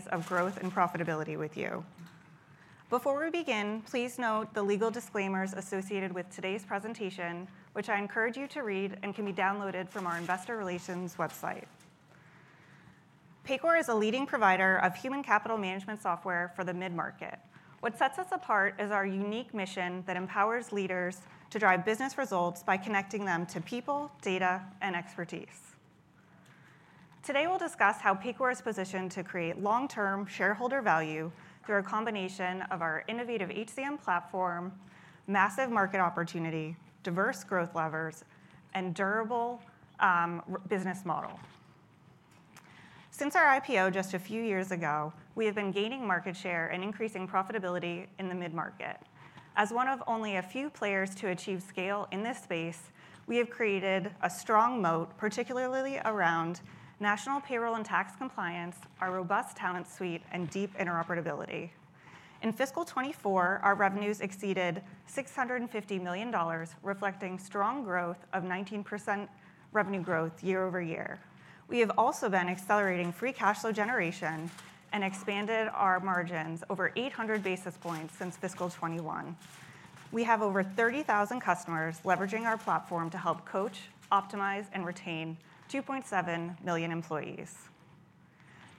Phase of growth and profitability with you. Before we begin, please note the legal disclaimers associated with today's presentation, which I encourage you to read and can be downloaded from our Investor Relations website. Paycor is a leading provider of human capital management software for the mid-market. What sets us apart is our unique mission that empowers leaders to drive business results by connecting them to people, data, and expertise. Today, we'll discuss how Paycor is positioned to create long-term shareholder value through a combination of our innovative HCM platform, massive market opportunity, diverse growth levers, and durable business model. Since our IPO just a few years ago, we have been gaining market share and increasing profitability in the mid-market. As one of only a few players to achieve scale in this space, we have created a strong moat, particularly around national payroll and tax compliance, our robust talent suite, and deep interoperability. In fiscal 2024, our revenues exceeded $650 million, reflecting strong growth of 19% revenue growth year over year. We have also been accelerating free cash flow generation and expanded our margins over 800 basis points since fiscal 2021. We have over 30,000 customers leveraging our platform to help coach, optimize, and retain 2.7 million employees.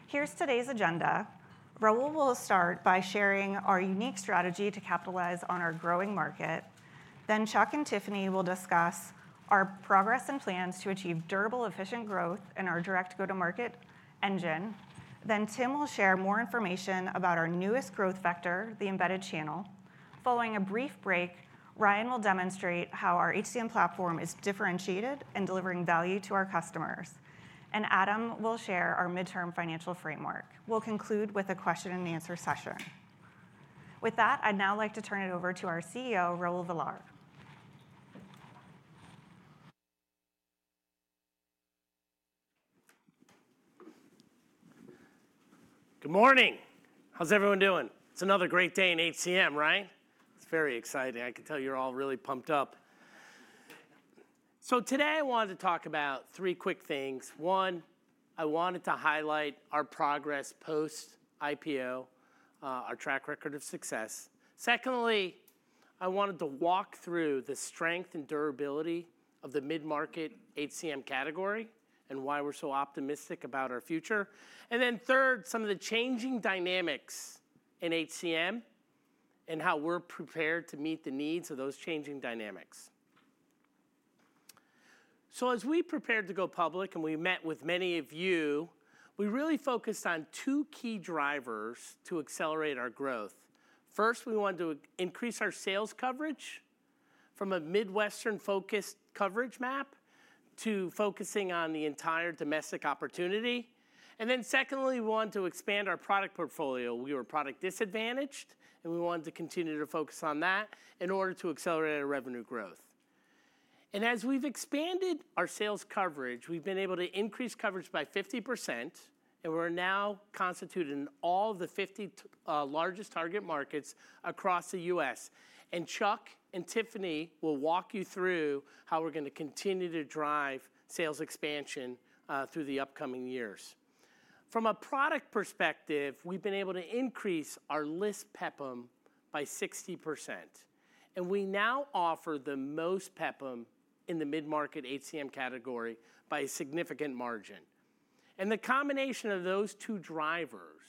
Here's today's agenda. Raul will start by sharing our unique strategy to capitalize on our growing market. Then Chuck and Tiffany will discuss our progress and plans to achieve durable, efficient growth in our direct go-to-market engine. Then Tim will share more information about our newest growth vector, the embedded channel. Following a brief break, Ryan will demonstrate how our HCM platform is differentiated in delivering value to our customers, and Adam will share our midterm financial framework. We'll conclude with a question-and-answer session. With that, I'd now like to turn it over to our CEO, Raul Villar. Good morning. How's everyone doing? It's another great day in HCM, right? It's very exciting. I can tell you're all really pumped up. So today, I wanted to talk about three quick things. One, I wanted to highlight our progress post-IPO, our track record of success. Secondly, I wanted to walk through the strength and durability of the mid-market HCM category and why we're so optimistic about our future. And then third, some of the changing dynamics in HCM and how we're prepared to meet the needs of those changing dynamics. So as we prepared to go public and we met with many of you, we really focused on two key drivers to accelerate our growth. First, we wanted to increase our sales coverage from a Midwestern-focused coverage map to focusing on the entire domestic opportunity. And then secondly, we wanted to expand our product portfolio. We were product disadvantaged, and we wanted to continue to focus on that in order to accelerate our revenue growth, and as we've expanded our sales coverage, we've been able to increase coverage by 50%, and we're now constituted in all the 50 largest target markets across the U.S., and Chuck and Tiffany will walk you through how we're going to continue to drive sales expansion through the upcoming years. From a product perspective, we've been able to increase our list PEPM by 60%, and we now offer the most PEPM in the mid-market HCM category by a significant margin, and the combination of those two drivers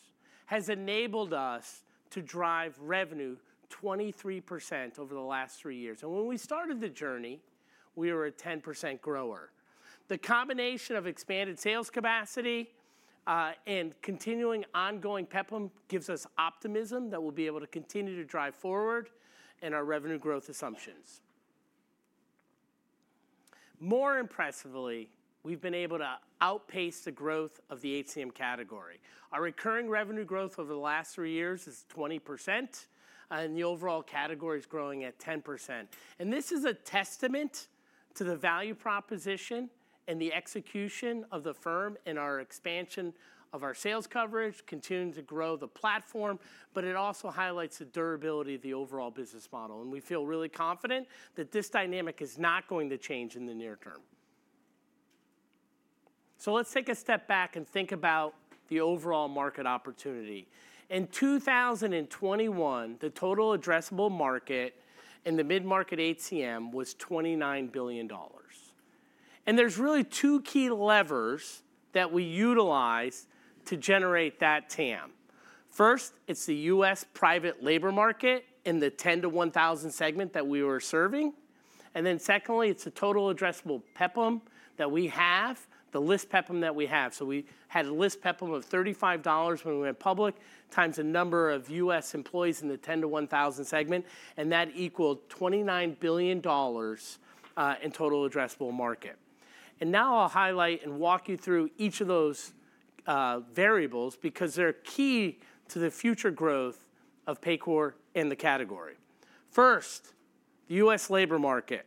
has enabled us to drive revenue 23% over the last three years, and when we started the journey, we were a 10% grower. The combination of expanded sales capacity and continuing ongoing PEPM gives us optimism that we'll be able to continue to drive forward in our revenue growth assumptions. More impressively, we've been able to outpace the growth of the HCM category. Our recurring revenue growth over the last three years is 20%, and the overall category is growing at 10%. And this is a testament to the value proposition and the execution of the firm and our expansion of our sales coverage, continuing to grow the platform, but it also highlights the durability of the overall business model. And we feel really confident that this dynamic is not going to change in the near term. So let's take a step back and think about the overall market opportunity. In 2021, the total addressable market in the mid-market HCM was $29 billion. There's really two key levers that we utilize to generate that TAM. First, it's the U.S. private labor market in the 10-to-1,000 segment that we were serving. Then secondly, it's the total addressable PEPM that we have, the list PEPM that we have. We had a list PEPM of $35 when we went public times the number of U.S. employees in the 10-to-1,000 segment, and that equaled $29 billion in total addressable market. Now I'll highlight and walk you through each of those variables because they're key to the future growth of Paycor and the category. First, the U.S. labor market.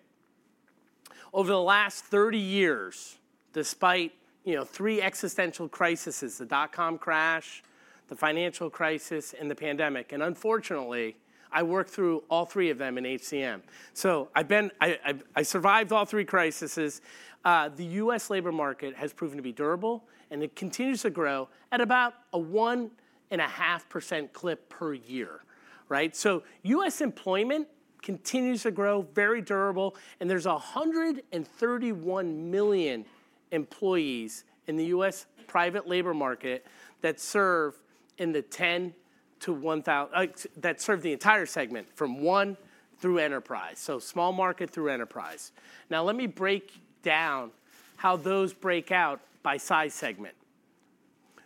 Over the last 30 years, despite three existential crises, the dot-com crash, the financial crisis, and the pandemic. Unfortunately, I worked through all three of them in HCM. I survived all three crises. The U.S. labor market has proven to be durable, and it continues to grow at about a 1.5% clip per year, so U.S. employment continues to grow very durable, and there's 131 million employees in the U.S. private labor market that serve in the 10 to 1,000 that serve the entire segment from one through enterprise, so small market through enterprise. Now let me break down how those break out by size segment,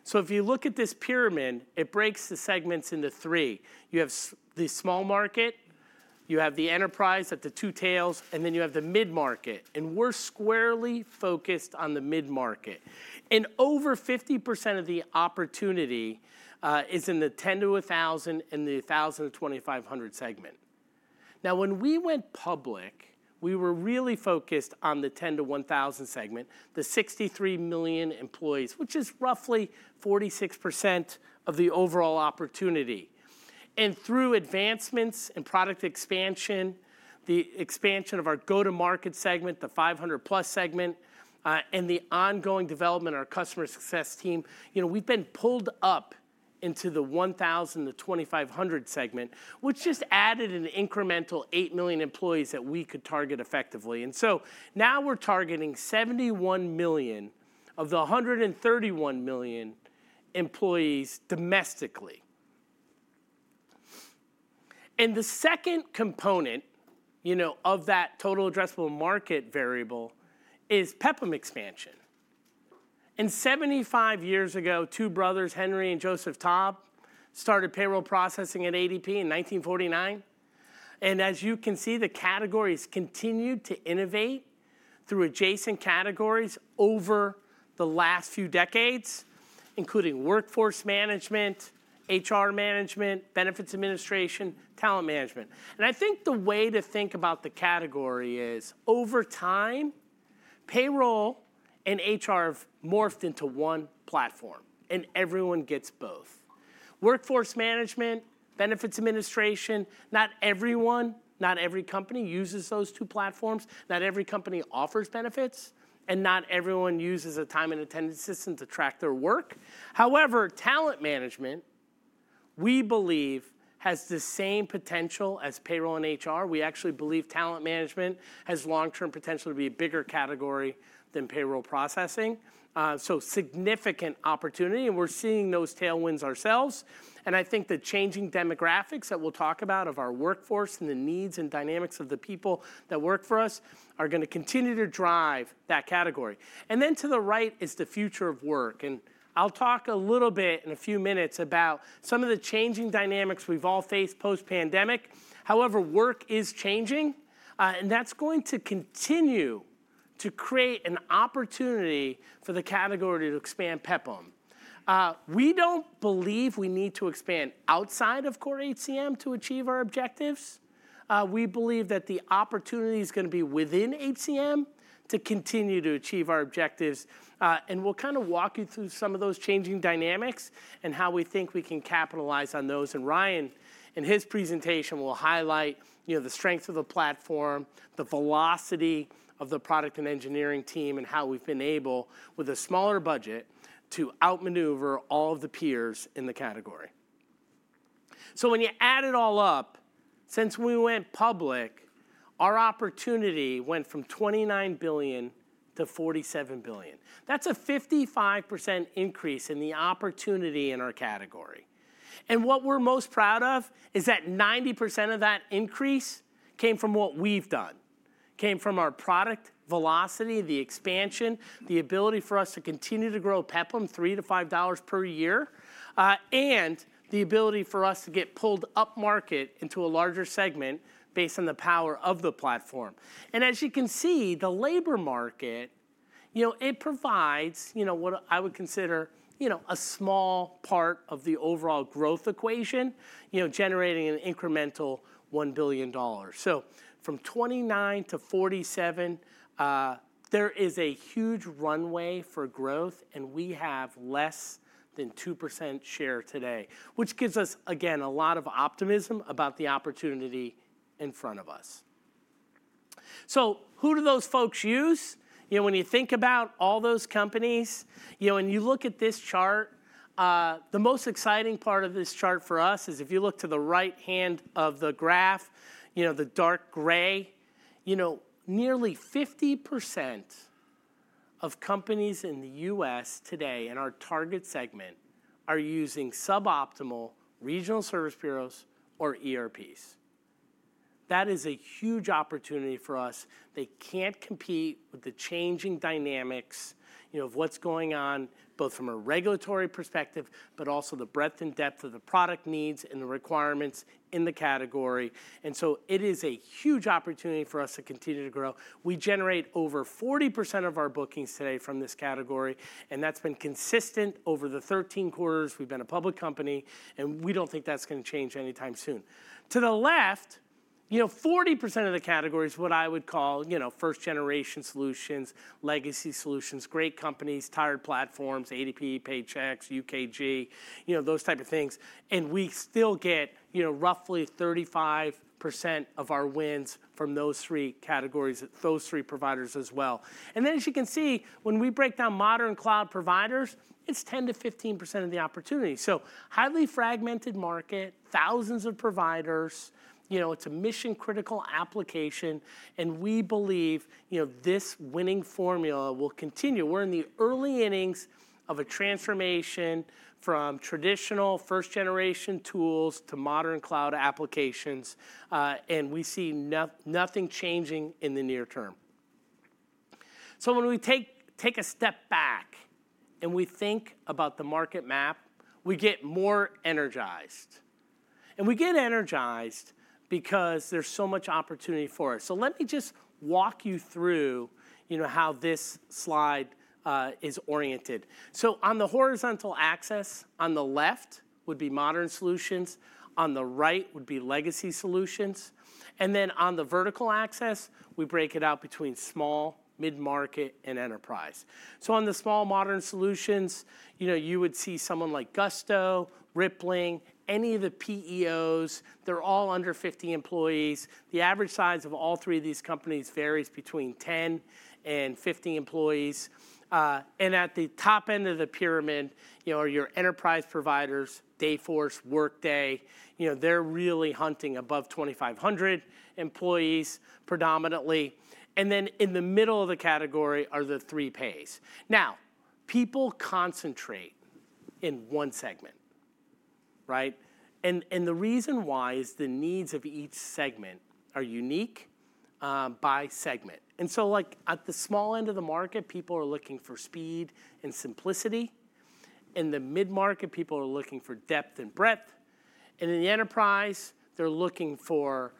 so if you look at this pyramid, it breaks the segments into three. You have the small market, you have the enterprise at the two tails, and then you have the mid-market, and we're squarely focused on the mid-market, and over 50% of the opportunity is in the 10 to 1,000 and the 1,000 to 2,500 segment. Now, when we went public, we were really focused on the 10 to 1,000 segment, the 63 million employees, which is roughly 46% of the overall opportunity. And through advancements and product expansion, the expansion of our go-to-market segment, the 500-plus segment, and the ongoing development of our customer success team, we've been pulled up into the 1,000 to 2,500 segment, which just added an incremental 8 million employees that we could target effectively. And so now we're targeting 71 million of the 131 million employees domestically. And the second component of that total addressable market variable is PEPM expansion. And 75 years ago, two brothers, Henry and Joseph Taub, started payroll processing at ADP in 1949. And as you can see, the categories continued to innovate through adjacent categories over the last few decades, including Workforce Management, HR management, Benefits Administration, Talent Management. And I think the way to think about the category is, over time, payroll and HR have morphed into one platform, and everyone gets both. Workforce management, Benefits Administration, not everyone, not every company uses those two platforms. Not every company offers benefits, and not everyone uses a time and attendance system to track their work. However, Talent Management, we believe, has the same potential as payroll and HR. We actually believe Talent Management has long-term potential to be a bigger category than payroll processing. So significant opportunity, and we're seeing those tailwinds ourselves. And I think the changing demographics that we'll talk about of our workforce and the needs and dynamics of the people that work for us are going to continue to drive that category. And then to the right is the future of work. And I'll talk a little bit in a few minutes about some of the changing dynamics we've all faced post-pandemic. However, work is changing, and that's going to continue to create an opportunity for the category to expand PEPM. We don't believe we need to expand outside of core HCM to achieve our objectives. We believe that the opportunity is going to be within HCM to continue to achieve our objectives. And we'll kind of walk you through some of those changing dynamics and how we think we can capitalize on those. And Ryan, in his presentation, will highlight the strength of the platform, the velocity of the product and engineering team, and how we've been able, with a smaller budget, to outmaneuver all of the peers in the category. So when you add it all up, since we went public, our opportunity went from $29 billion to $47 billion. That's a 55% increase in the opportunity in our category. And what we're most proud of is that 90% of that increase came from what we've done, came from our product velocity, the expansion, the ability for us to continue to grow PEPM $3-$5 per year, and the ability for us to get pulled upmarket into a larger segment based on the power of the platform. And as you can see, the labor market, it provides what I would consider a small part of the overall growth equation, generating an incremental $1 billion. So from 29 to 47, there is a huge runway for growth, and we have less than 2% share today, which gives us, again, a lot of optimism about the opportunity in front of us. So who do those folks use? When you think about all those companies, when you look at this chart, the most exciting part of this chart for us is if you look to the right hand of the graph, the dark gray, nearly 50% of companies in the U.S. today in our target segment are using suboptimal regional service bureaus or ERPs. That is a huge opportunity for us. They can't compete with the changing dynamics of what's going on, both from a regulatory perspective, but also the breadth and depth of the product needs and the requirements in the category. And so it is a huge opportunity for us to continue to grow. We generate over 40% of our bookings today from this category, and that's been consistent over the 13 quarters. We've been a public company, and we don't think that's going to change anytime soon. To the left, 40% of the category is what I would call first-generation solutions, legacy solutions, great companies, tired platforms, ADP, Paychex, UKG, those type of things, and we still get roughly 35% of our wins from those three categories, those three providers as well, and then as you can see, when we break down modern cloud providers, it's 10%-15% of the opportunity, so highly fragmented market, thousands of providers. It's a mission-critical application, and we believe this winning formula will continue. We're in the early innings of a transformation from traditional first-generation tools to modern cloud applications, and we see nothing changing in the near term, so when we take a step back and we think about the market map, we get more energized, and we get energized because there's so much opportunity for us, so let me just walk you through how this slide is oriented. So on the horizontal axis, on the left would be modern solutions. On the right would be legacy solutions. And then on the vertical axis, we break it out between small, mid-market, and enterprise. So on the small modern solutions, you would see someone like Gusto, Rippling, any of the PEOs. They're all under 50 employees. The average size of all three of these companies varies between 10 and 50 employees. And at the top end of the pyramid are your enterprise providers, Dayforce, Workday. They're really hunting above 2,500 employees predominantly. And then in the middle of the category are the Three Pays. Now, people concentrate in one segment. And the reason why is the needs of each segment are unique by segment. And so at the small end of the market, people are looking for speed and simplicity. In the mid-market, people are looking for depth and breadth. In the enterprise, they're looking for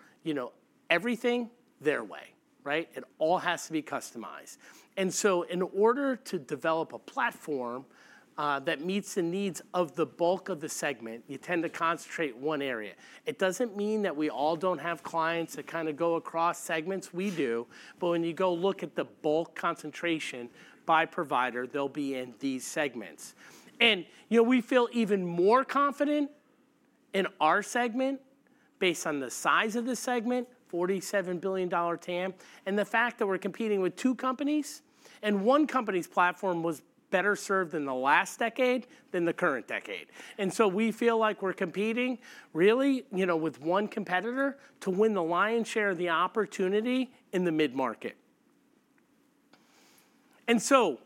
everything their way. It all has to be customized. And so in order to develop a platform that meets the needs of the bulk of the segment, you tend to concentrate one area. It doesn't mean that we all don't have clients that kind of go across segments. We do. But when you go look at the bulk concentration by provider, they'll be in these segments. And we feel even more confident in our segment based on the size of the segment, $47 billion TAM, and the fact that we're competing with two companies. And one company's platform was better served in the last decade than the current decade. And so we feel like we're competing really with one competitor to win the lion's share of the opportunity in the mid-market. And so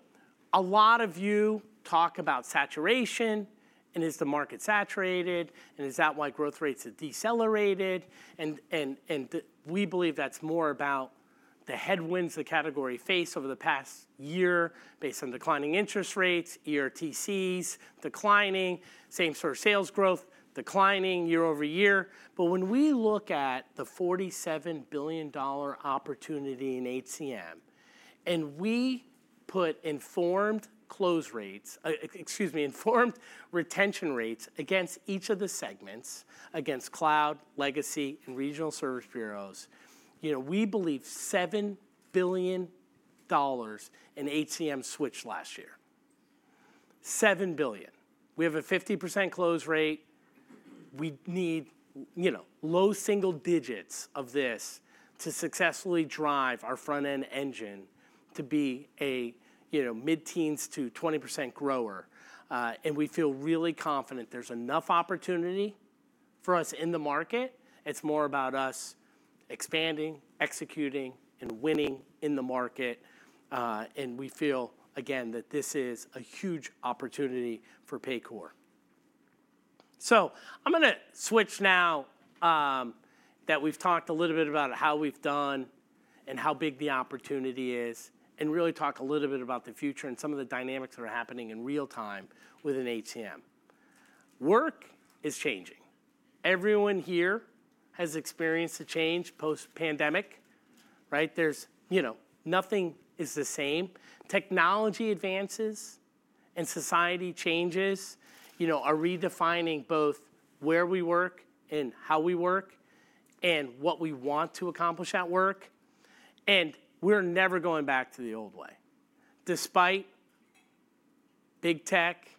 a lot of you talk about saturation, and is the market saturated, and is that why growth rates are decelerated? And we believe that's more about the headwinds the category faced over the past year based on declining interest rates, ERTCs declining, same sort of sales growth declining year over year. But when we look at the $47 billion opportunity in HCM, and we put informed close rates, excuse me, informed retention rates against each of the segments, against cloud, legacy, and regional service bureaus, we believe $7 billion in HCM switched last year. 7 billion. We have a 50% close rate. We need low single digits of this to successfully drive our front-end engine to be a mid-teens to 20% grower. And we feel really confident there's enough opportunity for us in the market. It's more about us expanding, executing, and winning in the market. And we feel, again, that this is a huge opportunity for Paycor. So I'm going to switch now that we've talked a little bit about how we've done and how big the opportunity is, and really talk a little bit about the future and some of the dynamics that are happening in real time within HCM. Work is changing. Everyone here has experienced a change post-pandemic. Nothing is the same. Technology advances and society changes are redefining both where we work and how we work and what we want to accomplish at work. And we're never going back to the old way. Despite Big Tech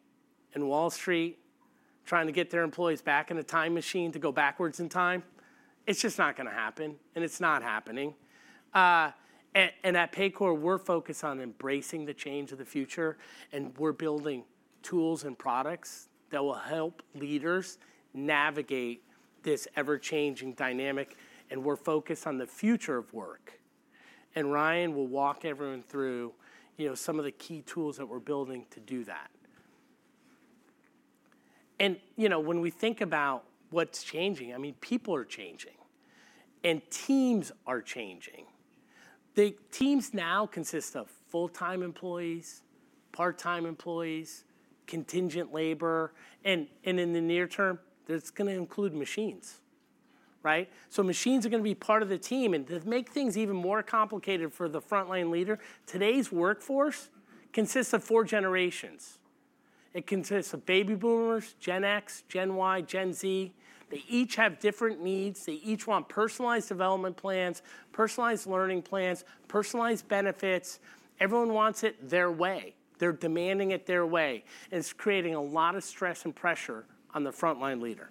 and Wall Street trying to get their employees back in a time machine to go backwards in time, it's just not going to happen, and it's not happening. At Paycor, we're focused on embracing the change of the future, and we're building tools and products that will help leaders navigate this ever-changing dynamic. We're focused on the future of work. Ryan will walk everyone through some of the key tools that we're building to do that. When we think about what's changing, I mean, people are changing, and teams are changing. Teams now consist of full-time employees, part-time employees, contingent labor. In the near term, that's going to include machines. So machines are going to be part of the team. To make things even more complicated for the front-line leader, today's workforce consists of four generations. It consists of Baby Boomers, Gen X, Gen Y, Gen Z. They each have different needs. They each want personalized development plans, personalized learning plans, personalized benefits. Everyone wants it their way. They're demanding it their way, and it's creating a lot of stress and pressure on the front-line leader.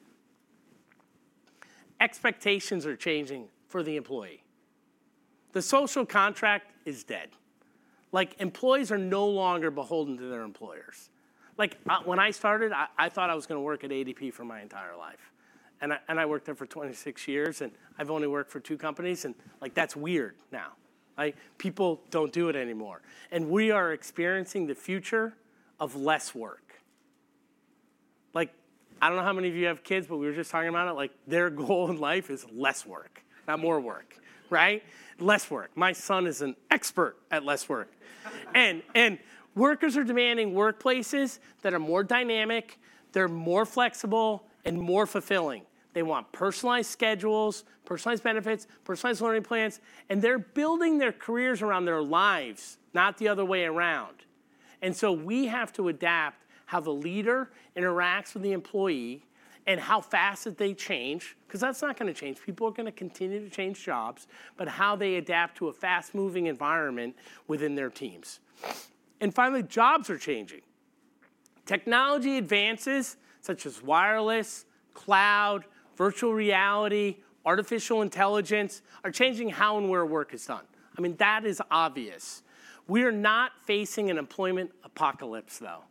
Expectations are changing for the employee. The social contract is dead. Employees are no longer beholden to their employers. When I started, I thought I was going to work at ADP for my entire life, and I worked there for 26 years, and I've only worked for two companies, and that's weird now. People don't do it anymore, and we are experiencing the future of less work. I don't know how many of you have kids, but we were just talking about it. Their goal in life is less work, not more work. Less work. My son is an expert at less work, and workers are demanding workplaces that are more dynamic. They're more flexible and more fulfilling. They want personalized schedules, personalized benefits, personalized learning plans. And they're building their careers around their lives, not the other way around. And so we have to adapt how the leader interacts with the employee and how fast that they change. Because that's not going to change. People are going to continue to change jobs, but how they adapt to a fast-moving environment within their teams. And finally, jobs are changing. Technology advances, such as wireless, cloud, virtual reality, artificial intelligence, are changing how and where work is done. I mean, that is obvious. We are not facing an employment apocalypse, though.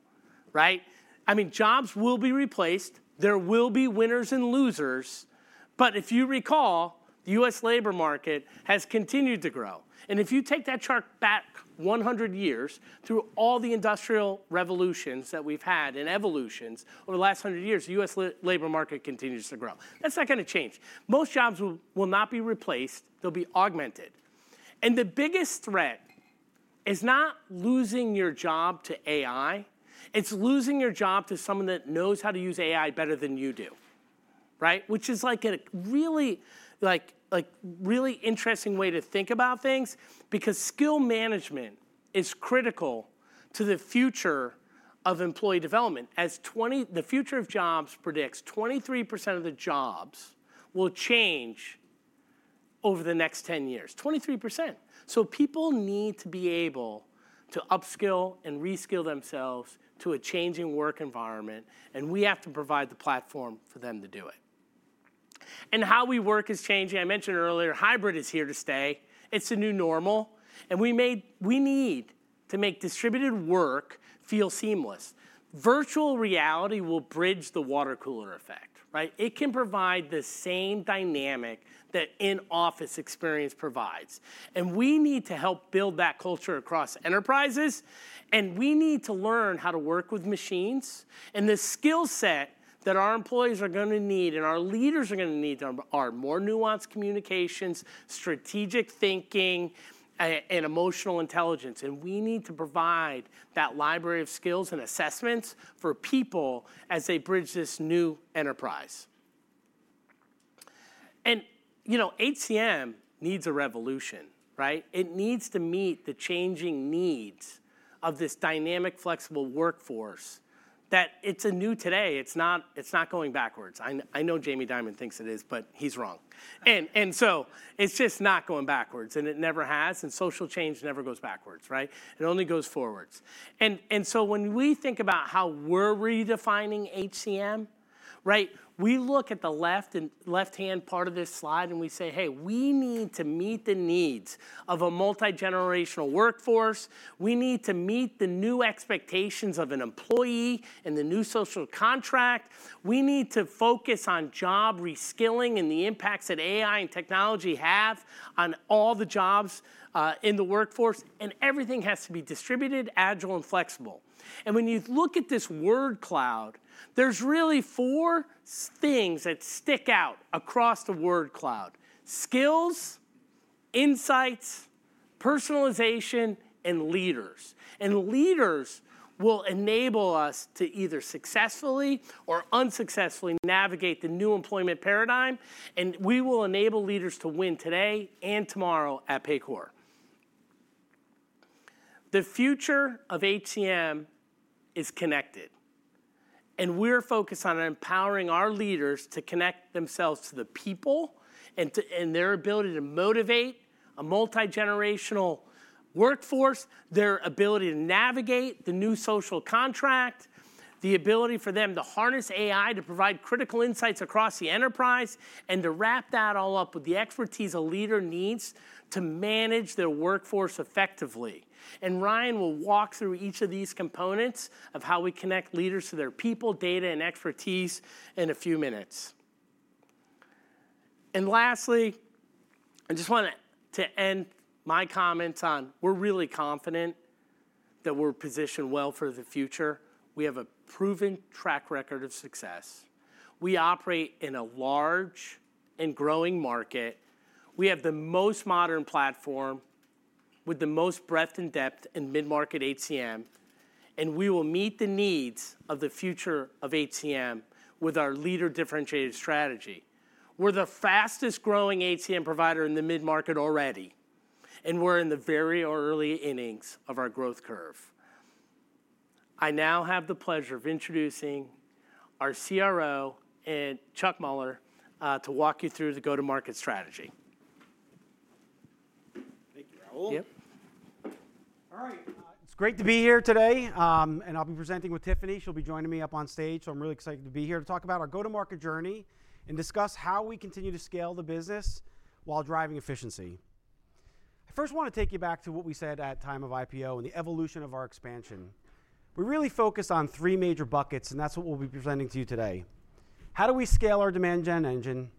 I mean, jobs will be replaced. There will be winners and losers. But if you recall, the U.S. labor market has continued to grow. And if you take that chart back 100 years through all the industrial revolutions that we've had and evolutions over the last 100 years, the U.S. labor market continues to grow. That's not going to change. Most jobs will not be replaced. They'll be augmented. And the biggest threat is not losing your job to AI. It's losing your job to someone that knows how to use AI better than you do, which is a really interesting way to think about things because skill management is critical to the future of employee development. The Future of Jobs predicts 23% of the jobs will change over the next 10 years. 23%. So people need to be able to upskill and reskill themselves to a changing work environment. And we have to provide the platform for them to do it. And how we work is changing. I mentioned earlier, hybrid is here to stay. It's a new normal. And we need to make distributed work feel seamless. Virtual reality will bridge the water cooler effect. It can provide the same dynamic that in-office experience provides. And we need to help build that culture across enterprises. And we need to learn how to work with machines. And the skill set that our employees are going to need and our leaders are going to need are more nuanced communications, strategic thinking, and emotional intelligence. And we need to provide that library of skills and assessments for people as they bridge this new enterprise. And HCM needs a revolution. It needs to meet the changing needs of this dynamic, flexible workforce that it's a new today. It's not going backwards. I know Jamie Dimon thinks it is, but he's wrong. And so it's just not going backwards, and it never has. And social change never goes backwards. It only goes forwards. And so when we think about how we're redefining HCM, we look at the left-hand part of this slide and we say, "Hey, we need to meet the needs of a multi-generational workforce. We need to meet the new expectations of an employee and the new social contract. We need to focus on job reskilling and the impacts that AI and technology have on all the jobs in the workforce. And everything has to be distributed, agile, and flexible." And when you look at this word cloud, there's really four things that stick out across the word cloud: skills, insights, personalization, and leaders. And leaders will enable us to either successfully or unsuccessfully navigate the new employment paradigm. And we will enable leaders to win today and tomorrow at Paycor. The future of HCM is connected. And we're focused on empowering our leaders to connect themselves to the people and their ability to motivate a multi-generational workforce, their ability to navigate the new social contract, the ability for them to harness AI to provide critical insights across the enterprise, and to wrap that all up with the expertise a leader needs to manage their workforce effectively. And Ryan will walk through each of these components of how we connect leaders to their people, data, and expertise in a few minutes. And lastly, I just want to end my comments on. We're really confident that we're positioned well for the future. We have a proven track record of success. We operate in a large and growing market. We have the most modern platform with the most breadth and depth in mid-market HCM. We will meet the needs of the future of HCM with our leading differentiated strategy. We're the fastest-growing HCM provider in the mid-market already. We're in the very early innings of our growth curve. I now have the pleasure of introducing our CRO, Chuck Mueller, to walk you through the go-to-market strategy. Thank you, Raul. Yep. All right. It's great to be here today. And I'll be presenting with Tiffany. She'll be joining me up on stage. So I'm really excited to be here to talk about our go-to-market journey and discuss how we continue to scale the business while driving efficiency. I first want to take you back to what we said at the time of IPO and the evolution of our expansion. We really focused on three major buckets, and that's what we'll be presenting to you today. How do we scale our demand gen engine?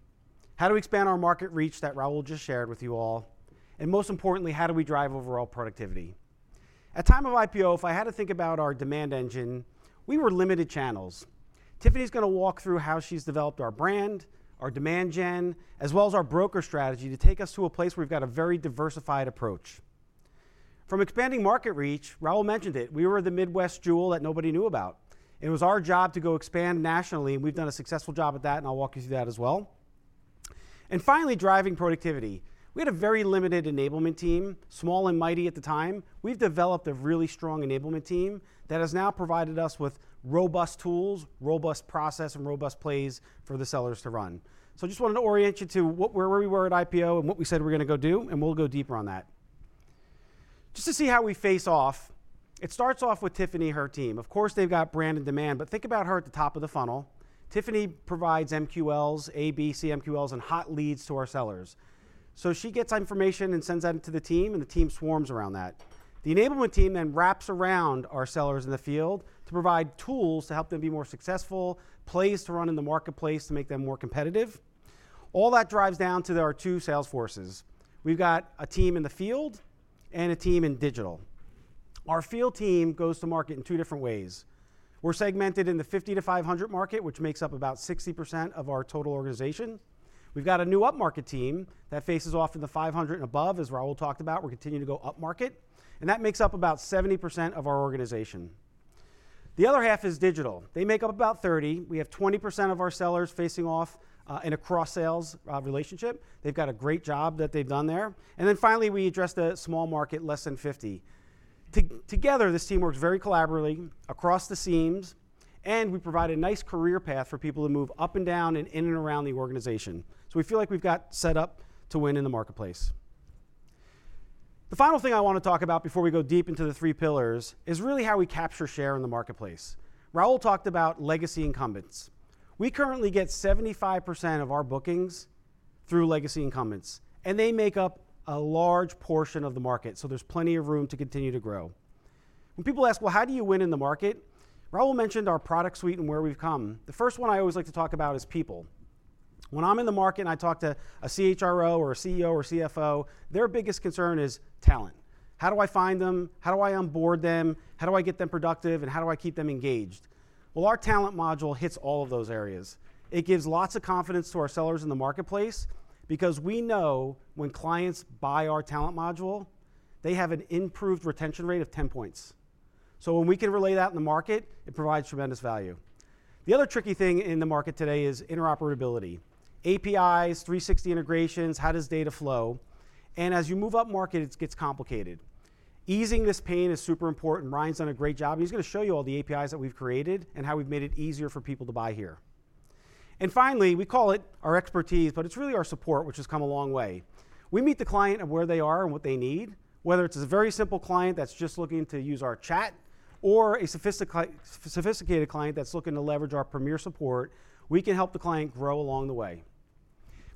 How do we expand our market reach that Raul just shared with you all? And most importantly, how do we drive overall productivity? At the time of IPO, if I had to think about our demand engine, we were limited channels. Tiffany's going to walk through how she's developed our brand, our demand gen, as well as our broker strategy to take us to a place where we've got a very diversified approach. From expanding market reach, Raul mentioned it. We were the Midwest jewel that nobody knew about. It was our job to go expand nationally, and we've done a successful job at that, and I'll walk you through that as well, and finally, driving productivity. We had a very limited enablement team, small and mighty at the time. We've developed a really strong enablement team that has now provided us with robust tools, robust process, and robust plays for the sellers to run. So I just wanted to orient you to where we were at IPO and what we said we're going to go do, and we'll go deeper on that. Just to see how we face off, it starts off with Tiffany and her team. Of course, they've got brand and demand. But think about her at the top of the funnel. Tiffany provides MQLs, ABC MQLs, and hot leads to our sellers. So she gets information and sends that into the team, and the team swarms around that. The enablement team then wraps around our sellers in the field to provide tools to help them be more successful, plays to run in the marketplace to make them more competitive. All that drives down to there are two sales forces. We've got a team in the field and a team in digital. Our field team goes to market in two different ways. We're segmented in the 50-500 market, which makes up about 60% of our total organization. We've got a new up-market team that faces off in the 500 and above, as Raul talked about. We're continuing to go up-market. And that makes up about 70% of our organization. The other half is digital. They make up about 30%. We have 20% of our sellers facing off in a cross-sales relationship. They've got a great job that they've done there. And then finally, we address the small market, less than 50. Together, this team works very collaboratively across the seams. And we provide a nice career path for people to move up and down and in and around the organization. So we feel like we've got set up to win in the marketplace. The final thing I want to talk about before we go deep into the three pillars is really how we capture share in the marketplace. Raul talked about legacy incumbents. We currently get 75% of our bookings through legacy incumbents. And they make up a large portion of the market. So there's plenty of room to continue to grow. When people ask, "Well, how do you win in the market?" Raul mentioned our product suite and where we've come. The first one I always like to talk about is people. When I'm in the market and I talk to a CHRO or a CEO or CFO, their biggest concern is talent. How do I find them? How do I onboard them? How do I get them productive? And how do I keep them engaged? Well, our talent module hits all of those areas. It gives lots of confidence to our sellers in the marketplace because we know when clients buy our talent module, they have an improved retention rate of 10 points. So when we can relay that in the market, it provides tremendous value. The other tricky thing in the market today is interoperability. APIs, 360 integrations, how does data flow? And as you move up market, it gets complicated. Easing this pain is super important. Ryan's done a great job. And he's going to show you all the APIs that we've created and how we've made it easier for people to buy here. And finally, we call it our expertise, but it's really our support, which has come a long way. We meet the client at where they are and what they need. Whether it's a very simple client that's just looking to use our chat or a sophisticated client that's looking to leverage our premier support, we can help the client grow along the way.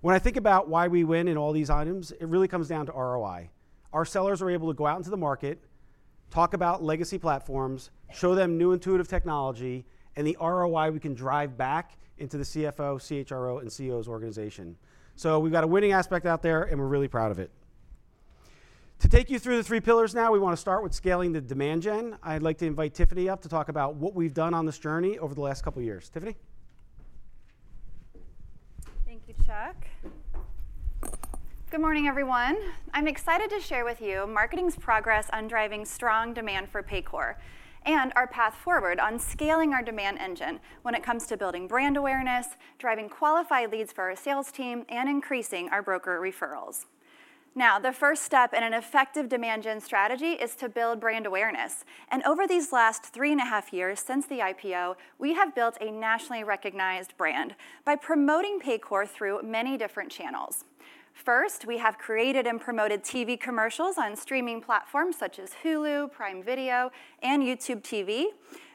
When I think about why we win in all these items, it really comes down to ROI. Our sellers are able to go out into the market, talk about legacy platforms, show them new intuitive technology, and the ROI we can drive back into the CFO, CHRO, and CEO's organization. So we've got a winning aspect out there, and we're really proud of it. To take you through the three pillars now, we want to start with scaling the demand gen. I'd like to invite Tiffany up to talk about what we've done on this journey over the last couple of years. Tiffany. Thank you, Chuck. Good morning, everyone. I'm excited to share with you marketing's progress on driving strong demand for Paycor and our path forward on scaling our demand engine when it comes to building brand awareness, driving qualified leads for our sales team, and increasing our broker referrals. Now, the first step in an effective demand gen strategy is to build brand awareness, and over these last three and a half years since the IPO, we have built a nationally recognized brand by promoting Paycor through many different channels. First, we have created and promoted TV commercials on streaming platforms such as Hulu, Prime Video, and YouTube TV.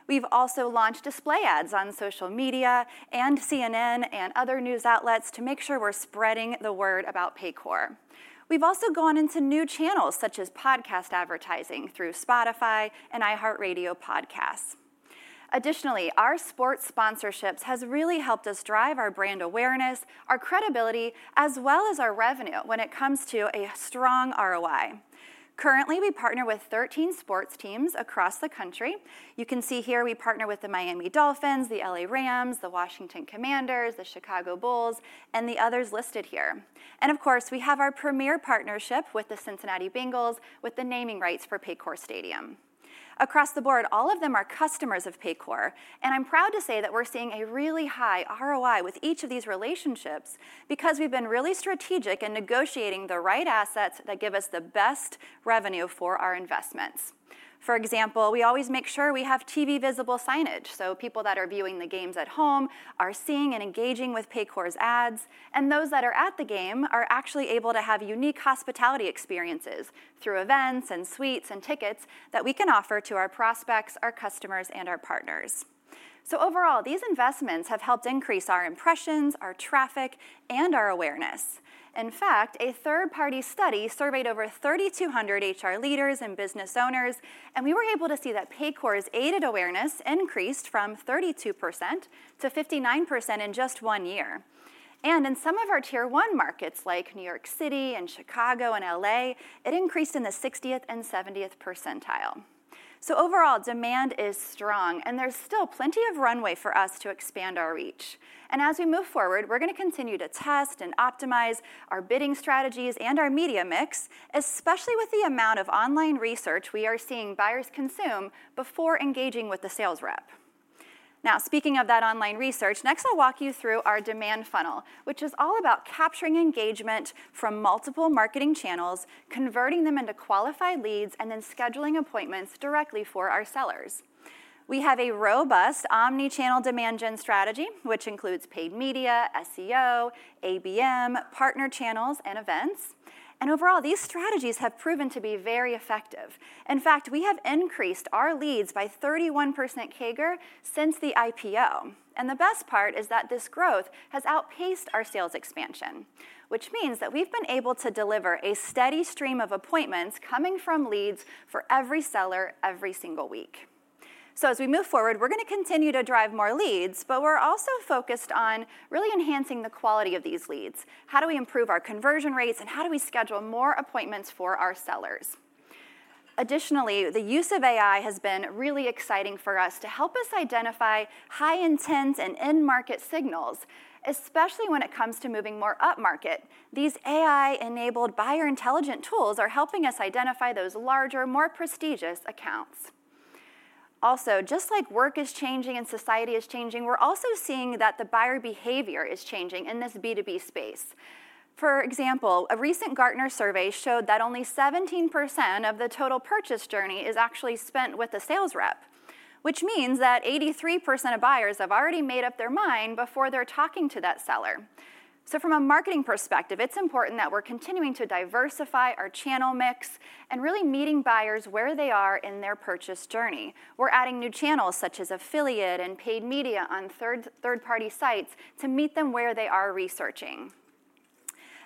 We've also launched display ads on social media and CNN and other news outlets to make sure we're spreading the word about Paycor. We've also gone into new channels such as podcast advertising through Spotify and iHeartRadio podcasts. Additionally, our sports sponsorships have really helped us drive our brand awareness, our credibility, as well as our revenue when it comes to a strong ROI. Currently, we partner with 13 sports teams across the country. You can see here we partner with the Miami Dolphins, the LA Rams, the Washington Commanders, the Chicago Bulls, and the others listed here, and of course, we have our premier partnership with the Cincinnati Bengals with the naming rights for Paycor Stadium. Across the board, all of them are customers of Paycor, and I'm proud to say that we're seeing a really high ROI with each of these relationships because we've been really strategic in negotiating the right assets that give us the best revenue for our investments. For example, we always make sure we have TV-visible signage so people that are viewing the games at home are seeing and engaging with Paycor's ads. And those that are at the game are actually able to have unique hospitality experiences through events and suites and tickets that we can offer to our prospects, our customers, and our partners. So overall, these investments have helped increase our impressions, our traffic, and our awareness. In fact, a third-party study surveyed over 3,200 HR leaders and business owners, and we were able to see that Paycor's aided awareness increased from 32% to 59% in just one year. And in some of our Tier 1 markets like New York City and Chicago and LA, it increased in the 60th and 70th percentile. So overall, demand is strong, and there's still plenty of runway for us to expand our reach. As we move forward, we're going to continue to test and optimize our bidding strategies and our media mix, especially with the amount of online research we are seeing buyers consume before engaging with the sales rep. Now, speaking of that online research, next I'll walk you through our demand funnel, which is all about capturing engagement from multiple marketing channels, converting them into qualified leads, and then scheduling appointments directly for our sellers. We have a robust omnichannel demand gen strategy, which includes paid media, SEO, ABM, partner channels, and events. Overall, these strategies have proven to be very effective. In fact, we have increased our leads by 31% CAGR since the IPO. And the best part is that this growth has outpaced our sales expansion, which means that we've been able to deliver a steady stream of appointments coming from leads for every seller every single week. So as we move forward, we're going to continue to drive more leads, but we're also focused on really enhancing the quality of these leads. How do we improve our conversion rates, and how do we schedule more appointments for our sellers? Additionally, the use of AI has been really exciting for us to help us identify high-intent and in-market signals, especially when it comes to moving more up-market. These AI-enabled buyer intelligent tools are helping us identify those larger, more prestigious accounts. Also, just like work is changing and society is changing, we're also seeing that the buyer behavior is changing in this B2B space. For example, a recent Gartner survey showed that only 17% of the total purchase journey is actually spent with a sales rep, which means that 83% of buyers have already made up their mind before they're talking to that seller, so from a marketing perspective, it's important that we're continuing to diversify our channel mix and really meeting buyers where they are in their purchase journey. We're adding new channels such as affiliate and paid media on third-party sites to meet them where they are researching.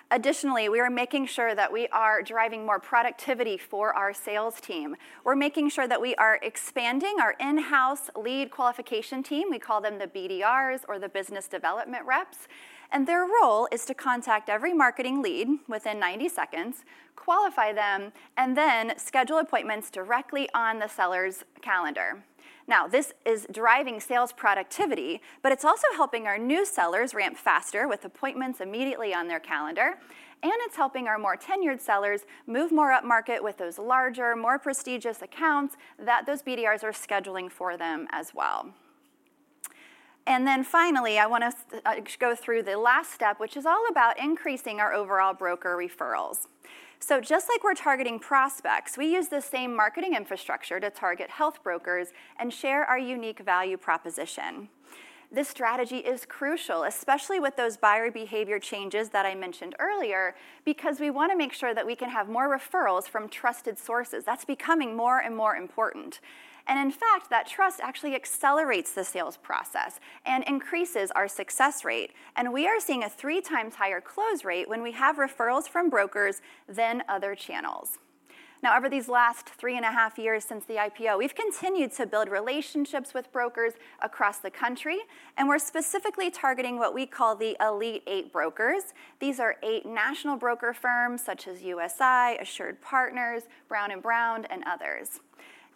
Additionally, we are making sure that we are driving more productivity for our sales team. We're making sure that we are expanding our in-house lead qualification team. We call them the BDRs or the business development reps, and their role is to contact every marketing lead within 90 seconds, qualify them, and then schedule appointments directly on the seller's calendar. Now, this is driving sales productivity, but it's also helping our new sellers ramp faster with appointments immediately on their calendar, and it's helping our more tenured sellers move more up-market with those larger, more prestigious accounts that those BDRs are scheduling for them as well. And then finally, I want to go through the last step, which is all about increasing our overall broker referrals, so just like we're targeting prospects, we use the same marketing infrastructure to target health brokers and share our unique value proposition. This strategy is crucial, especially with those buyer behavior changes that I mentioned earlier, because we want to make sure that we can have more referrals from trusted sources. That's becoming more and more important, and in fact, that trust actually accelerates the sales process and increases our success rate. We are seeing a three times higher close rate when we have referrals from brokers than other channels. Now, over these last three and a half years since the IPO, we've continued to build relationships with brokers across the country. We're specifically targeting what we call the Elite 8 Brokers. These are eight national broker firms such as USI, AssuredPartners, Brown & Brown, and others.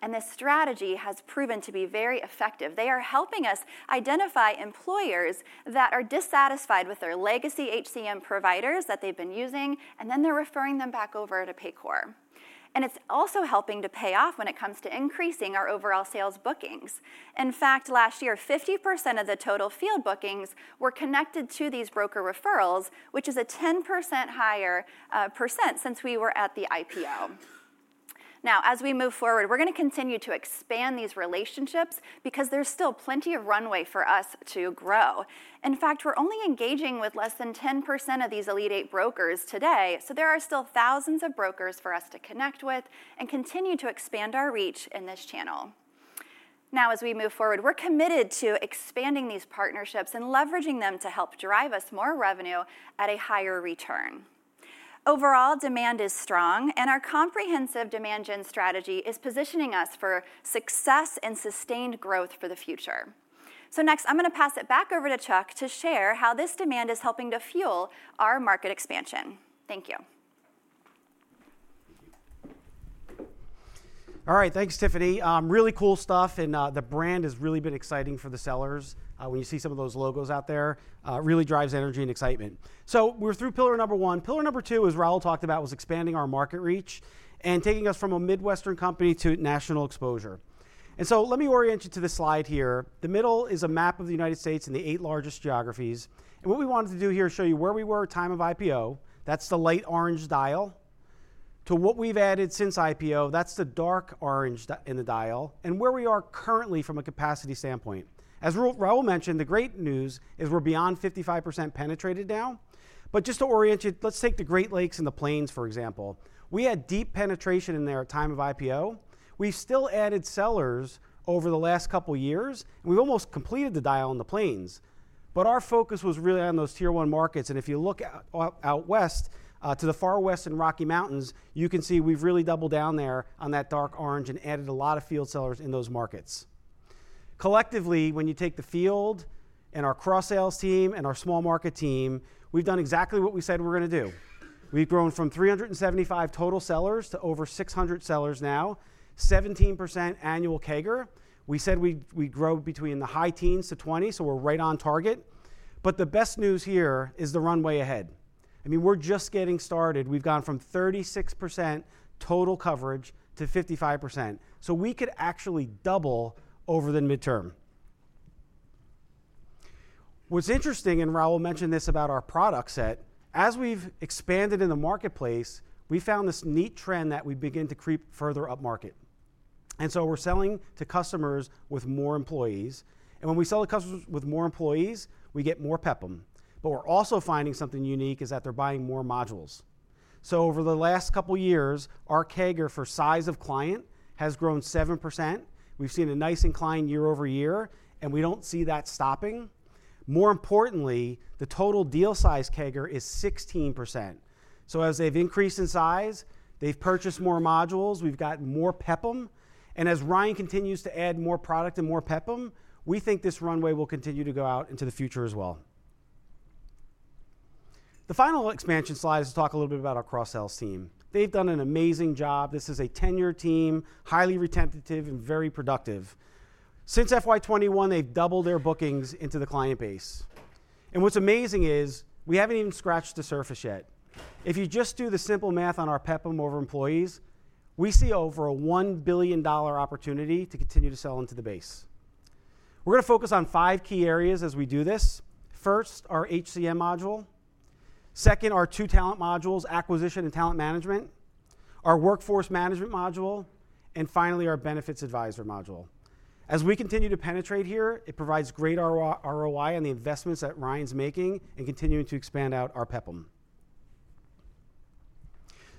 This strategy has proven to be very effective. They are helping us identify employers that are dissatisfied with their legacy HCM providers that they've been using, and then they're referring them back over to Paycor. It's also helping to pay off when it comes to increasing our overall sales bookings. In fact, last year, 50% of the total field bookings were connected to these broker referrals, which is a 10% higher percent since we were at the IPO. Now, as we move forward, we're going to continue to expand these relationships because there's still plenty of runway for us to grow. In fact, we're only engaging with less than 10% of these Elite 8 Brokers today. So there are still thousands of brokers for us to connect with and continue to expand our reach in this channel. Now, as we move forward, we're committed to expanding these partnerships and leveraging them to help drive us more revenue at a higher return. Overall, demand is strong, and our comprehensive demand gen strategy is positioning us for success and sustained growth for the future. So next, I'm going to pass it back over to Chuck to share how this demand is helping to fuel our market expansion. Thank you. All right. Thanks, Tiffany. Really cool stuff, and the brand has really been exciting for the sellers. When you see some of those logos out there, it really drives energy and excitement, so we're through pillar number one. Pillar number two, as Raul talked about, was expanding our market reach and taking us from a Midwestern company to national exposure, and so let me orient you to this slide here. The middle is a map of the United States and the eight largest geographies, and what we wanted to do here is show you where we were at time of IPO. That's the light orange dial to what we've added since IPO. That's the dark orange in the dial and where we are currently from a capacity standpoint. As Raul mentioned, the great news is we're beyond 55% penetrated now. But just to orient you, let's take the Great Lakes and the Plains, for example. We had deep penetration in there at time of IPO. We've still added sellers over the last couple of years, and we've almost completed the dial in the Plains. But our focus was really on those Tier 1 markets. And if you look out west to the far west in Rocky Mountains, you can see we've really doubled down there on that dark orange and added a lot of field sellers in those markets. Collectively, when you take the field and our cross-sales team and our small market team, we've done exactly what we said we were going to do. We've grown from 375 total sellers to over 600 sellers now, 17% annual CAGR. We said we'd grow between the high teens to 20, so we're right on target. But the best news here is the runway ahead. I mean, we're just getting started. We've gone from 36% total coverage to 55%. So we could actually double over the midterm. What's interesting, and Raul mentioned this about our product set, as we've expanded in the marketplace, we found this neat trend that we begin to creep further up-market. And so we're selling to customers with more employees. And when we sell to customers with more employees, we get more PEPM. But we're also finding something unique is that they're buying more modules. So over the last couple of years, our CAGR for size of client has grown 7%. We've seen a nice incline year over year, and we don't see that stopping. More importantly, the total deal size CAGR is 16%. So as they've increased in size, they've purchased more modules. We've gotten more PEPM. As Ryan continues to add more product and more PEPM, we think this runway will continue to go out into the future as well. The final expansion slide is to talk a little bit about our cross-sales team. They've done an amazing job. This is a tenured team, highly retentive, and very productive. Since FY 2021, they've doubled their bookings into the client base. What's amazing is we haven't even scratched the surface yet. If you just do the simple math on our PEPM over employees, we see over a $1 billion opportunity to continue to sell into the base. We're going to focus on five key areas as we do this. First, our HCM module. Second, our two talent modules, acquisition and Talent Management, our Workforce Management module, and finally, our benefits advisor module. As we continue to penetrate here, it provides great ROI on the investments that Ryan's making and continuing to expand out our PEPM.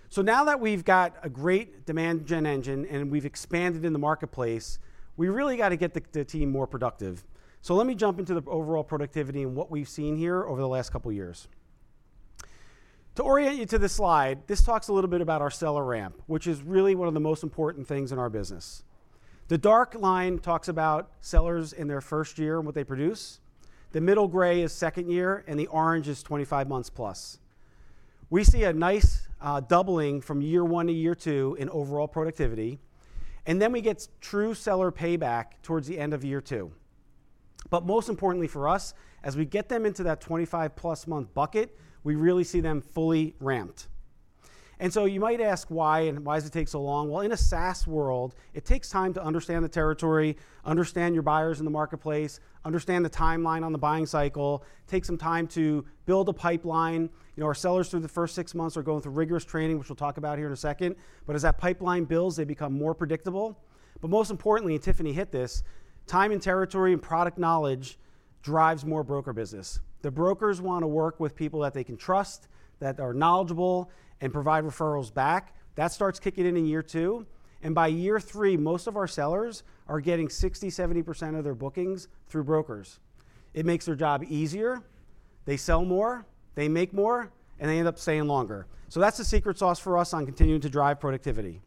So now that we've got a great demand gen engine and we've expanded in the marketplace, we really got to get the team more productive. So let me jump into the overall productivity and what we've seen here over the last couple of years. To orient you to this slide, this talks a little bit about our seller ramp, which is really one of the most important things in our business. The dark line talks about sellers in their first year and what they produce. The middle gray is second year, and the orange is 25 months plus. We see a nice doubling from year one to year two in overall productivity, and then we get true seller payback towards the end of year two. But most importantly for us, as we get them into that 25-plus month bucket, we really see them fully ramped. And so you might ask why and why does it take so long? Well, in a SaaS world, it takes time to understand the territory, understand your buyers in the marketplace, understand the timeline on the buying cycle, take some time to build a pipeline. Our sellers through the first six months are going through rigorous training, which we'll talk about here in a second. But as that pipeline builds, they become more predictable. But most importantly, and Tiffany hit this, time and territory and product knowledge drives more broker business. The brokers want to work with people that they can trust, that are knowledgeable, and provide referrals back. That starts kicking in in year two. And by year three, most of our sellers are getting 60%, 70% of their bookings through brokers. It makes their job easier. They sell more, they make more, and they end up staying longer. So that's the secret sauce for us on continuing to drive productivity.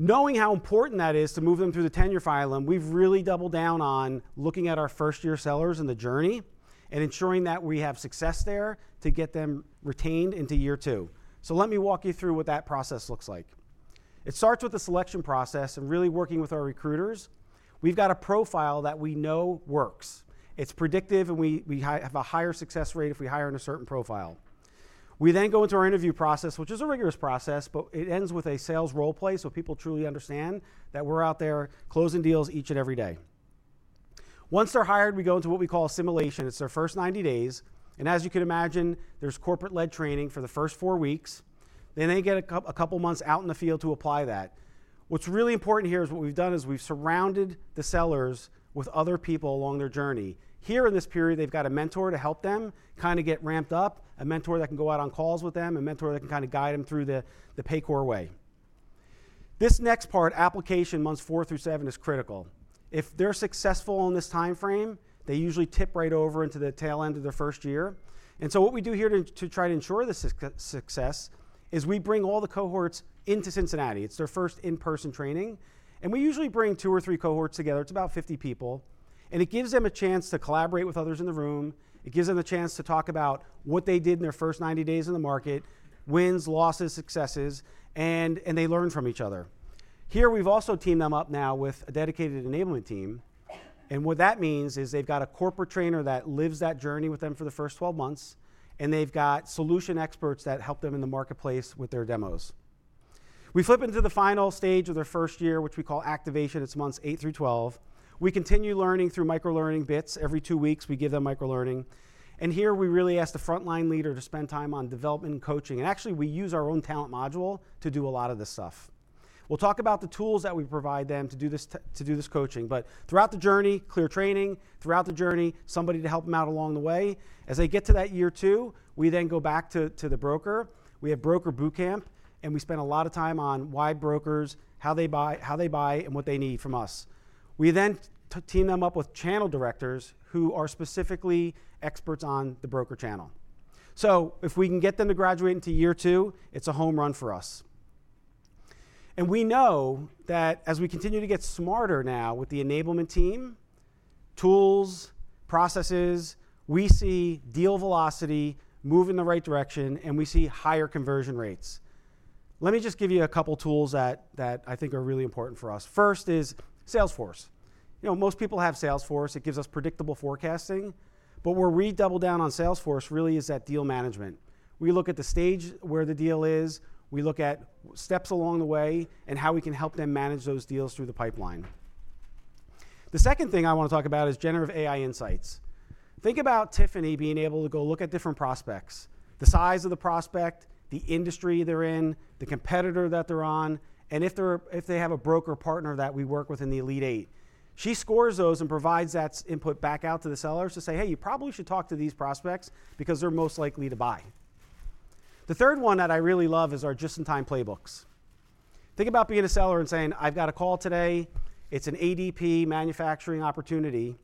Knowing how important that is to move them through the tenure file, we've really doubled down on looking at our first-year sellers and the journey and ensuring that we have success there to get them retained into year two. So let me walk you through what that process looks like. It starts with the selection process and really working with our recruiters. We've got a profile that we know works. It's predictive, and we have a higher success rate if we hire in a certain profile. We then go into our interview process, which is a rigorous process, but it ends with a sales role play so people truly understand that we're out there closing deals each and every day. Once they're hired, we go into what we call assimilation. It's their first 90 days, and as you can imagine, there's corporate-led training for the first four weeks, then they get a couple of months out in the field to apply that. What's really important here is what we've done is we've surrounded the sellers with other people along their journey. Here in this period, they've got a mentor to help them kind of get ramped up, a mentor that can go out on calls with them, a mentor that can kind of guide them through the Paycor way. This next part, application months four through seven, is critical. If they're successful in this timeframe, they usually tip right over into the tail end of their first year. And so what we do here to try to ensure this success is we bring all the cohorts into Cincinnati. It's their first in-person training. And we usually bring two or three cohorts together. It's about 50 people. And it gives them a chance to collaborate with others in the room. It gives them a chance to talk about what they did in their first 90 days in the market, wins, losses, successes, and they learn from each other. Here, we've also teamed them up now with a dedicated enablement team. And what that means is they've got a corporate trainer that lives that journey with them for the first 12 months. And they've got solution experts that help them in the marketplace with their demos. We flip into the final stage of their first year, which we call activation. It's months eight through twelve. We continue learning through micro-learning bits. Every two weeks, we give them micro-learning. And here, we really ask the frontline leader to spend time on development and coaching. And actually, we use our own talent module to do a lot of this stuff. We'll talk about the tools that we provide them to do this coaching. But throughout the journey, clear training, throughout the journey, somebody to help them out along the way. As they get to that year two, we then go back to the broker. We have broker boot camp, and we spend a lot of time on why brokers, how they buy, and what they need from us. We then team them up with channel directors who are specifically experts on the broker channel. So if we can get them to graduate into year two, it's a home run for us. And we know that as we continue to get smarter now with the enablement team, tools, processes, we see deal velocity move in the right direction, and we see higher conversion rates. Let me just give you a couple of tools that I think are really important for us. First is Salesforce. Most people have Salesforce. It gives us predictable forecasting. But where we double down on Salesforce really is that deal management. We look at the stage where the deal is. We look at steps along the way and how we can help them manage those deals through the pipeline. The second thing I want to talk about is generative AI insights. Think about Tiffany being able to go look at different prospects, the size of the prospect, the industry they're in, the competitor that they're on, and if they have a broker partner that we work with in the Elite 8. She scores those and provides that input back out to the sellers to say, "Hey, you probably should talk to these prospects because they're most likely to buy." The third one that I really love is our just-in-time playbooks. Think about being a seller and saying, "I've got a call today. It's an ADP manufacturing opportunity."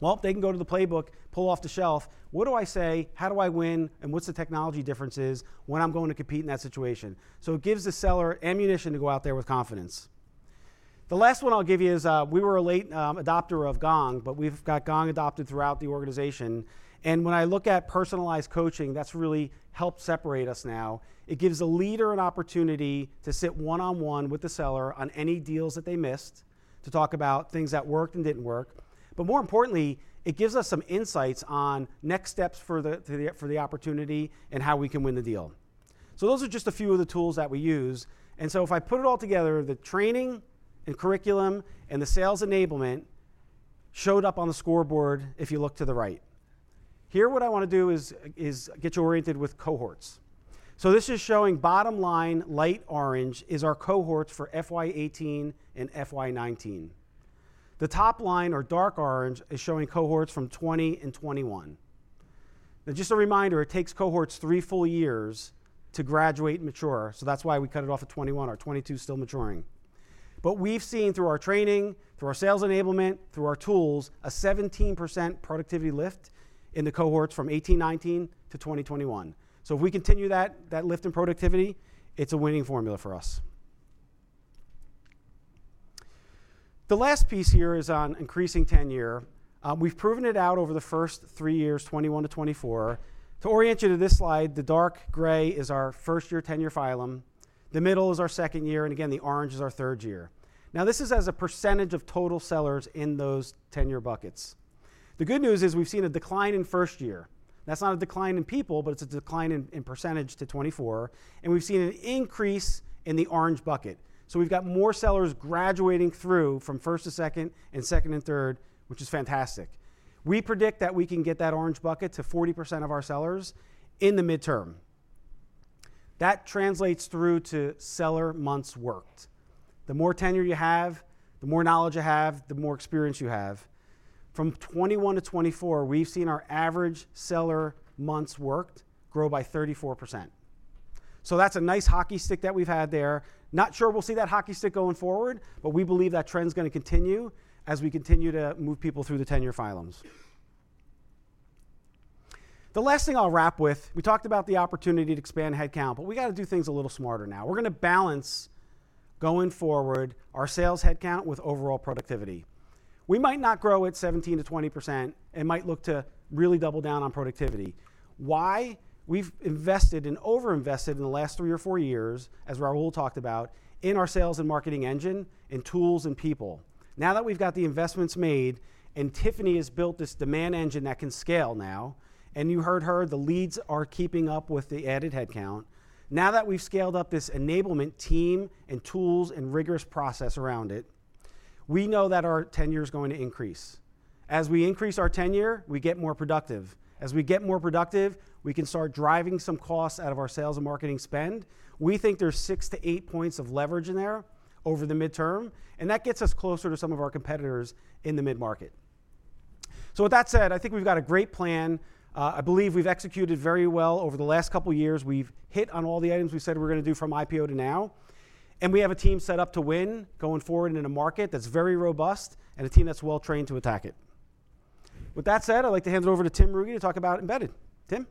Well, they can go to the playbook, pull off the shelf, "What do I say? How do I win? And what's the technology differences when I'm going to compete in that situation?" So it gives the seller ammunition to go out there with confidence. The last one I'll give you is we were a late adopter of Gong, but we've got Gong adopted throughout the organization. And when I look at personalized coaching, that's really helped separate us now. It gives a leader an opportunity to sit one-on-one with the seller on any deals that they missed to talk about things that worked and didn't work. But more importantly, it gives us some insights on next steps for the opportunity and how we can win the deal. So those are just a few of the tools that we use. And so if I put it all together, the training and curriculum and the sales enablement showed up on the scoreboard if you look to the right. Here, what I want to do is get you oriented with cohorts. So this is showing bottom line, light orange is our cohorts for FY 2018 and FY 2019. The top line, or dark orange, is showing cohorts from 2020 and 2021. Now, just a reminder, it takes cohorts three full years to graduate and mature. So that's why we cut it off at 2021. Our 2022 is still maturing. But we've seen through our training, through our sales enablement, through our tools, a 17% productivity lift in the cohorts from 2018, 2019 to 2021. So if we continue that lift in productivity, it's a winning formula for us. The last piece here is on increasing tenure. We've proven it out over the first three years, 2021 to 2024. To orient you to this slide, the dark gray is our first-year tenure line. The middle is our second year. And again, the orange is our third year. Now, this is as a percentage of total sellers in those tenure buckets. The good news is we've seen a decline in first year. That's not a decline in people, but it's a decline in percentage to 2024. And we've seen an increase in the orange bucket. So we've got more sellers graduating through from first to second and second and third, which is fantastic. We predict that we can get that orange bucket to 40% of our sellers in the midterm. That translates through to seller months worked. The more tenure you have, the more knowledge you have, the more experience you have. From 2021 to 2024, we've seen our average seller months worked grow by 34%. So that's a nice hockey stick that we've had there. Not sure we'll see that hockey stick going forward, but we believe that trend's going to continue as we continue to move people through the tenure funnels. The last thing I'll wrap with, we talked about the opportunity to expand headcount, but we got to do things a little smarter now. We're going to balance going forward our sales headcount with overall productivity. We might not grow at 17%-20% and might look to really double down on productivity. Why? We've invested and overinvested in the last three or four years, as Raul talked about, in our sales and marketing engine and tools and people. Now that we've got the investments made and Tiffany has built this demand engine that can scale now, and you heard her, the leads are keeping up with the added headcount. Now that we've scaled up this enablement team and tools and rigorous process around it, we know that our tenure is going to increase. As we increase our tenure, we get more productive. As we get more productive, we can start driving some costs out of our sales and marketing spend. We think there's six to eight points of leverage in there over the midterm, and that gets us closer to some of our competitors in the mid-market. So with that said, I think we've got a great plan. I believe we've executed very well over the last couple of years. We've hit on all the items we said we're going to do from IPO to now. And we have a team set up to win going forward in a market that's very robust and a team that's well-trained to attack it. With that said, I'd like to hand it over to Tim Ruge to talk about Embedded. Tim.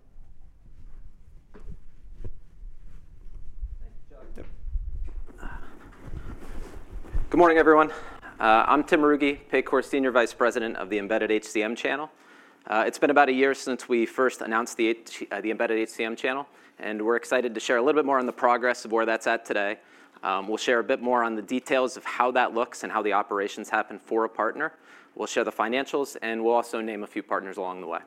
Good morning, everyone. I'm Tim Ruge, Paycor Senior Vice President of the Embedded HCM Channel. It's been about a year since we first announced the Embedded HCM Channel, and we're excited to share a little bit more on the progress of where that's at today. We'll share a bit more on the details of how that looks and how the operations happen for a partner. We'll share the financials, and we'll also name a few partners along the way.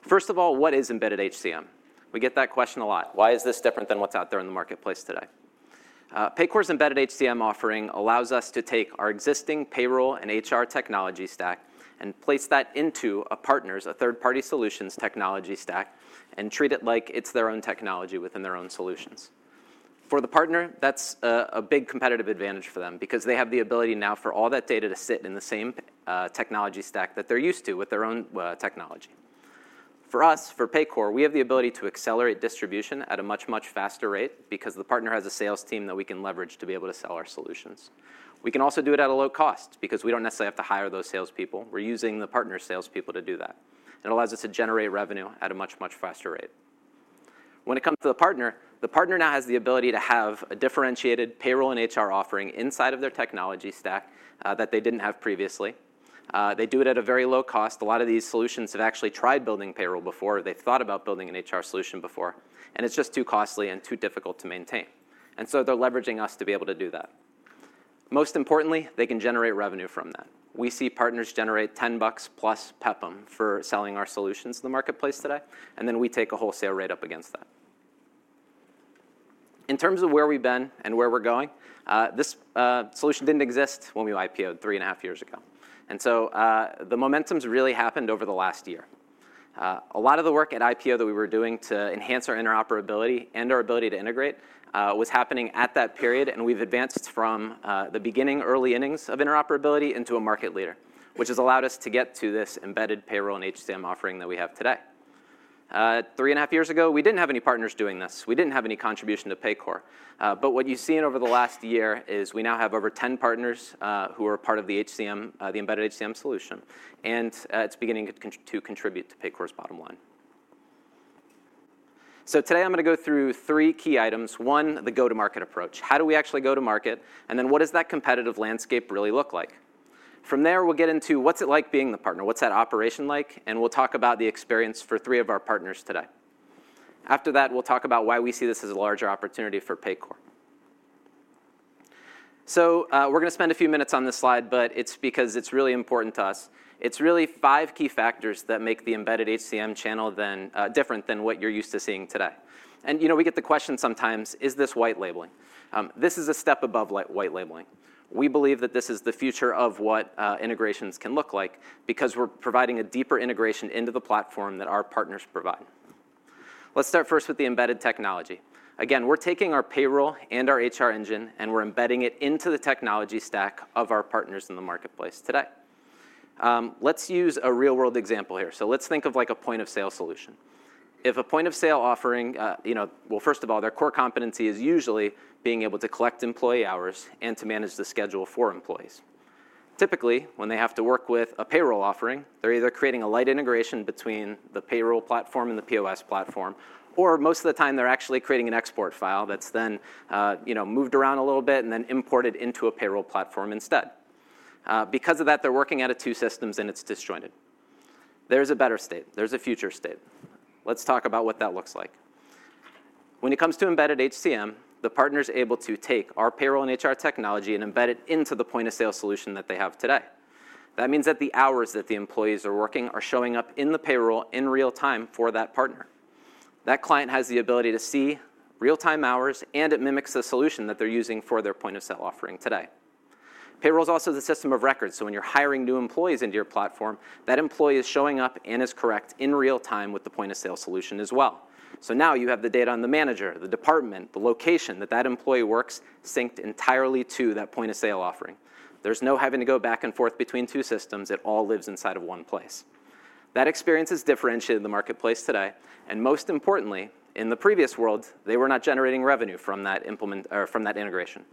First of all, what is Embedded HCM? We get that question a lot. Why is this different than what's out there in the marketplace today? Paycor's Embedded HCM offering allows us to take our existing payroll and HR technology stack and place that into a partner's, a third-party solutions technology stack, and treat it like it's their own technology within their own solutions. For the partner, that's a big competitive advantage for them because they have the ability now for all that data to sit in the same technology stack that they're used to with their own technology. For us, for Paycor, we have the ability to accelerate distribution at a much, much faster rate because the partner has a sales team that we can leverage to be able to sell our solutions. We can also do it at a low cost because we don't necessarily have to hire those salespeople. We're using the partner's salespeople to do that. It allows us to generate revenue at a much, much faster rate. When it comes to the partner, the partner now has the ability to have a differentiated payroll and HR offering inside of their technology stack that they didn't have previously. They do it at a very low cost. A lot of these solutions have actually tried building payroll before. They've thought about building an HR solution before, and it's just too costly and too difficult to maintain. And so they're leveraging us to be able to do that. Most importantly, they can generate revenue from that. We see partners generate $10 plus PEPM for selling our solutions in the marketplace today, and then we take a wholesale rate up against that. In terms of where we've been and where we're going, this solution didn't exist when we IPO'd three and a half years ago. And so the momentum's really happened over the last year. A lot of the work at IPO that we were doing to enhance our interoperability and our ability to integrate was happening at that period, and we've advanced from the beginning, early innings of interoperability into a market leader, which has allowed us to get to this embedded payroll and HCM offering that we have today. Three and a half years ago, we didn't have any partners doing this. We didn't have any contribution to Paycor. But what you've seen over the last year is we now have over 10 partners who are part of the Embedded HCM solution, and it's beginning to contribute to Paycor's bottom line. So today, I'm going to go through three key items. One, the go-to-market approach. How do we actually go to market? And then what does that competitive landscape really look like? From there, we'll get into what's it like being the partner? What's that operation like, and we'll talk about the experience for three of our partners today. After that, we'll talk about why we see this as a larger opportunity for Paycor. so we're going to spend a few minutes on this slide, but it's because it's really important to us. It's really five key factors that make the Embedded HCM Channel different than what you're used to seeing today, and we get the question sometimes, "Is this white labeling?" This is a step above white labeling. We believe that this is the future of what integrations can look like because we're providing a deeper integration into the platform that our partners provide. Let's start first with the embedded technology. Again, we're taking our payroll and our HR engine, and we're embedding it into the technology stack of our partners in the marketplace today. Let's use a real-world example here. So let's think of a point-of-sale solution. If a point-of-sale offering well, first of all, their core competency is usually being able to collect employee hours and to manage the schedule for employees. Typically, when they have to work with a payroll offering, they're either creating a light integration between the payroll platform and the POS platform, or most of the time, they're actually creating an export file that's then moved around a little bit and then imported into a payroll platform instead. Because of that, they're working out of two systems, and it's disjointed. There's a better state. There's a future state. Let's talk about what that looks like. When it comes to Embedded HCM, the partner's able to take our payroll and HR technology and embed it into the point-of-sale solution that they have today. That means that the hours that the employees are working are showing up in the payroll in real time for that partner. That client has the ability to see real-time hours, and it mimics the solution that they're using for their point-of-sale offering today. Payroll is also the system of records. So when you're hiring new employees into your platform, that employee is showing up and is correct in real time with the point-of-sale solution as well. So now you have the data on the manager, the department, the location that that employee works synced entirely to that point-of-sale offering. There's no having to go back and forth between two systems. It all lives inside of one place. That experience is differentiated in the marketplace today. And most importantly, in the previous world, they were not generating revenue from that integration.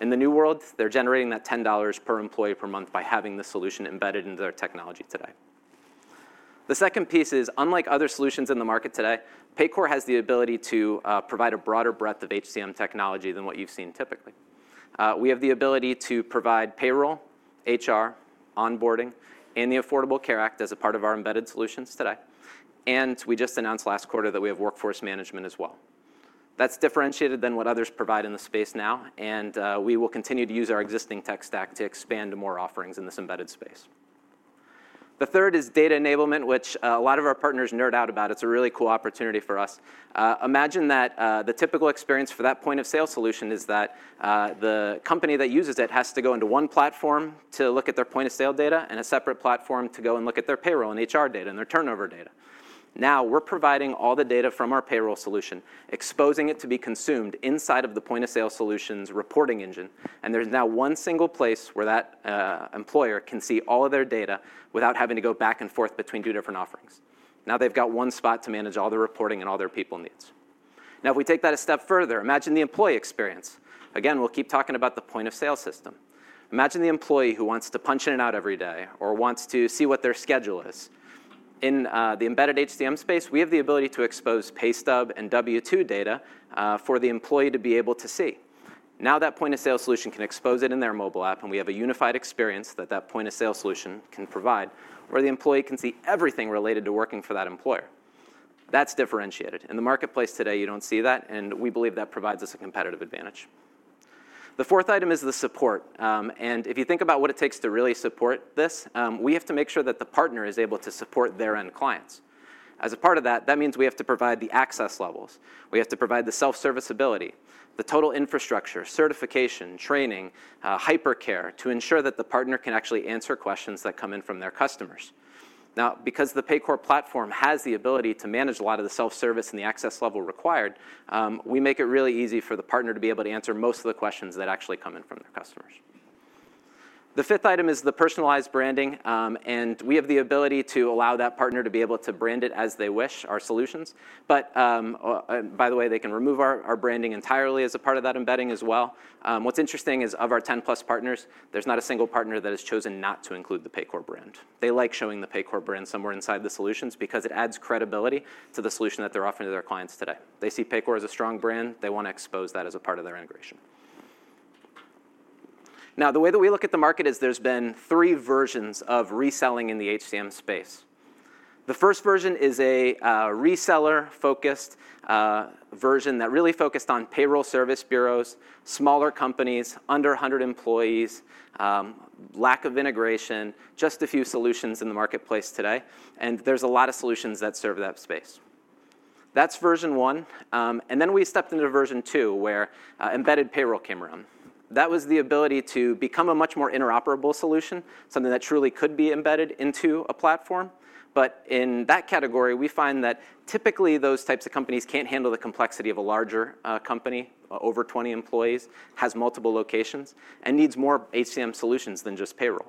In the new world, they're generating that $10 per employee per month by having the solution embedded into their technology today. The second piece is, unlike other solutions in the market today, Paycor has the ability to provide a broader breadth of HCM technology than what you've seen typically. We have the ability to provide payroll, HR, onboarding, and the Affordable Care Act as a part of our embedded solutions today, and we just announced last quarter that we have Workforce Management as well. That's differentiated than what others provide in the space now, and we will continue to use our existing tech stack to expand more offerings in this embedded space. The third is data enablement, which a lot of our partners nerd out about. It's a really cool opportunity for us. Imagine that the typical experience for that point-of-sale solution is that the company that uses it has to go into one platform to look at their point-of-sale data and a separate platform to go and look at their payroll and HR data and their turnover data. Now we're providing all the data from our payroll solution, exposing it to be consumed inside of the point-of-sale solution's reporting engine, and there's now one single place where that employer can see all of their data without having to go back and forth between two different offerings. Now they've got one spot to manage all their reporting and all their people needs. Now, if we take that a step further, imagine the employee experience. Again, we'll keep talking about the point-of-sale system. Imagine the employee who wants to punch in and out every day or wants to see what their schedule is. In the embedded HCM space, we have the ability to expose paystub and W-2 data for the employee to be able to see. Now that point-of-sale solution can expose it in their mobile app, and we have a unified experience that the point-of-sale solution can provide where the employee can see everything related to working for that employer. That's differentiated. In the marketplace today, you don't see that, and we believe that provides us a competitive advantage. The fourth item is the support. And if you think about what it takes to really support this, we have to make sure that the partner is able to support their end clients. As a part of that, that means we have to provide the access levels. We have to provide the self-service ability, the total infrastructure, certification, training, hypercare to ensure that the partner can actually answer questions that come in from their customers. Now, because the Paycor platform has the ability to manage a lot of the self-service and the access level required, we make it really easy for the partner to be able to answer most of the questions that actually come in from their customers. The fifth item is the personalized branding, and we have the ability to allow that partner to be able to brand it as they wish, our solutions. But by the way, they can remove our branding entirely as a part of that embedding as well. What's interesting is, of our 10-plus partners, there's not a single partner that has chosen not to include the Paycor brand. They like showing the Paycor brand somewhere inside the solutions because it adds credibility to the solution that they're offering to their clients today. They see Paycor as a strong brand. They want to expose that as a part of their integration. Now, the way that we look at the market is there's been three versions of reselling in the HCM space. The first version is a reseller-focused version that really focused on payroll service bureaus, smaller companies, under 100 employees, lack of integration, just a few solutions in the marketplace today, and there's a lot of solutions that serve that space. That's version one, and then we stepped into version two where embedded payroll came around. That was the ability to become a much more interoperable solution, something that truly could be embedded into a platform. But in that category, we find that typically those types of companies can't handle the complexity of a larger company, over 20 employees, has multiple locations, and needs more HCM solutions than just payroll.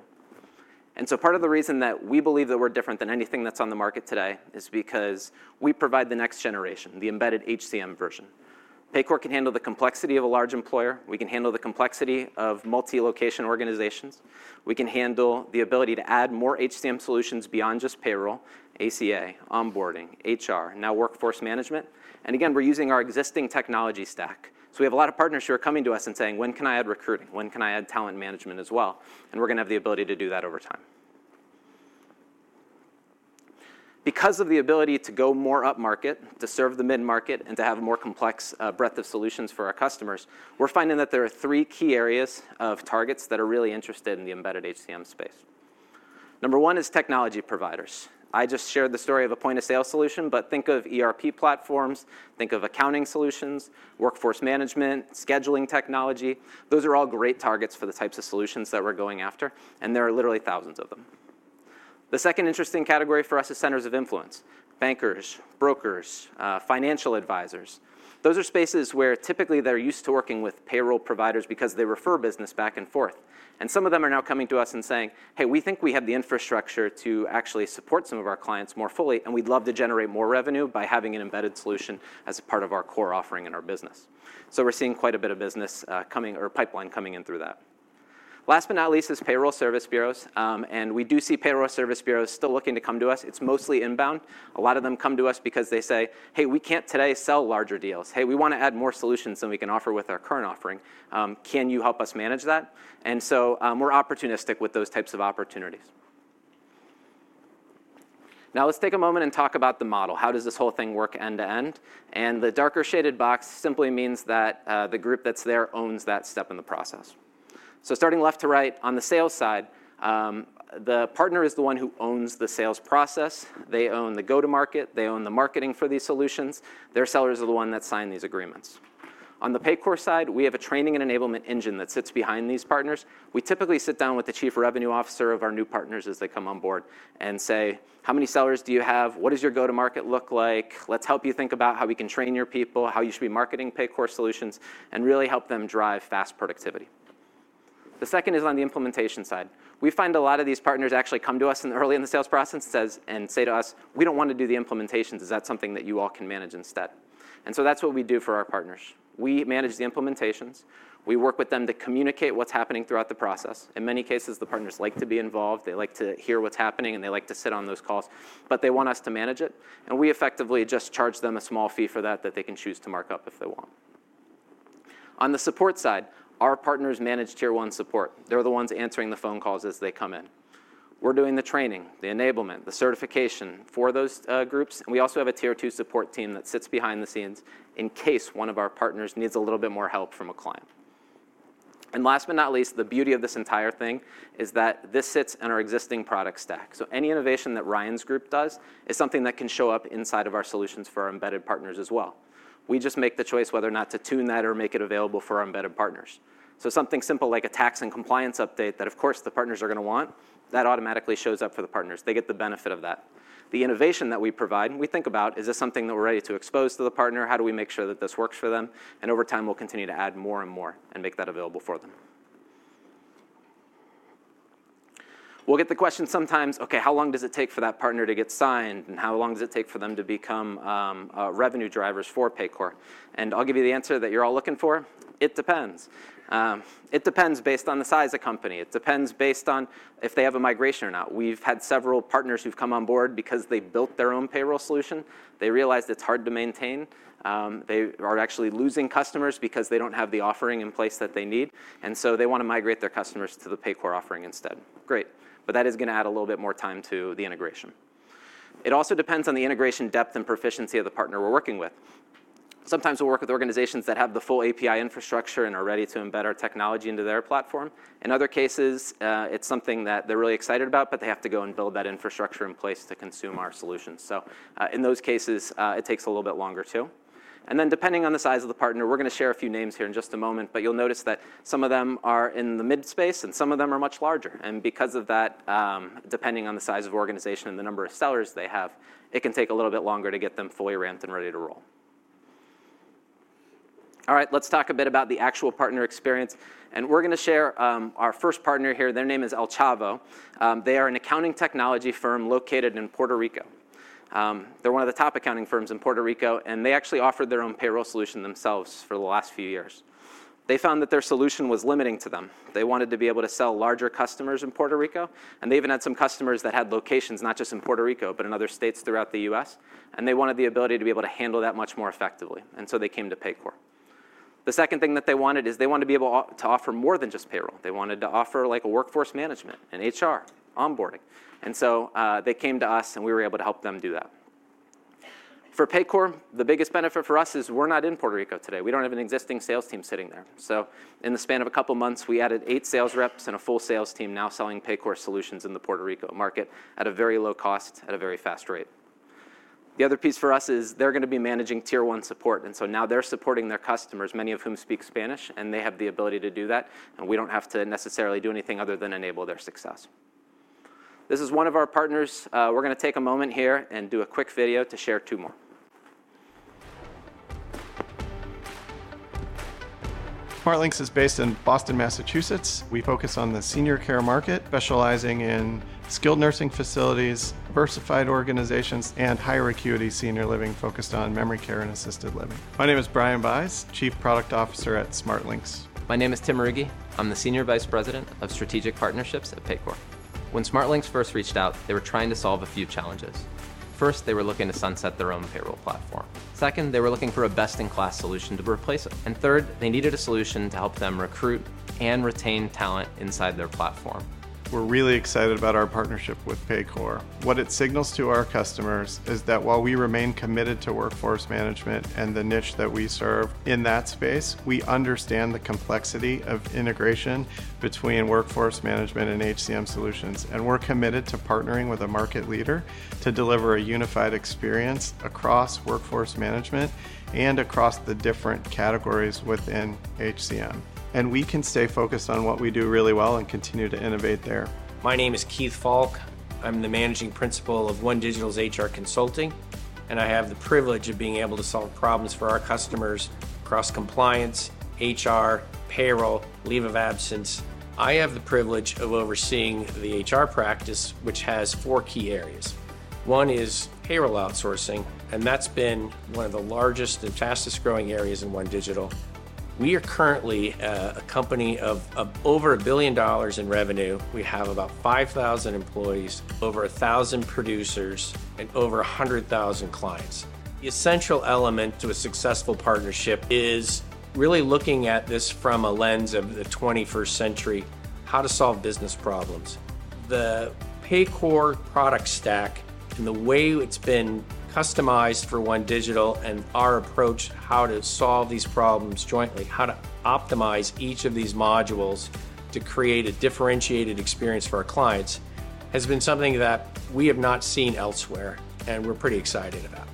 And so part of the reason that we believe that we're different than anything that's on the market today is because we provide the next generation, the embedded HCM version. Paycor can handle the complexity of a large employer. We can handle the complexity of multi-location organizations. We can handle the ability to add more HCM solutions beyond just payroll, ACA, onboarding, HR, now Workforce Management. And again, we're using our existing technology stack. So we have a lot of partners who are coming to us and saying, "When can I add recruiting? When can I add Talent Management as well?" And we're going to have the ability to do that over time. Because of the ability to go more upmarket, to serve the mid-market, and to have a more complex breadth of solutions for our customers, we're finding that there are three key areas of targets that are really interested in the embedded HCM space. Number one is technology providers. I just shared the story of a point-of-sale solution, but think of ERP platforms, think of accounting solutions, Workforce Management, scheduling technology. Those are all great targets for the types of solutions that we're going after, and there are literally thousands of them. The second interesting category for us is centers of influence: bankers, brokers, financial advisors. Those are spaces where typically they're used to working with payroll providers because they refer business back and forth. And some of them are now coming to us and saying, "Hey, we think we have the infrastructure to actually support some of our clients more fully, and we'd love to generate more revenue by having an embedded solution as a part of our core offering in our business." So we're seeing quite a bit of business coming or pipeline coming in through that. Last but not least is payroll service bureaus. And we do see payroll service bureaus still looking to come to us. It's mostly inbound. A lot of them come to us because they say, "Hey, we can't today sell larger deals. Hey, we want to add more solutions than we can offer with our current offering. Can you help us manage that?" And so we're opportunistic with those types of opportunities. Now let's take a moment and talk about the model. How does this whole thing work end-to-end? And the darker shaded box simply means that the group that's there owns that step in the process. So starting left to right, on the sales side, the partner is the one who owns the sales process. They own the go-to-market. They own the marketing for these solutions. Their sellers are the ones that sign these agreements. On the Paycor side, we have a training and enablement engine that sits behind these partners. We typically sit down with the chief revenue officer of our new partners as they come on board and say, "How many sellers do you have? What does your go-to-market look like? Let's help you think about how we can train your people, how you should be marketing Paycor solutions, and really help them drive fast productivity." The second is on the implementation side. We find a lot of these partners actually come to us early in the sales process and say to us, "We don't want to do the implementations. Is that something that you all can manage instead?" And so that's what we do for our partners. We manage the implementations. We work with them to communicate what's happening throughout the process. In many cases, the partners like to be involved. They like to hear what's happening, and they like to sit on those calls, but they want us to manage it. And we effectively just charge them a small fee for that that they can choose to mark up if they want. On the support side, our partners manage Tier 1 support. They're the ones answering the phone calls as they come in. We're doing the training, the enablement, the certification for those groups. And we also have a Tier 2 support team that sits behind the scenes in case one of our partners needs a little bit more help from a client. And last but not least, the beauty of this entire thing is that this sits in our existing product stack. So any innovation that Ryan's group does is something that can show up inside of our solutions for our embedded partners as well. We just make the choice whether or not to tune that or make it available for our embedded partners. So something simple like a tax and compliance update that, of course, the partners are going to want, that automatically shows up for the partners. They get the benefit of that. The innovation that we provide, we think about, is this something that we're ready to expose to the partner? How do we make sure that this works for them? And over time, we'll continue to add more and more and make that available for them. We'll get the question sometimes, "Okay, how long does it take for that partner to get signed? And how long does it take for them to become revenue drivers for Paycor?" And I'll give you the answer that you're all looking for. It depends. It depends based on the size of company. It depends based on if they have a migration or not. We've had several partners who've come on board because they built their own payroll solution. They realized it's hard to maintain. They are actually losing customers because they don't have the offering in place that they need. And so they want to migrate their customers to the Paycor offering instead. Great. But that is going to add a little bit more time to the integration. It also depends on the integration depth and proficiency of the partner we're working with. Sometimes we'll work with organizations that have the full API infrastructure and are ready to embed our technology into their platform. In other cases, it's something that they're really excited about, but they have to go and build that infrastructure in place to consume our solutions. So in those cases, it takes a little bit longer too, and then depending on the size of the partner, we're going to share a few names here in just a moment, but you'll notice that some of them are in the mid-space and some of them are much larger, and because of that, depending on the size of organization and the number of sellers they have, it can take a little bit longer to get them fully ramped and ready to roll. All right, let's talk a bit about the actual partner experience, and we're going to share our first partner here. Their name is Alchavo. They are an accounting technology firm located in Puerto Rico. They're one of the top accounting firms in Puerto Rico, and they actually offered their own payroll solution themselves for the last few years. They found that their solution was limiting to them. They wanted to be able to sell larger customers in Puerto Rico, and they even had some customers that had locations not just in Puerto Rico, but in other states throughout the U.S., and they wanted the ability to be able to handle that much more effectively, and so they came to Paycor. The second thing that they wanted is they wanted to be able to offer more than just payroll. They wanted to offer like Workforce Management and HR onboarding. And so they came to us, and we were able to help them do that. For Paycor, the biggest benefit for us is we're not in Puerto Rico today. We don't have an existing sales team sitting there. So in the span of a couple of months, we added eight sales reps and a full sales team now selling Paycor solutions in the Puerto Rico market at a very low cost at a very fast rate. The other piece for us is they're going to be managing Tier 1 support. And so now they're supporting their customers, many of whom speak Spanish, and they have the ability to do that. And we don't have to necessarily do anything other than enable their success. This is one of our partners. We're going to take a moment here and do a quick video to share two more. SmartLinx is based in Boston, Massachusetts. We focus on the senior care market, specializing in skilled nursing facilities, diversified organizations, and higher acuity senior living focused on memory care and assisted living. My name is Brian Buys, Chief Product Officer at SmartLinx. My name is Tim Ruge. I'm the Senior Vice President of Strategic Partnerships at Paycor. When SmartLinx first reached out, they were trying to solve a few challenges. First, they were looking to sunset their own payroll platform. Second, they were looking for a best-in-class solution to replace it. And third, they needed a solution to help them recruit and retain talent inside their platform. We're really excited about our partnership with Paycor. What it signals to our customers is that while we remain committed to Workforce Management and the niche that we serve in that space, we understand the complexity of integration between Workforce Management and HCM solutions. We're committed to partnering with a market leader to deliver a unified experience across Workforce Management and across the different categories within HCM. And we can stay focused on what we do really well and continue to innovate there. My name is Keith Falk. I'm the Managing Principal of OneDigital's HR Consulting, and I have the privilege of being able to solve problems for our customers across compliance, HR, payroll, leave of absence. I have the privilege of overseeing the HR practice, which has four key areas. One is payroll outsourcing, and that's been one of the largest and fastest growing areas in OneDigital. We are currently a company of over $1 billion in revenue. We have about 5,000 employees, over 1,000 producers, and over 100,000 clients. The essential element to a successful partnership is really looking at this from a lens of the 21st century, how to solve business problems. The Paycor product stack and the way it's been customized for OneDigital and our approach to how to solve these problems jointly, how to optimize each of these modules to create a differentiated experience for our clients, has been something that we have not seen elsewhere, and we're pretty excited about.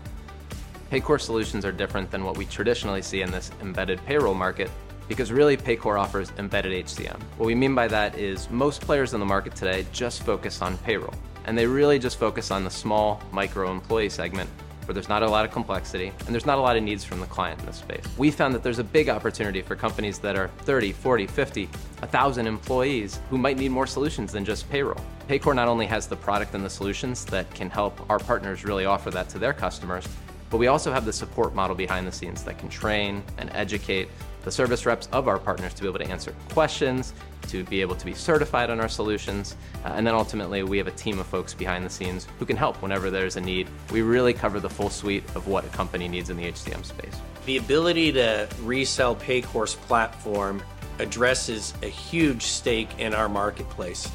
Paycor solutions are different than what we traditionally see in this embedded payroll market because really Paycor offers embedded HCM. What we mean by that is most players in the market today just focus on payroll, and they really just focus on the small micro employee segment where there's not a lot of complexity and there's not a lot of needs from the client in this space. We found that there's a big opportunity for companies that are 30, 40, 50, 1,000 employees who might need more solutions than just payroll. Paycor not only has the product and the solutions that can help our partners really offer that to their customers, but we also have the support model behind the scenes that can train and educate the service reps of our partners to be able to answer questions, to be able to be certified on our solutions, and then ultimately, we have a team of folks behind the scenes who can help whenever there's a need. We really cover the full suite of what a company needs in the HCM space. The ability to resell Paycor's platform addresses a huge stake in our marketplace.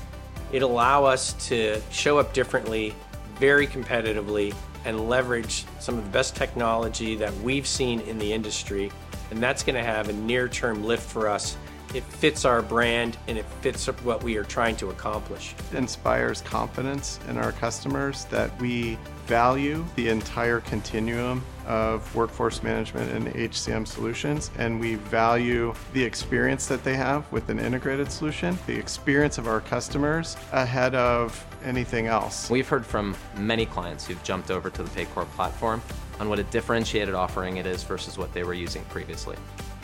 It allows us to show up differently, very competitively, and leverage some of the best technology that we've seen in the industry. That's going to have a near-term lift for us. It fits our brand, and it fits what we are trying to accomplish. It inspires confidence in our customers that we value the entire continuum of Workforce Management and HCM solutions, and we value the experience that they have with an integrated solution, the experience of our customers ahead of anything else. We've heard from many clients who've jumped over to the Paycor platform on what a differentiated offering it is versus what they were using previously.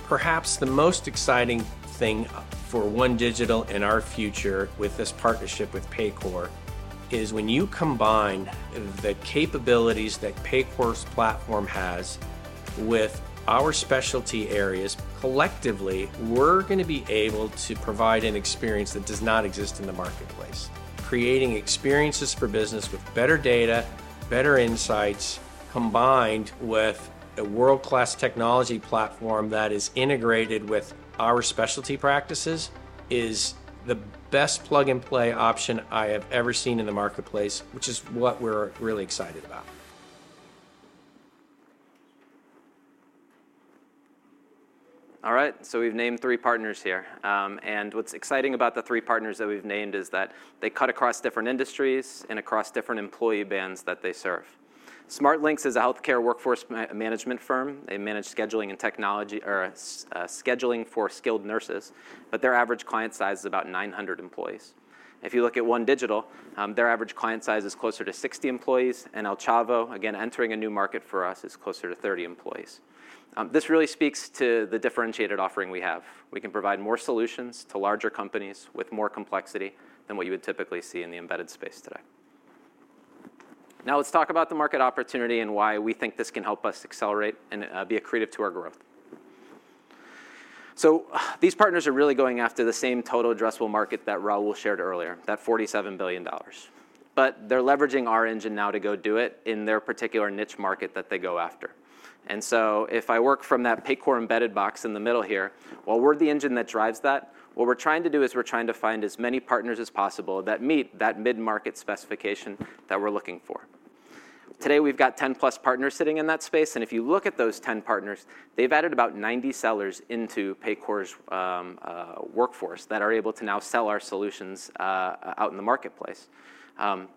Perhaps the most exciting thing for OneDigital in our future with this partnership with Paycor is when you combine the capabilities that Paycor's platform has with our specialty areas. Collectively, we're going to be able to provide an experience that does not exist in the marketplace, creating experiences for business with better data, better insights, combined with a world-class technology platform that is integrated with our specialty practices. It is the best plug-and-play option I have ever seen in the marketplace, which is what we're really excited about. All right, so we've named three partners here. And what's exciting about the three partners that we've named is that they cut across different industries and across different employee bands that they serve. SmartLinx is a healthcare Workforce Management firm. They manage scheduling for skilled nurses, but their average client size is about 900 employees. If you look at OneDigital, their average client size is closer to 60 employees, and Alchavo, again, entering a new market for us, is closer to 30 employees. This really speaks to the differentiated offering we have. We can provide more solutions to larger companies with more complexity than what you would typically see in the embedded space today. Now let's talk about the market opportunity and why we think this can help us accelerate and be a creative to our growth. So these partners are really going after the same total addressable market that Raul shared earlier, that $47 billion. But they're leveraging our engine now to go do it in their particular niche market that they go after. And so if I work from that Paycor embedded box in the middle here, while we're the engine that drives that, what we're trying to do is we're trying to find as many partners as possible that meet that mid-market specification that we're looking for. Today, we've got 10-plus partners sitting in that space. If you look at those 10 partners, they've added about 90 sellers into Paycor's workforce that are able to now sell our solutions out in the marketplace.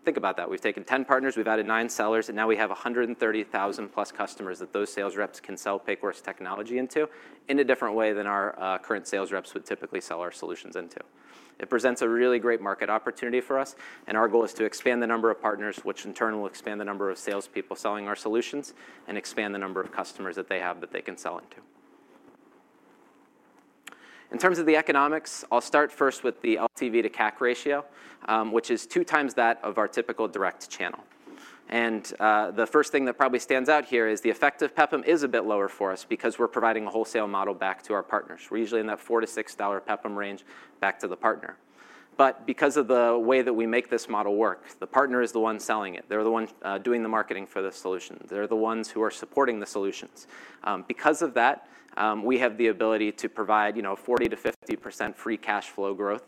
Think about that. We've taken 10 partners, we've added nine sellers, and now we have 130,000-plus customers that those sales reps can sell Paycor's technology into in a different way than our current sales reps would typically sell our solutions into. It presents a really great market opportunity for us. Our goal is to expand the number of partners, which in turn will expand the number of salespeople selling our solutions and expand the number of customers that they have that they can sell into. In terms of the economics, I'll start first with the LTV to CAC ratio, which is two times that of our typical direct channel. The first thing that probably stands out here is the effective PEPM is a bit lower for us because we're providing a wholesale model back to our partners. We're usually in that $4-$6 PEPM range back to the partner. But because of the way that we make this model work, the partner is the one selling it. They're the ones doing the marketing for the solution. They're the ones who are supporting the solutions. Because of that, we have the ability to provide 40%-50% free cash flow growth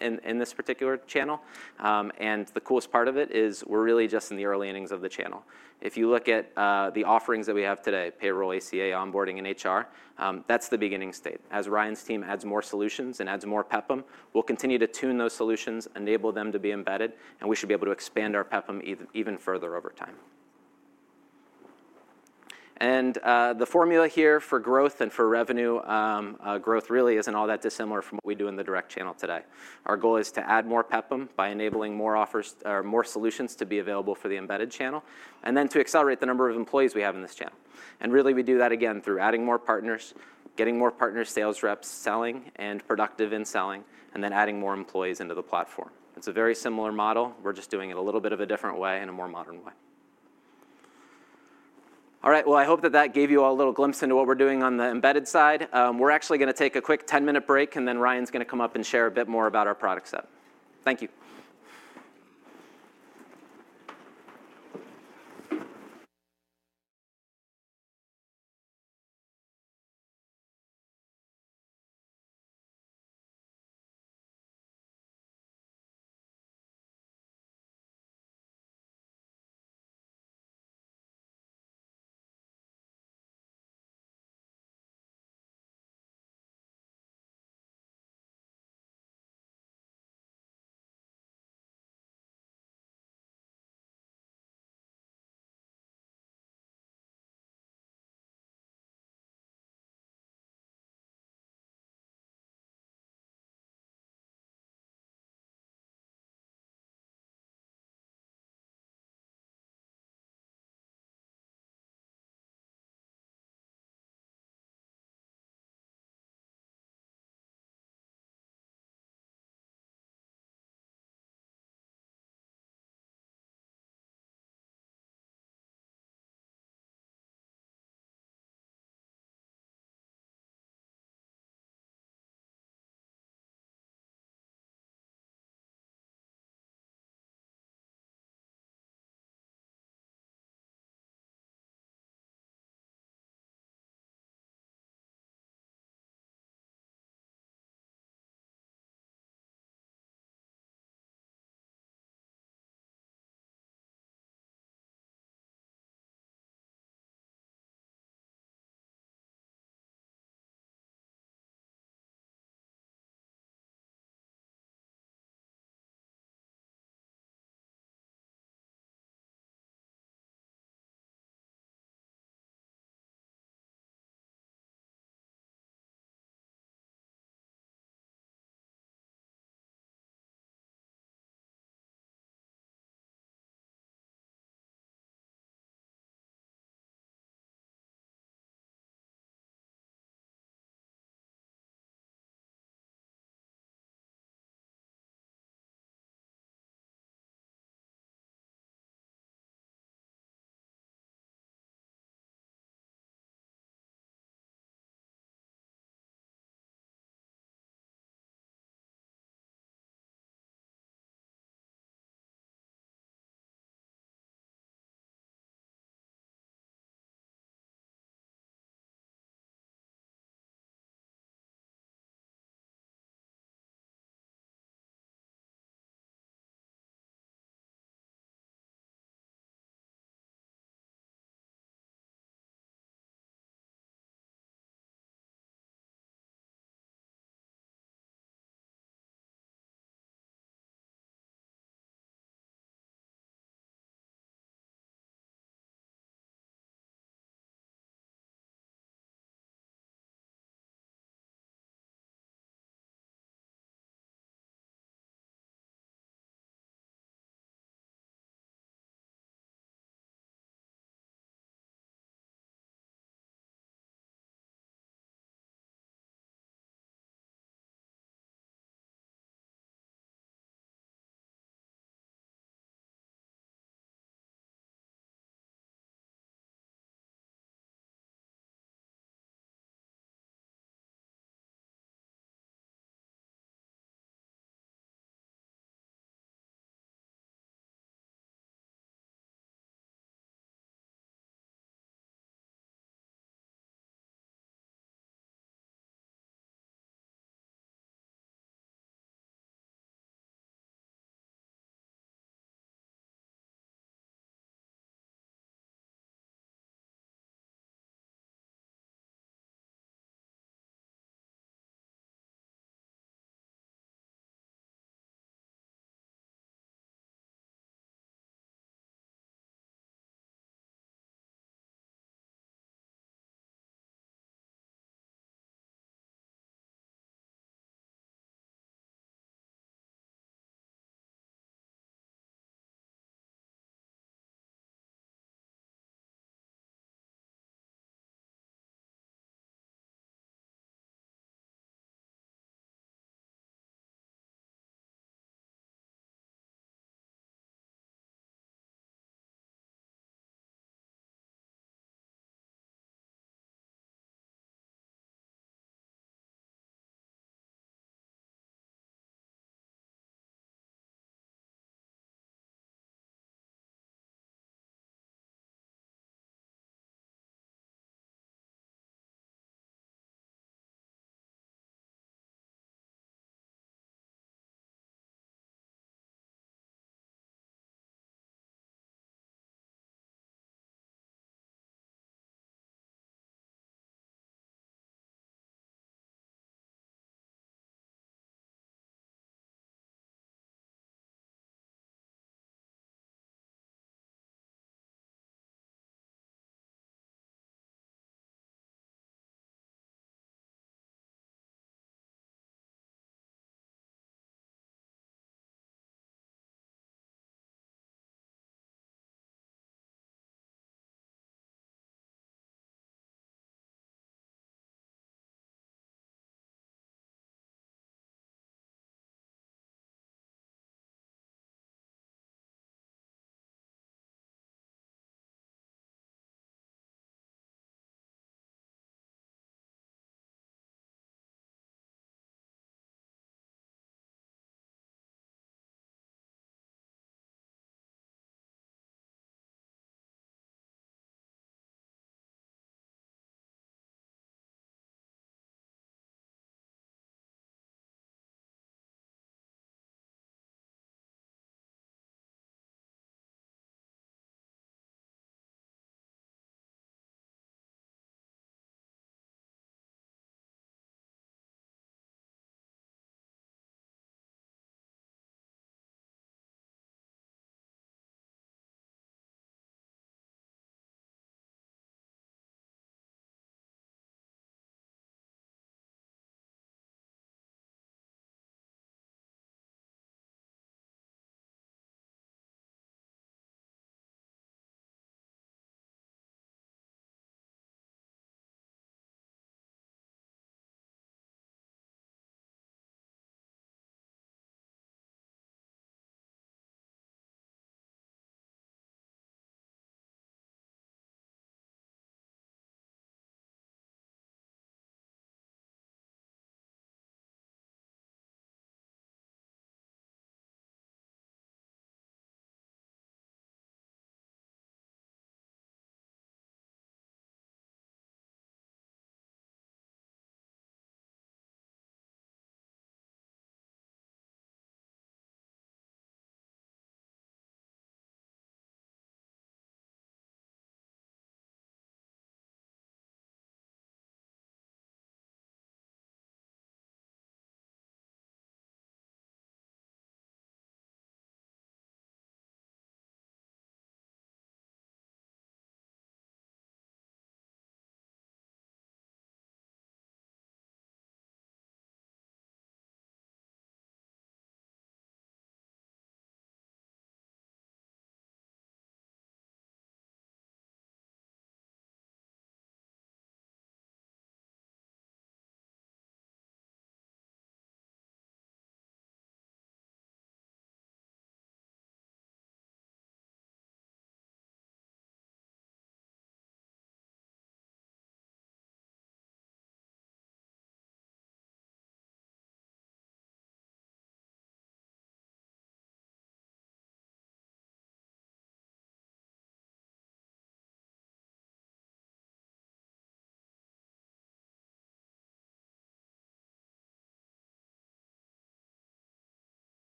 in this particular channel. And the coolest part of it is we're really just in the early innings of the channel. If you look at the offerings that we have today, payroll, ACA, onboarding, and HR, that's the beginning state. As Ryan's team adds more solutions and adds more PEPM, we'll continue to tune those solutions, enable them to be embedded, and we should be able to expand our PEPM even further over time. And the formula here for growth and for revenue growth really isn't all that dissimilar from what we do in the direct channel today. Our goal is to add more PEPM by enabling more solutions to be available for the embedded channel, and then to accelerate the number of employees we have in this channel. And really, we do that again through adding more partners, getting more partners, sales reps selling and productive in selling, and then adding more employees into the platform. It's a very similar model. We're just doing it a little bit of a different way and a more modern way. All right, well, I hope that that gave you all a little glimpse into what we're doing on the embedded side. We're actually going to take a quick 10-minute break, and then Ryan's going to come up and share a bit more about our product setup. Thank you.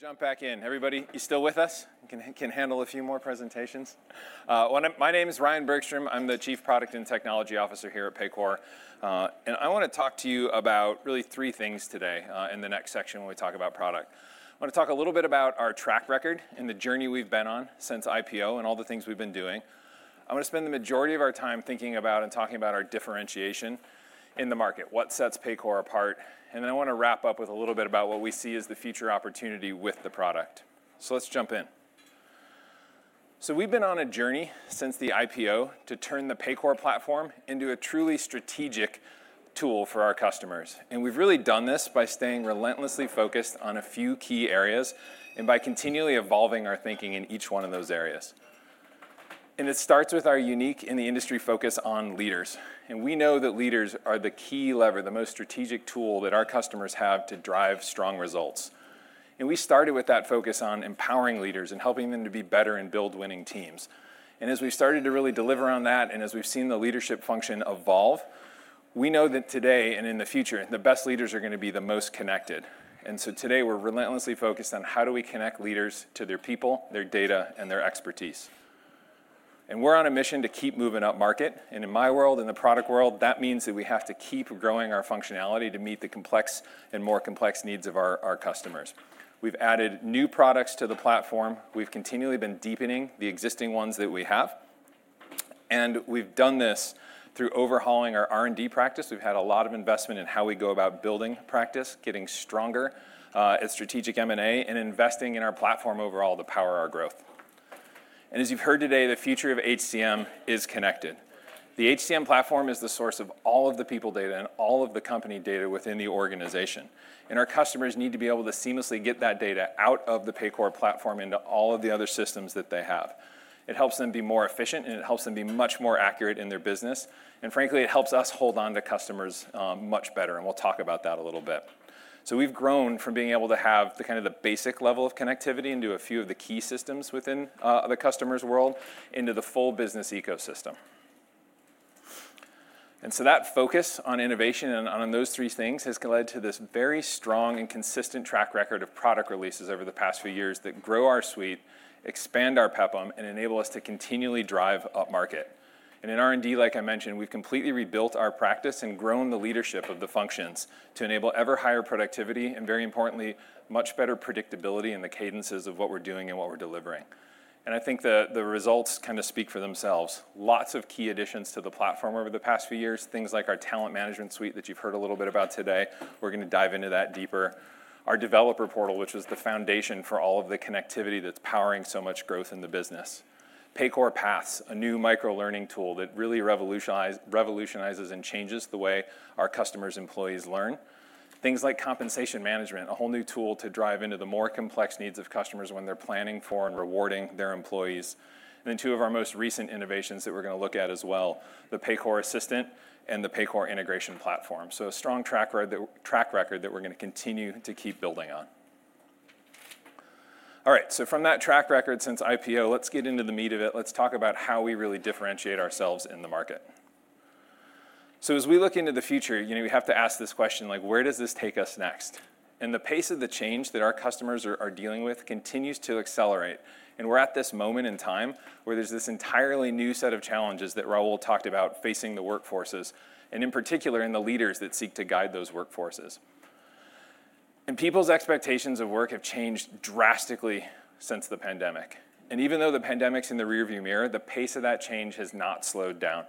Jump back in, everybody. You still with us? Can handle a few more presentations. My name is Ryan Bergstrom. I'm the Chief Product and Technology Officer here at Paycor. And I want to talk to you about really three things today in the next section when we talk about product. I want to talk a little bit about our track record and the journey we've been on since IPO and all the things we've been doing. I'm going to spend the majority of our time thinking about and talking about our differentiation in the market, what sets Paycor apart. And then I want to wrap up with a little bit about what we see as the future opportunity with the product. So let's jump in. So we've been on a journey since the IPO to turn the Paycor platform into a truly strategic tool for our customers. And we've really done this by staying relentlessly focused on a few key areas and by continually evolving our thinking in each one of those areas. And it starts with our unique in the industry focus on leaders. And we know that leaders are the key lever, the most strategic tool that our customers have to drive strong results. And we started with that focus on empowering leaders and helping them to be better and build winning teams. And as we started to really deliver on that and as we've seen the leadership function evolve, we know that today and in the future, the best leaders are going to be the most connected. And so today, we're relentlessly focused on how do we connect leaders to their people, their data, and their expertise. And we're on a mission to keep moving up market. And in my world, in the product world, that means that we have to keep growing our functionality to meet the complex and more complex needs of our customers. We've added new products to the platform. We've continually been deepening the existing ones that we have. And we've done this through overhauling our R&D practice. We've had a lot of investment in how we go about building practice, getting stronger at strategic M&A, and investing in our platform overall to power our growth. And as you've heard today, the future of HCM is connected. The HCM platform is the source of all of the people data and all of the company data within the organization. And our customers need to be able to seamlessly get that data out of the Paycor platform into all of the other systems that they have. It helps them be more efficient, and it helps them be much more accurate in their business. And frankly, it helps us hold on to customers much better. And we'll talk about that a little bit. So we've grown from being able to have the kind of basic level of connectivity into a few of the key systems within the customer's world into the full business ecosystem. And so that focus on innovation and on those three things has led to this very strong and consistent track record of product releases over the past few years that grow our suite, expand our PEPM, and enable us to continually drive up market. And in R&D, like I mentioned, we've completely rebuilt our practice and grown the leadership of the functions to enable ever higher productivity and, very importantly, much better predictability in the cadences of what we're doing and what we're delivering. And I think the results kind of speak for themselves. Lots of key additions to the platform over the past few years, things like our Talent Management suite that you've heard a little bit about today. We're going to dive into that deeper. Our developer portal, which was the foundation for all of the connectivity that's powering so much growth in the business. Paycor Paths, a new micro-learning tool that really revolutionizes and changes the way our customers' employees learn. Things like compensation management, a whole new tool to drive into the more complex needs of customers when they're planning for and rewarding their employees, and then two of our most recent innovations that we're going to look at as well, the Paycor Assistant and the Paycor Integration Platform, so a strong track record that we're going to continue to keep building on. All right, so from that track record since IPO, let's get into the meat of it. Let's talk about how we really differentiate ourselves in the market, so as we look into the future, we have to ask this question, like, where does this take us next? and the pace of the change that our customers are dealing with continues to accelerate. We're at this moment in time where there's this entirely new set of challenges that Raul talked about facing the workforces, and in particular, in the leaders that seek to guide those workforces. People's expectations of work have changed drastically since the pandemic. Even though the pandemic's in the rearview mirror, the pace of that change has not slowed down.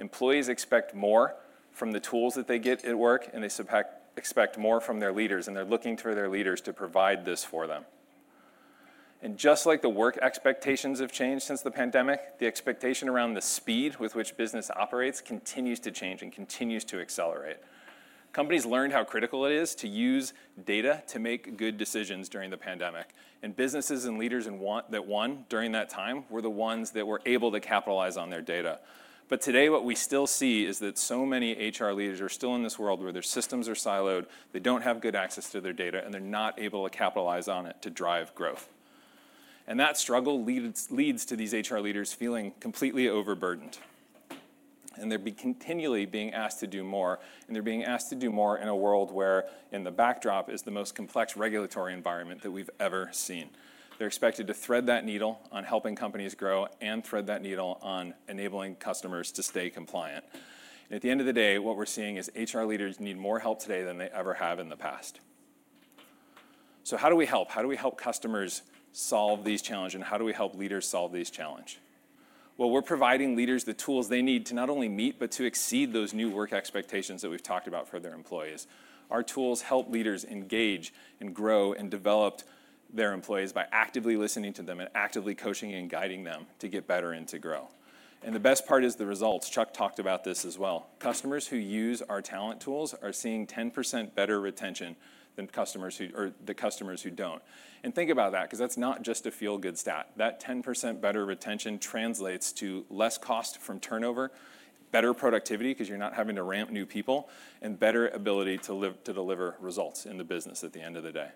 Employees expect more from the tools that they get at work, and they expect more from their leaders. They're looking for their leaders to provide this for them. Just like the work expectations have changed since the pandemic, the expectation around the speed with which business operates continues to change and continues to accelerate. Companies learned how critical it is to use data to make good decisions during the pandemic. And businesses and leaders that won during that time were the ones that were able to capitalize on their data. But today, what we still see is that so many HR leaders are still in this world where their systems are siloed, they don't have good access to their data, and they're not able to capitalize on it to drive growth. And that struggle leads to these HR leaders feeling completely overburdened. And they're continually being asked to do more. And they're being asked to do more in a world where in the backdrop is the most complex regulatory environment that we've ever seen. They're expected to thread that needle on helping companies grow and thread that needle on enabling customers to stay compliant. And at the end of the day, what we're seeing is HR leaders need more help today than they ever have in the past. So how do we help? How do we help customers solve these challenges? And how do we help leaders solve these challenges? Well, we're providing leaders the tools they need to not only meet, but to exceed those new work expectations that we've talked about for their employees. Our tools help leaders engage and grow and develop their employees by actively listening to them and actively coaching and guiding them to get better and to grow. And the best part is the results. Chuck talked about this as well. Customers who use our talent tools are seeing 10% better retention than the customers who don't. And think about that, because that's not just a feel-good stat. That 10% better retention translates to less cost from turnover, better productivity because you're not having to ramp new people, and better ability to deliver results in the business at the end of the day.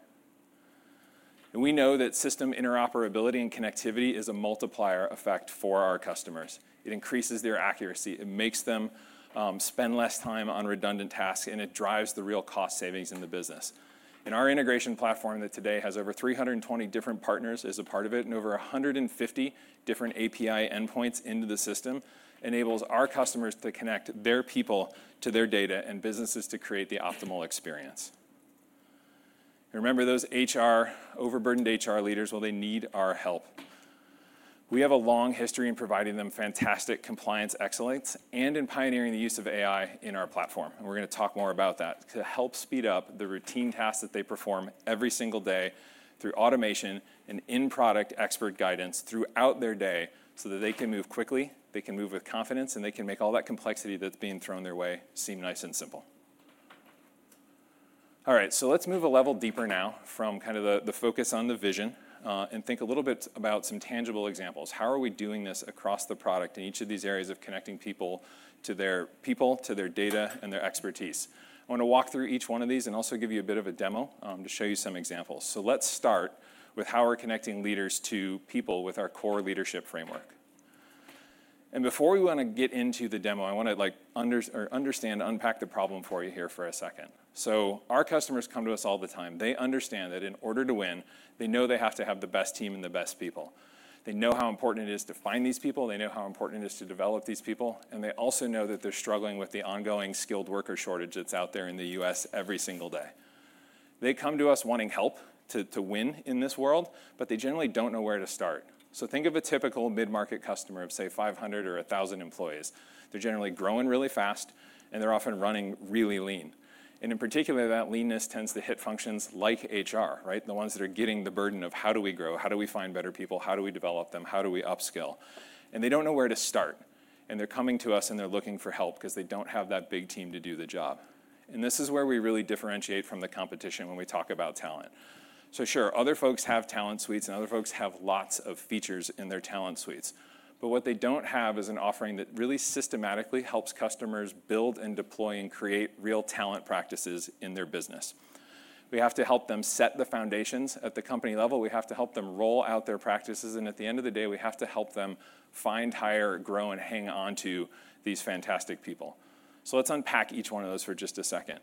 And we know that system interoperability and connectivity is a multiplier effect for our customers. It increases their accuracy. It makes them spend less time on redundant tasks, and it drives the real cost savings in the business. And our integration platform that today has over 320 different partners as a part of it and over 150 different API endpoints into the system enables our customers to connect their people to their data and businesses to create the optimal experience. Remember those overburdened HR leaders? Well, they need our help. We have a long history in providing them fantastic compliance excellence and in pioneering the use of AI in our platform. We're going to talk more about that to help speed up the routine tasks that they perform every single day through automation and in-product expert guidance throughout their day so that they can move quickly, they can move with confidence, and they can make all that complexity that's being thrown their way seem nice and simple. All right. Let's move a level deeper now from kind of the focus on the vision and think a little bit about some tangible examples. How are we doing this across the product in each of these areas of connecting people to their people, to their data, and their expertise? I want to walk through each one of these and also give you a bit of a demo to show you some examples. Let's start with how we're connecting leaders to people with our core leadership framework. And before we want to get into the demo, I want to understand, unpack the problem for you here for a second. So our customers come to us all the time. They understand that in order to win, they know they have to have the best team and the best people. They know how important it is to find these people. They know how important it is to develop these people. And they also know that they're struggling with the ongoing skilled worker shortage that's out there in the U.S. every single day. They come to us wanting help to win in this world, but they generally don't know where to start. So think of a typical mid-market customer of, say, 500 or 1,000 employees. They're generally growing really fast, and they're often running really lean. And in particular, that leanness tends to hit functions like HR, right? The ones that are getting the burden of how do we grow, how do we find better people, how do we develop them, how do we upskill, and they don't know where to start, and they're coming to us, and they're looking for help because they don't have that big team to do the job, and this is where we really differentiate from the competition when we talk about talent, so sure, other folks have talent suites, and other folks have lots of features in their talent suites, but what they don't have is an offering that really systematically helps customers build and deploy and create real talent practices in their business. We have to help them set the foundations at the company level. We have to help them roll out their practices. And at the end of the day, we have to help them find, hire, grow, and hang on to these fantastic people. So let's unpack each one of those for just a second.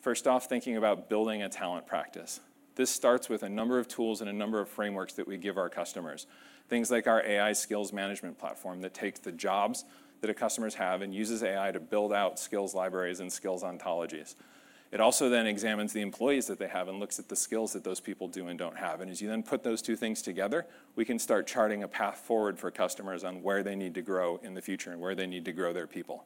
First off, thinking about building a talent practice. This starts with a number of tools and a number of frameworks that we give our customers, things like our AI skills management platform that takes the jobs that customers have and uses AI to build out skills libraries and skills ontologies. It also then examines the employees that they have and looks at the skills that those people do and don't have. And as you then put those two things together, we can start charting a path forward for customers on where they need to grow in the future and where they need to grow their people.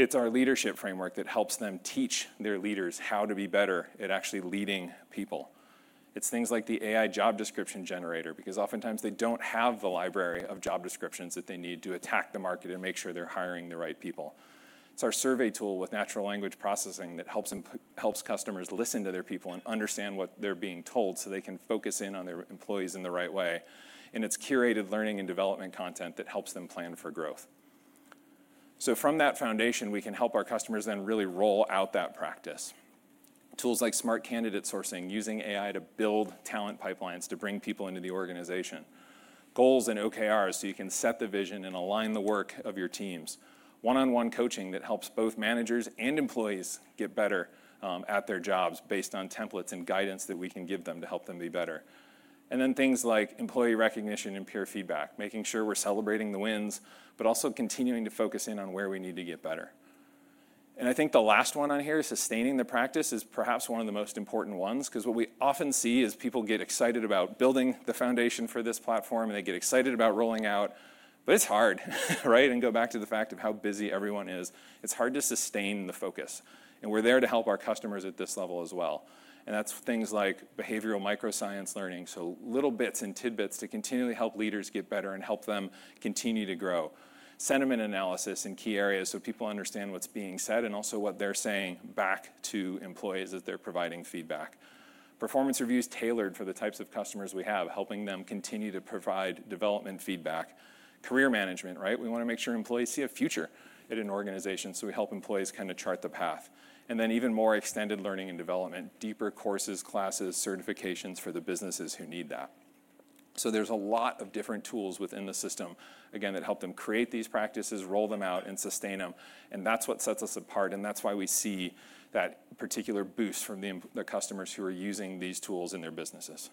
It's our leadership framework that helps them teach their leaders how to be better at actually leading people. It's things like the AI job description generator because oftentimes they don't have the library of job descriptions that they need to attack the market and make sure they're hiring the right people. It's our survey tool with natural language processing that helps customers listen to their people and understand what they're being told so they can focus in on their employees in the right way. And it's curated learning and development content that helps them plan for growth. So from that foundation, we can help our customers then really roll out that practice. Tools like smart candidate sourcing using AI to build talent pipelines to bring people into the organization, goals and OKRs so you can set the vision and align the work of your teams, one-on-one coaching that helps both managers and employees get better at their jobs based on templates and guidance that we can give them to help them be better. And then things like employee recognition and peer feedback, making sure we're celebrating the wins, but also continuing to focus in on where we need to get better. And I think the last one on here, sustaining the practice, is perhaps one of the most important ones because what we often see is people get excited about building the foundation for this platform, and they get excited about rolling out. But it's hard, right? And go back to the fact of how busy everyone is. It's hard to sustain the focus, and we're there to help our customers at this level as well, and that's things like behavioral micro-learning, so little bits and tidbits to continually help leaders get better and help them continue to grow, sentiment analysis in key areas so people understand what's being said and also what they're saying back to employees as they're providing feedback, performance reviews tailored for the types of customers we have, helping them continue to provide development feedback, career management, right? We want to make sure employees see a future at an organization so we help employees kind of chart the path, and then even more extended learning and development, deeper courses, classes, certifications for the businesses who need that, so there's a lot of different tools within the system, again, that help them create these practices, roll them out, and sustain them. That's what sets us apart. That's why we see that particular boost from the customers who are using these tools in their businesses.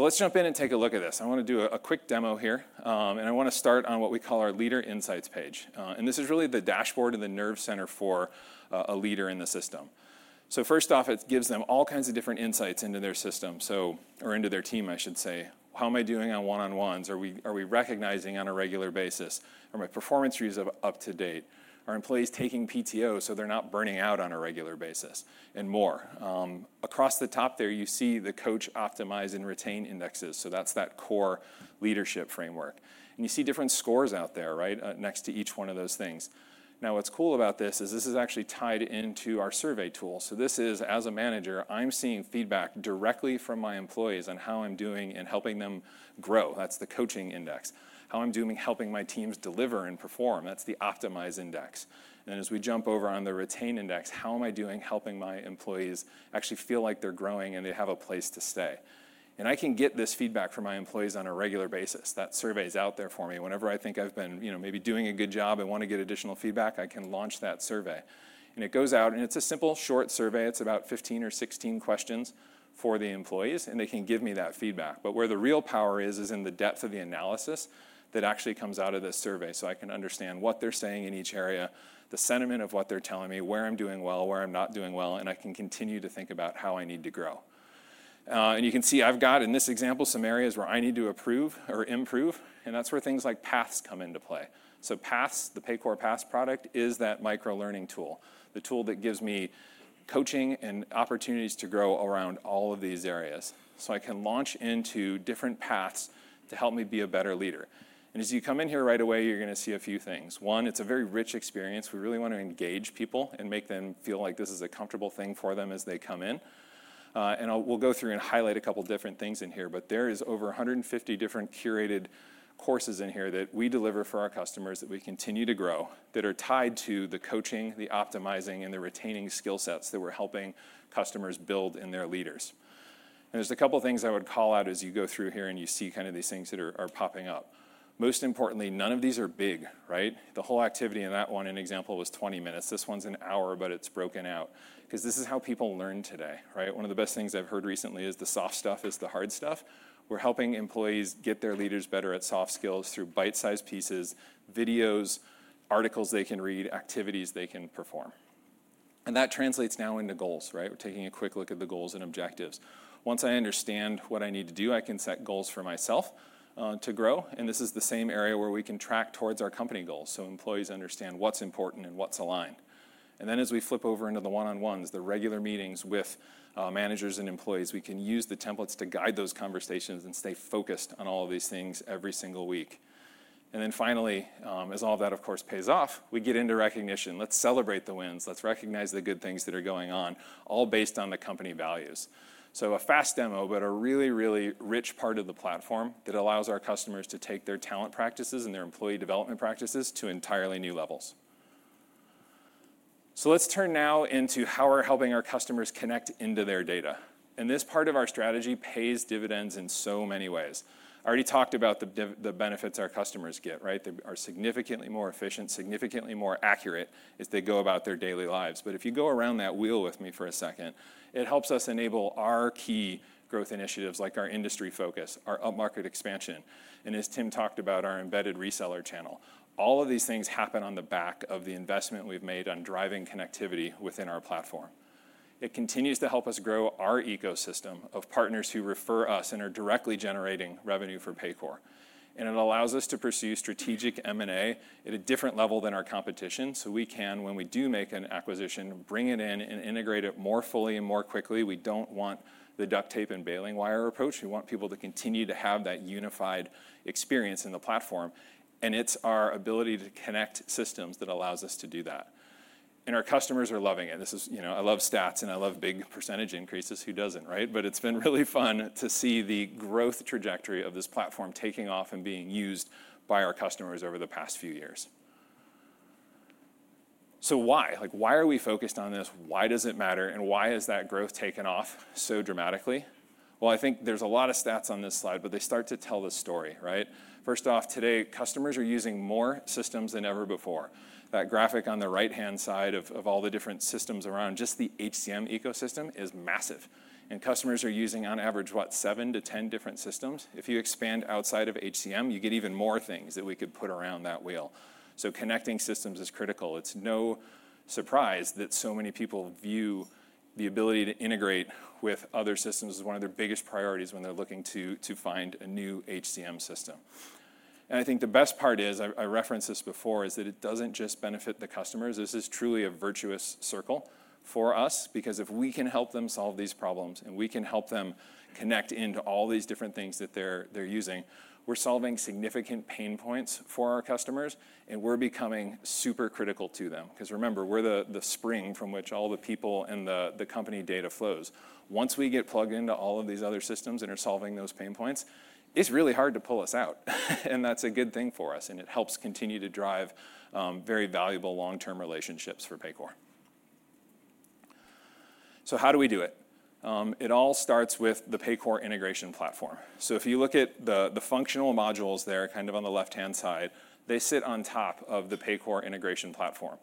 Let's jump in and take a look at this. I want to do a quick demo here. I want to start on what we call our Leader Insights page. This is really the dashboard and the nerve center for a leader in the system. First off, it gives them all kinds of different insights into their system, or into their team, I should say. How am I doing on one-on-ones? Are we recognizing on a regular basis? Are my performance reviews up to date? Are employees taking PTO so they're not burning out on a regular basis? More. Across the top there, you see the Coach, Optimize, and Retain indexes. That's that core leadership framework. You see different scores out there, right, next to each one of those things. Now, what's cool about this is this is actually tied into our survey tool. So this is, as a manager, I'm seeing feedback directly from my employees on how I'm doing in helping them grow. That's the coaching index. How I'm doing helping my teams deliver and perform, that's the Optimize index. And as we jump over on the Retain index, how am I doing helping my employees actually feel like they're growing and they have a place to stay? And I can get this feedback from my employees on a regular basis. That survey is out there for me. Whenever I think I've been maybe doing a good job, I want to get additional feedback, I can launch that survey. And it goes out, and it's a simple, short survey. It's about 15 or 16 questions for the employees, and they can give me that feedback. But where the real power is, is in the depth of the analysis that actually comes out of this survey so I can understand what they're saying in each area, the sentiment of what they're telling me, where I'm doing well, where I'm not doing well, and I can continue to think about how I need to grow, and you can see I've got, in this example, some areas where I need to improve, and that's where things like Paths come into play, so Paths, the Paycor Paths product, is that micro-learning tool, the tool that gives me coaching and opportunities to grow around all of these areas, so I can launch into different paths to help me be a better leader. As you come in here right away, you're going to see a few things. One, it's a very rich experience. We really want to engage people and make them feel like this is a comfortable thing for them as they come in. We'll go through and highlight a couple of different things in here. There are over 150 different curated courses in here that we deliver for our customers that we continue to grow that are tied to the coaching, the optimizing, and the retaining skill sets that we're helping customers build in their leaders. There's a couple of things I would call out as you go through here and you see kind of these things that are popping up. Most importantly, none of these are big, right? The whole activity in that one, an example, was 20 minutes. This one's an hour, but it's broken out because this is how people learn today, right? One of the best things I've heard recently is the soft stuff is the hard stuff. We're helping employees get their leaders better at soft skills through bite-sized pieces, videos, articles they can read, activities they can perform. And that translates now into goals, right? We're taking a quick look at the goals and objectives. Once I understand what I need to do, I can set goals for myself to grow. And this is the same area where we can track towards our company goals so employees understand what's important and what's aligned. And then as we flip over into the one-on-ones, the regular meetings with managers and employees, we can use the templates to guide those conversations and stay focused on all of these things every single week. Then finally, as all of that, of course, pays off, we get into recognition. Let's celebrate the wins. Let's recognize the good things that are going on, all based on the company values. A fast demo, but a really, really rich part of the platform that allows our customers to take their talent practices and their employee development practices to entirely new levels. Let's turn now into how we're helping our customers connect into their data. This part of our strategy pays dividends in so many ways. I already talked about the benefits our customers get, right? They are significantly more efficient, significantly more accurate as they go about their daily lives. If you go around that wheel with me for a second, it helps us enable our key growth initiatives like our industry focus, our upmarket expansion. As Tim talked about, our embedded reseller channel. All of these things happen on the back of the investment we've made on driving connectivity within our platform. It continues to help us grow our ecosystem of partners who refer us and are directly generating revenue for Paycor. It allows us to pursue strategic M&A at a different level than our competition so we can, when we do make an acquisition, bring it in and integrate it more fully and more quickly. We don't want the duct tape and baling wire approach. We want people to continue to have that unified experience in the platform. It's our ability to connect systems that allows us to do that. Our customers are loving it. I love stats, and I love big percentage increases. Who doesn't, right? It's been really fun to see the growth trajectory of this platform taking off and being used by our customers over the past few years. Why? Why are we focused on this? Why does it matter? And why has that growth taken off so dramatically? I think there's a lot of stats on this slide, but they start to tell the story, right? First off, today, customers are using more systems than ever before. That graphic on the right-hand side of all the different systems around just the HCM ecosystem is massive. Customers are using, on average, what, 7-10 different systems? If you expand outside of HCM, you get even more things that we could put around that wheel. Connecting systems is critical. It's no surprise that so many people view the ability to integrate with other systems as one of their biggest priorities when they're looking to find a new HCM system, and I think the best part is, I referenced this before, is that it doesn't just benefit the customers. This is truly a virtuous circle for us because if we can help them solve these problems and we can help them connect into all these different things that they're using, we're solving significant pain points for our customers, and we're becoming super critical to them. Because remember, we're the spring from which all the people and the company data flows. Once we get plugged into all of these other systems and are solving those pain points, it's really hard to pull us out, and that's a good thing for us. And it helps continue to drive very valuable long-term relationships for Paycor. So how do we do it? It all starts with the Paycor Integration Platform. So if you look at the functional modules there kind of on the left-hand side, they sit on top of the Paycor Integration Platform,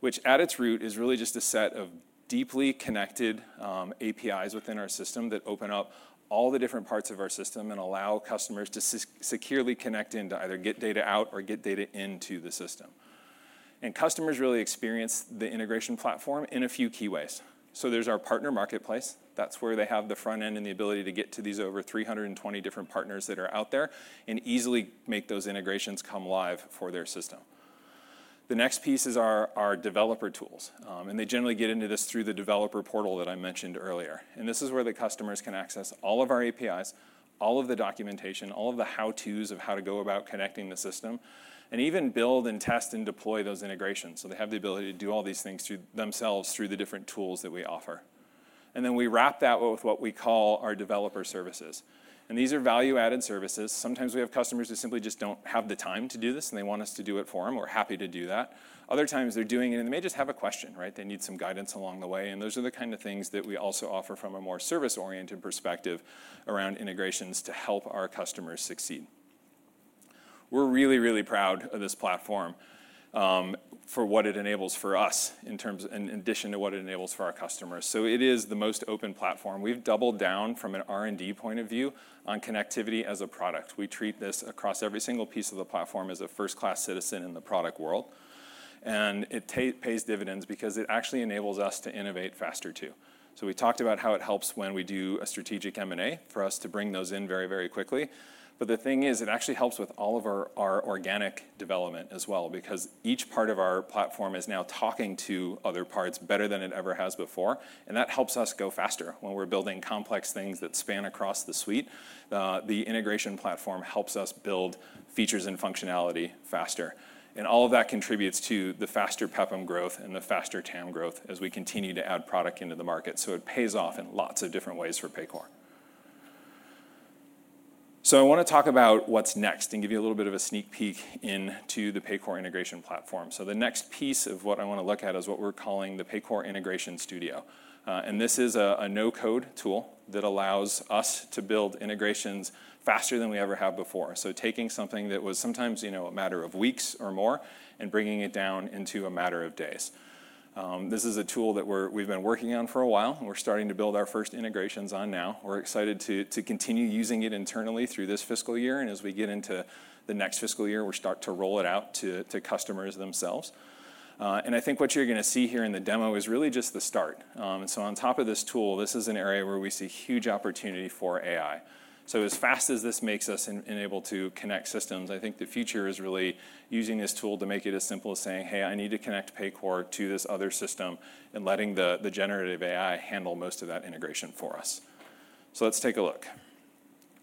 which at its root is really just a set of deeply connected APIs within our system that open up all the different parts of our system and allow customers to securely connect in to either get data out or get data into the system. And customers really experience the integration platform in a few key ways. So there's our partner marketplace. That's where they have the front end and the ability to get to these over 320 different partners that are out there and easily make those integrations come live for their system. The next piece is our developer tools. And they generally get into this through the developer portal that I mentioned earlier. And this is where the customers can access all of our APIs, all of the documentation, all of the how-tos of how to go about connecting the system, and even build and test and deploy those integrations. So they have the ability to do all these things themselves through the different tools that we offer. And then we wrap that with what we call our developer services. And these are value-added services. Sometimes we have customers who simply just don't have the time to do this, and they want us to do it for them. We're happy to do that. Other times, they're doing it, and they may just have a question, right? They need some guidance along the way. And those are the kind of things that we also offer from a more service-oriented perspective around integrations to help our customers succeed. We're really, really proud of this platform for what it enables for us in addition to what it enables for our customers. So it is the most open platform. We've doubled down from an R&D point of view on connectivity as a product. We treat this across every single piece of the platform as a first-class citizen in the product world. And it pays dividends because it actually enables us to innovate faster too. So we talked about how it helps when we do a strategic M&A for us to bring those in very, very quickly. But the thing is, it actually helps with all of our organic development as well because each part of our platform is now talking to other parts better than it ever has before. And that helps us go faster when we're building complex things that span across the suite. The integration platform helps us build features and functionality faster. And all of that contributes to the faster PEPM growth and the faster TAM growth as we continue to add product into the market. So it pays off in lots of different ways for Paycor. So I want to talk about what's next and give you a little bit of a sneak peek into the Paycor Integration Platform. So the next piece of what I want to look at is what we're calling the Paycor Integration Studio. This is a no-code tool that allows us to build integrations faster than we ever have before. Taking something that was sometimes a matter of weeks or more and bringing it down into a matter of days. This is a tool that we've been working on for a while. We're starting to build our first integrations on now. We're excited to continue using it internally through this fiscal year. As we get into the next fiscal year, we'll start to roll it out to customers themselves. I think what you're going to see here in the demo is really just the start. On top of this tool, this is an area where we see huge opportunity for AI. So as fast as this makes us enable to connect systems, I think the future is really using this tool to make it as simple as saying, "Hey, I need to connect Paycor to this other system," and letting the generative AI handle most of that integration for us. So let's take a look.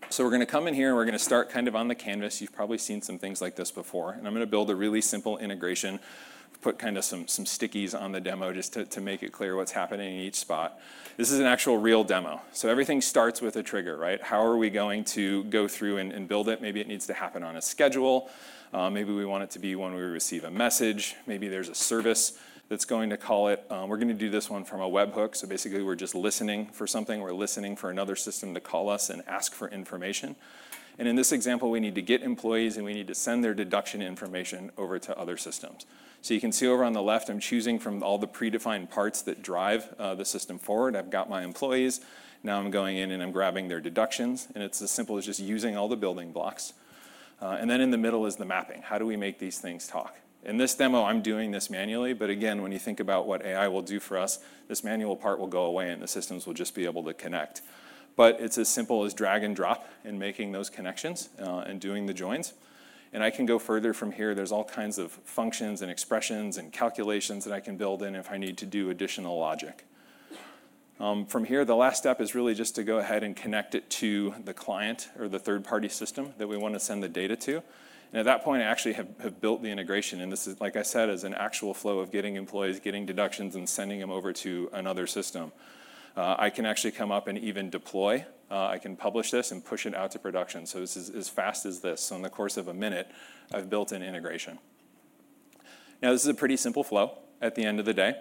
So we're going to come in here, and we're going to start kind of on the canvas. You've probably seen some things like this before. And I'm going to build a really simple integration. I've put kind of some stickies on the demo just to make it clear what's happening in each spot. This is an actual real demo. So everything starts with a trigger, right? How are we going to go through and build it? Maybe it needs to happen on a schedule. Maybe we want it to be when we receive a message. Maybe there's a service that's going to call it. We're going to do this one from a Webhook, so basically, we're just listening for something. We're listening for another system to call us and ask for information, and in this example, we need to get employees, and we need to send their deduction information over to other systems, so you can see over on the left, I'm choosing from all the predefined parts that drive the system forward. I've got my employees, now I'm going in, and I'm grabbing their deductions, and it's as simple as just using all the building blocks, and then in the middle is the mapping. How do we make these things talk? In this demo, I'm doing this manually. But again, when you think about what AI wi ll do for us, this manual part will go away, and the systems will just be able to connect. But it's as simple as drag and drop and making those connections and doing the joins. And I can go further from here. There's all kinds of functions and expressions and calculations that I can build in if I need to do additional logic. From here, the last step is really just to go ahead and connect it to the client or the third-party system that we want to send the data to. And at that point, I actually have built the integration. And this is, like I said, an actual flow of getting employees, getting deductions, and sending them over to another system. I can actually come up and even deploy. I can publish this and push it out to production. This is as fast as this. In the course of a minute, I've built an integration. Now, this is a pretty simple flow at the end of the day.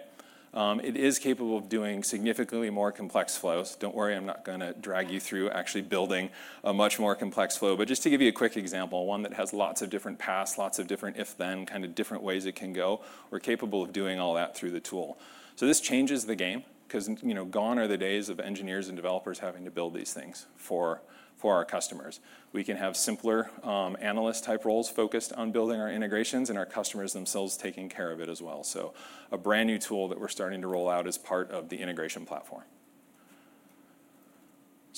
It is capable of doing significantly more complex flows. Don't worry. I'm not going to drag you through actually building a much more complex flow. But just to give you a quick example, one that has lots of different paths, lots of different if-then, kind of different ways it can go, we're capable of doing all that through the tool. This changes the game because gone are the days of engineers and developers having to build these things for our customers. We can have simpler analyst-type roles focused on building our integrations and our customers themselves taking care of it as well. A brand new tool that we're starting to roll out as part of the integration platform.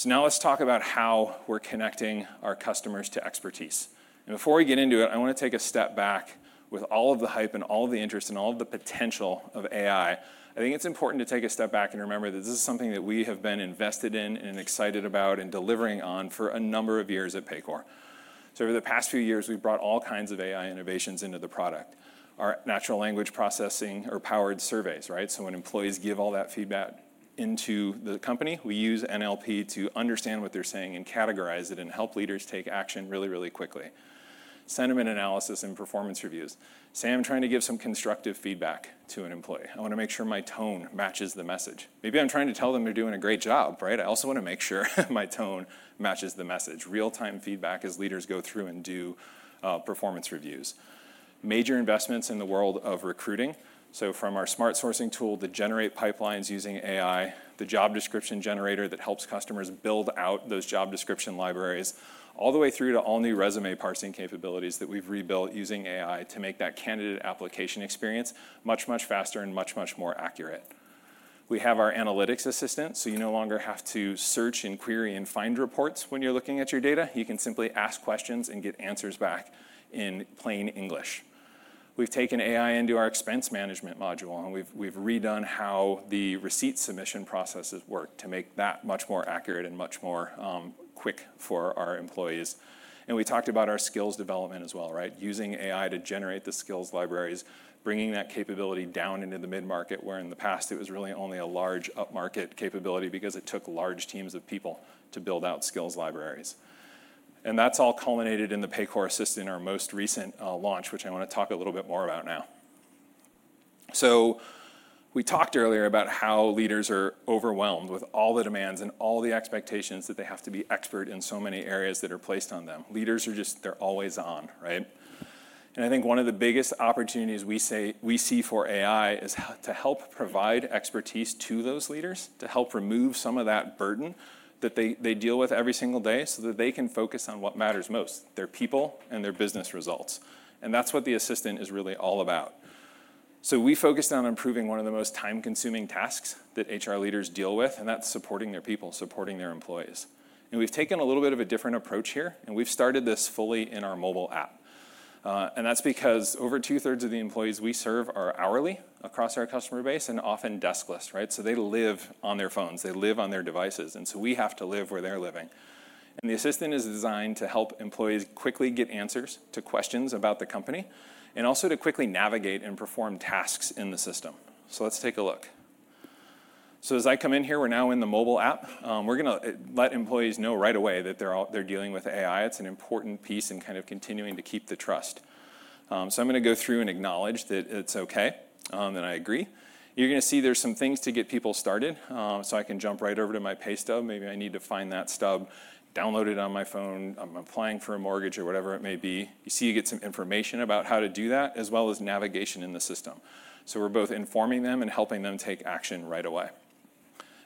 Now let's talk about how we're connecting our customers to expertise. Before we get into it, I want to take a step back. With all of the hype and all of the interest and all of the potential of AI, I think it's important to take a step back and remember that this is something that we have been invested in and excited about and delivering on for a number of years at Paycor. Over the past few years, we've brought all kinds of AI innovations into the product. Our natural language processing-powered surveys, right? So when employees give all that feedback into the company, we use NLP to understand what they're saying and categorize it and help leaders take action really, really quickly. Sentiment analysis and performance reviews. Say I'm trying to give some constructive feedback to an employee. I want to make sure my tone matches the message. Maybe I'm trying to tell them they're doing a great job, right? I also want to make sure my tone matches the message. Real-time feedback as leaders go through and do performance reviews. Major investments in the world of recruiting, so from our Smart Sourcing tool to generate pipelines using AI, the job description generator that helps customers build out those job description libraries, all the way through to all new resume parsing capabilities that we've rebuilt using AI to make that candidate application experience much, much faster and much, much more accurate. We have our Analytics Assistant, so you no longer have to search and query and find reports when you're looking at your data. You can simply ask questions and get answers back in plain English. We've taken AI into our expense management module, and we've redone how the receipt submission processes work to make that much more accurate and much more quick for our employees. And we talked about our skills development as well, right? Using AI to generate the skills libraries, bringing that capability down into the mid-market, where in the past, it was really only a large upmarket capability because it took large teams of people to build out skills libraries. And that's all culminated in the Paycor Assistant, our most recent launch, which I want to talk a little bit more about now. So we talked earlier about how leaders are overwhelmed with all the demands and all the expectations that they have to be expert in so many areas that are placed on them. Leaders are just, they're always on, right? And I think one of the biggest opportunities we see for AI is to help provide expertise to those leaders to help remove some of that burden that they deal with every single day so that they can focus on what matters most: their people and their business results. And that's what the Assistant is really all about. So we focused on improving one of the most time-consuming tasks that HR leaders deal with, and that's supporting their people, supporting their employees. And we've taken a little bit of a different approach here, and we've started this fully in our mobile app. And that's because over two-thirds of the employees we serve are hourly across our customer base and often deskless, right? So they live on their phones. They live on their devices. And so we have to live where they're living. The Assistant is designed to help employees quickly get answers to questions about the company and also to quickly navigate and perform tasks in the system. Let's take a look. As I come in here, we're now in the mobile app. We're going to let employees know right away that they're dealing with AI. It's an important piece in kind of continuing to keep the trust. I'm going to go through and acknowledge that it's okay and that I agree. You're going to see there's some things to get people started. I can jump right over to my pay stub. Maybe I need to find that stub, download it on my phone. I'm applying for a mortgage or whatever it may be. You see you get some information about how to do that as well as navigation in the system. So we're both informing them and helping them take action right away.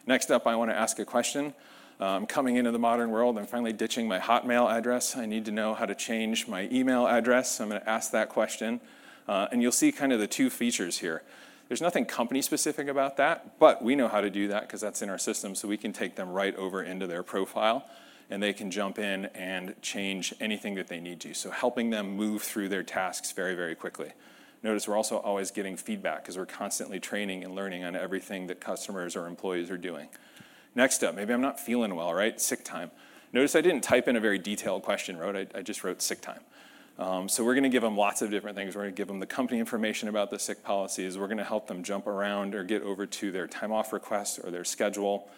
Next up, I want to ask a question. I'm coming into the modern world. I'm finally ditching my Hotmail address. I need to know how to change my email address. So I'm going to ask that question. And you'll see kind of the two features here. There's nothing company-specific about that, but we know how to do that because that's in our system. So we can take them right over into their profile, and they can jump in and change anything that they need to. So helping them move through their tasks very, very quickly. Notice we're also always getting feedback because we're constantly training and learning on everything that customers or employees are doing. Next up, maybe I'm not feeling well, right? Sick time. Notice I didn't type in a very detailed question, right? I just wrote sick time. So we're going to give them lots of different things. We're going to give them the company information about the sick policies. We're going to help them jump around or get over to their time-off request or their schedule.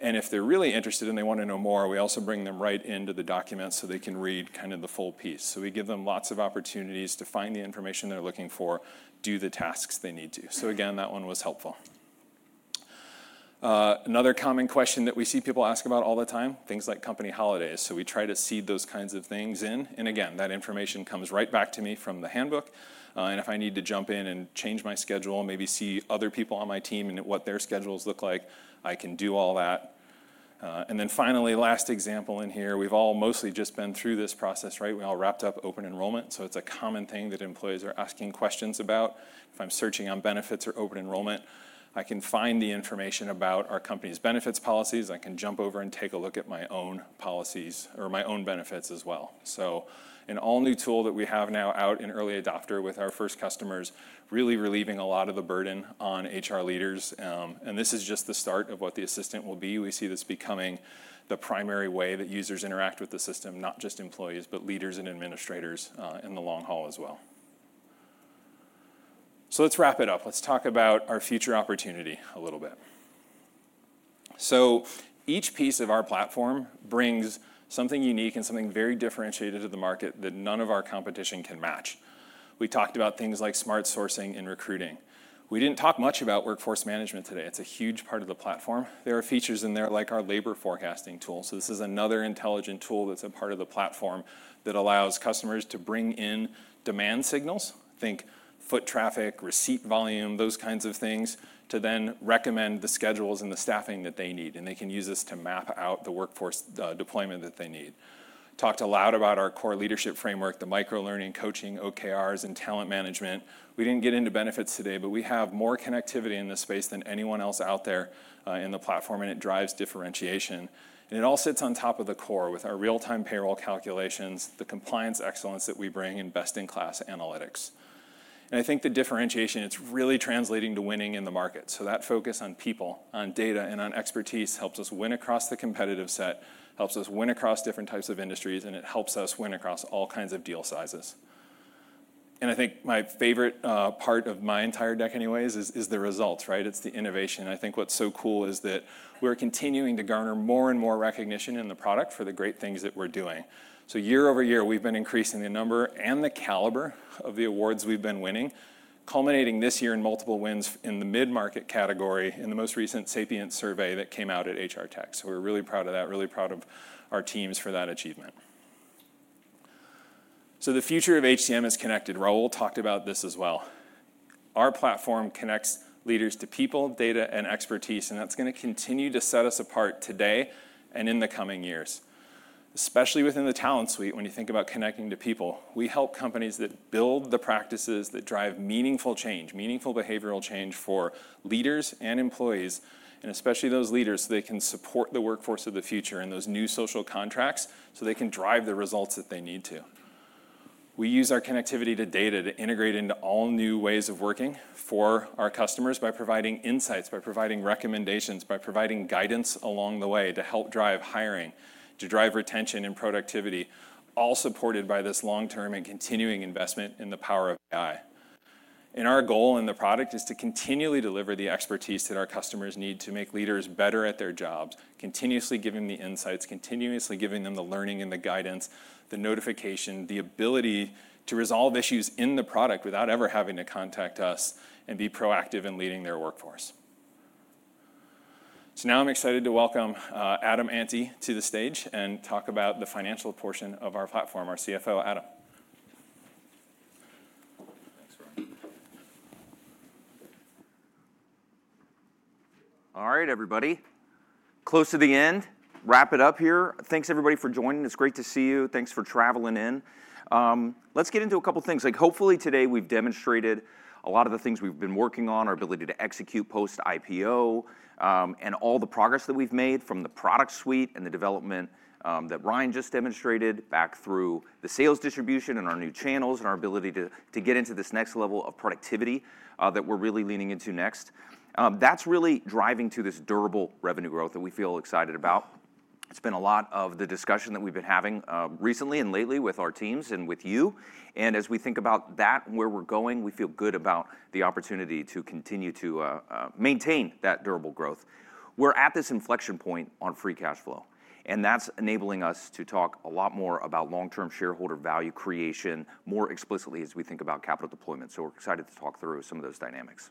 And if they're really interested and they want to know more, we also bring them right into the documents so they can read kind of the full piece. So we give them lots of opportunities to find the information they're looking for, do the tasks they need to. So again, that one was helpful. Another common question that we see people ask about all the time, things like company holidays. So we try to seed those kinds of things in. And again, that information comes right back to me from the handbook. And if I need to jump in and change my schedule, maybe see other people on my team and what their schedules look like, I can do all that. And then finally, last example in here, we've all mostly just been through this process, right? We all wrapped up open enrollment. So it's a common thing that employees are asking questions about. If I'm searching on benefits or open enrollment, I can find the information about our company's benefits policies. I can jump over and take a look at my own policies or my own benefits as well. So an all-new tool that we have now out in early adopter with our first customers really relieving a lot of the burden on HR leaders. And this is just the start of what the Assistant will be. We see this becoming the primary way that users interact with the system, not just employees, but leaders and administrators in the long haul as well. So let's wrap it up. Let's talk about our future opportunity a little bit. So each piece of our platform brings something unique and something very differentiated to the market that none of our competition can match. We talked about things like Smart Sourcing and recruiting. We didn't talk much about Workforce Management today. It's a huge part of the platform. There are features in there like our labor forecasting tool. So this is another intelligent tool that's a part of the platform that allows customers to bring in demand signals, think foot traffic, receipt volume, those kinds of things, to then recommend the schedules and the staffing that they need. They can use this to map out the workforce deployment that they need. We talked a lot about our core leadership framework, the micro-learning, coaching, OKRs, and Talent Management. We didn't get into benefits today, but we have more connectivity in this space than anyone else out there in the platform, and it drives differentiation. It all sits on top of the core with our real-time payroll calculations, the compliance excellence that we bring, and best-in-class analytics. I think the differentiation; it's really translating to winning in the market. That focus on people, on data, and on expertise helps us win across the competitive set, helps us win across different types of industries, and it helps us win across all kinds of deal sizes. I think my favorite part of my entire deck anyways is the results, right? It's the innovation. I think what's so cool is that we're continuing to garner more and more recognition in the product for the great things that we're doing. So year over year, we've been increasing the number and the caliber of the awards we've been winning, culminating this year in multiple wins in the mid-market category in the most recent Sapient survey that came out at HR Tech. So we're really proud of that, really proud of our teams for that achievement. So the future of HCM is connected. Raul talked about this as well. Our platform connects leaders to people, data, and expertise, and that's going to continue to set us apart today and in the coming years, especially within the talent suite when you think about connecting to people. We help companies that build the practices that drive meaningful change, meaningful behavioral change for leaders and employees, and especially those leaders so they can support the workforce of the future and those new social contracts so they can drive the results that they need to. We use our connectivity to data to integrate into all new ways of working for our customers by providing insights, by providing recommendations, by providing guidance along the way to help drive hiring, to drive retention and productivity, all supported by this long-term and continuing investment in the power of AI. Our goal in the product is to continually deliver the expertise that our customers need to make leaders better at their jobs, continuously giving them the insights, continuously giving them the learning and the guidance, the notification, the ability to resolve issues in the product without ever having to contact us and be proactive in leading their workforce. Now I'm excited to welcome Adam Ante to the stage and talk about the financial portion of our platform, our CFO, Adam. All right, everybody. Close to the end, wrap it up here. Thanks, everybody, for joining. It's great to see you. Thanks for traveling in. Let's get into a couple of things. Hopefully, today we've demonstrated a lot of the things we've been working on, our ability to execute post-IPO and all the progress that we've made from the product suite and the development that Ryan just demonstrated back through the sales distribution and our new channels and our ability to get into this next level of productivity that we're really leaning into next. That's really driving to this durable revenue growth that we feel excited about. It's been a lot of the discussion that we've been having recently and lately with our teams and with you. And as we think about that and where we're going, we feel good about the opportunity to continue to maintain that durable growth. We're at this inflection point on free cash flow, and that's enabling us to talk a lot more about long-term shareholder value creation more explicitly as we think about capital deployment. We're excited to talk through some of those dynamics.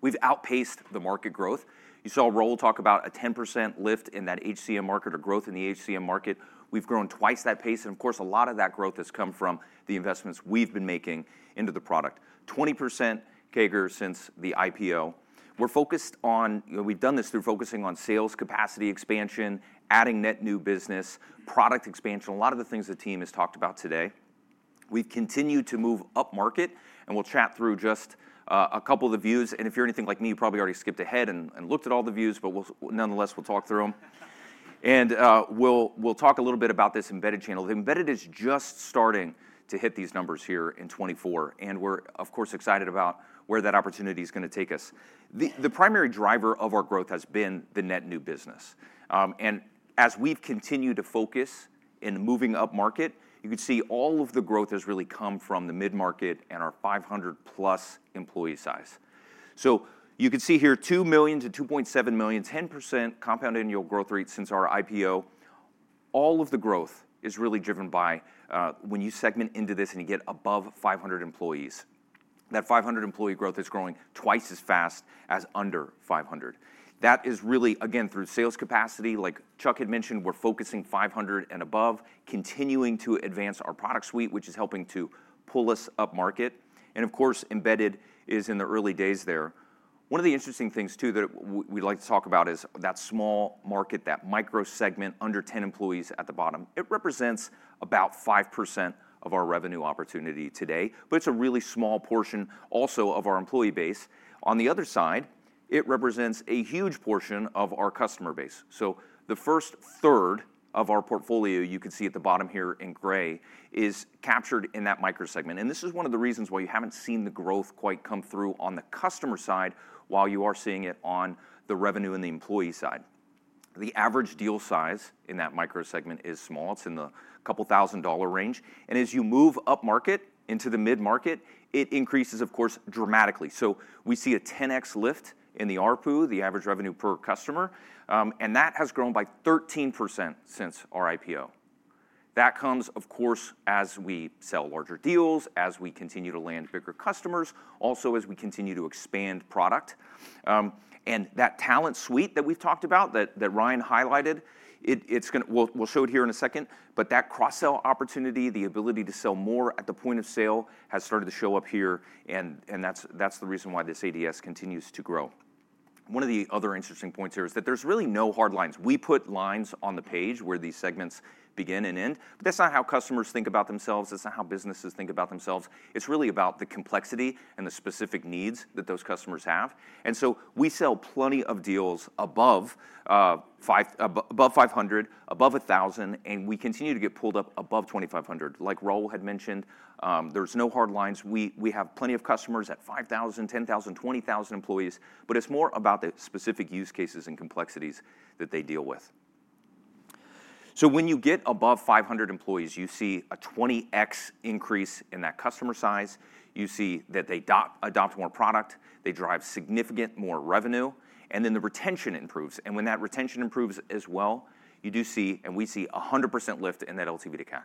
We've outpaced the market growth. You saw Raul talk about a 10% lift in that HCM market or growth in the HCM market. We've grown twice that pace. And of course, a lot of that growth has come from the investments we've been making into the product, 20% CAGR since the IPO. We're focused on, we've done this through focusing on sales capacity expansion, adding net new business, product expansion, a lot of the things the team has talked about today. We continue to move up market, and we'll chat through just a couple of the views. And if you're anything like me, you probably already skipped ahead and looked at all the views, but nonetheless, we'll talk through them. And we'll talk a little bit about this embedded channel. The embedded is just starting to hit these numbers here in 2024, and we're, of course, excited about where that opportunity is going to take us. The primary driver of our growth has been the net new business, and as we've continued to focus in moving up market, you can see all of the growth has really come from the mid-market and our 500-plus employee size, so you can see here 2 million-2.7 million, 10% compound annual growth rate since our IPO. All of the growth is really driven by when you segment into this and you get above 500 employees, that 500-employee growth is growing twice as fast as under 500. That is really, again, through sales capacity. Like Chuck had mentioned, we're focusing 500 and above, continuing to advance our product suite, which is helping to pull us up market. Of course, embedded is in the early days there. One of the interesting things too that we'd like to talk about is that small market, that micro-segment under 10 employees at the bottom. It represents about 5% of our revenue opportunity today, but it's a really small portion also of our employee base. On the other side, it represents a huge portion of our customer base. The first third of our portfolio, you can see at the bottom here in gray, is captured in that micro-segment. This is one of the reasons why you haven't seen the growth quite come through on the customer side while you are seeing it on the revenue and the employee side. The average deal size in that micro-segment is small. It's in the couple thousand dollar range. As you move up market into the mid-market, it increases, of course, dramatically. We see a 10x lift in the RPU, the average revenue per customer, and that has grown by 13% since our IPO. That comes, of course, as we sell larger deals, as we continue to land bigger customers, also as we continue to expand product. And that talent suite that we've talked about that Ryan highlighted, we'll show it here in a second, but that cross-sell opportunity, the ability to sell more at the point of sale has started to show up here, and that's the reason why this ADS continues to grow. One of the other interesting points here is that there's really no hard lines. We put lines on the page where these segments begin and end, but that's not how customers think about themselves. That's not how businesses think about themselves. It's really about the complexity and the specific needs that those customers have. And so we sell plenty of deals above 500, above 1,000, and we continue to get pulled up above 2,500. Like Raul had mentioned, there's no hard lines. We have plenty of customers at 5,000, 10,000, 20,000 employees, but it's more about the specific use cases and complexities that they deal with. So when you get above 500 employees, you see a 20x increase in that customer size. You see that they adopt more product. They drive significant more revenue, and then the retention improves. And when that retention improves as well, you do see, and we see, a 100% lift in that LTV to CAC.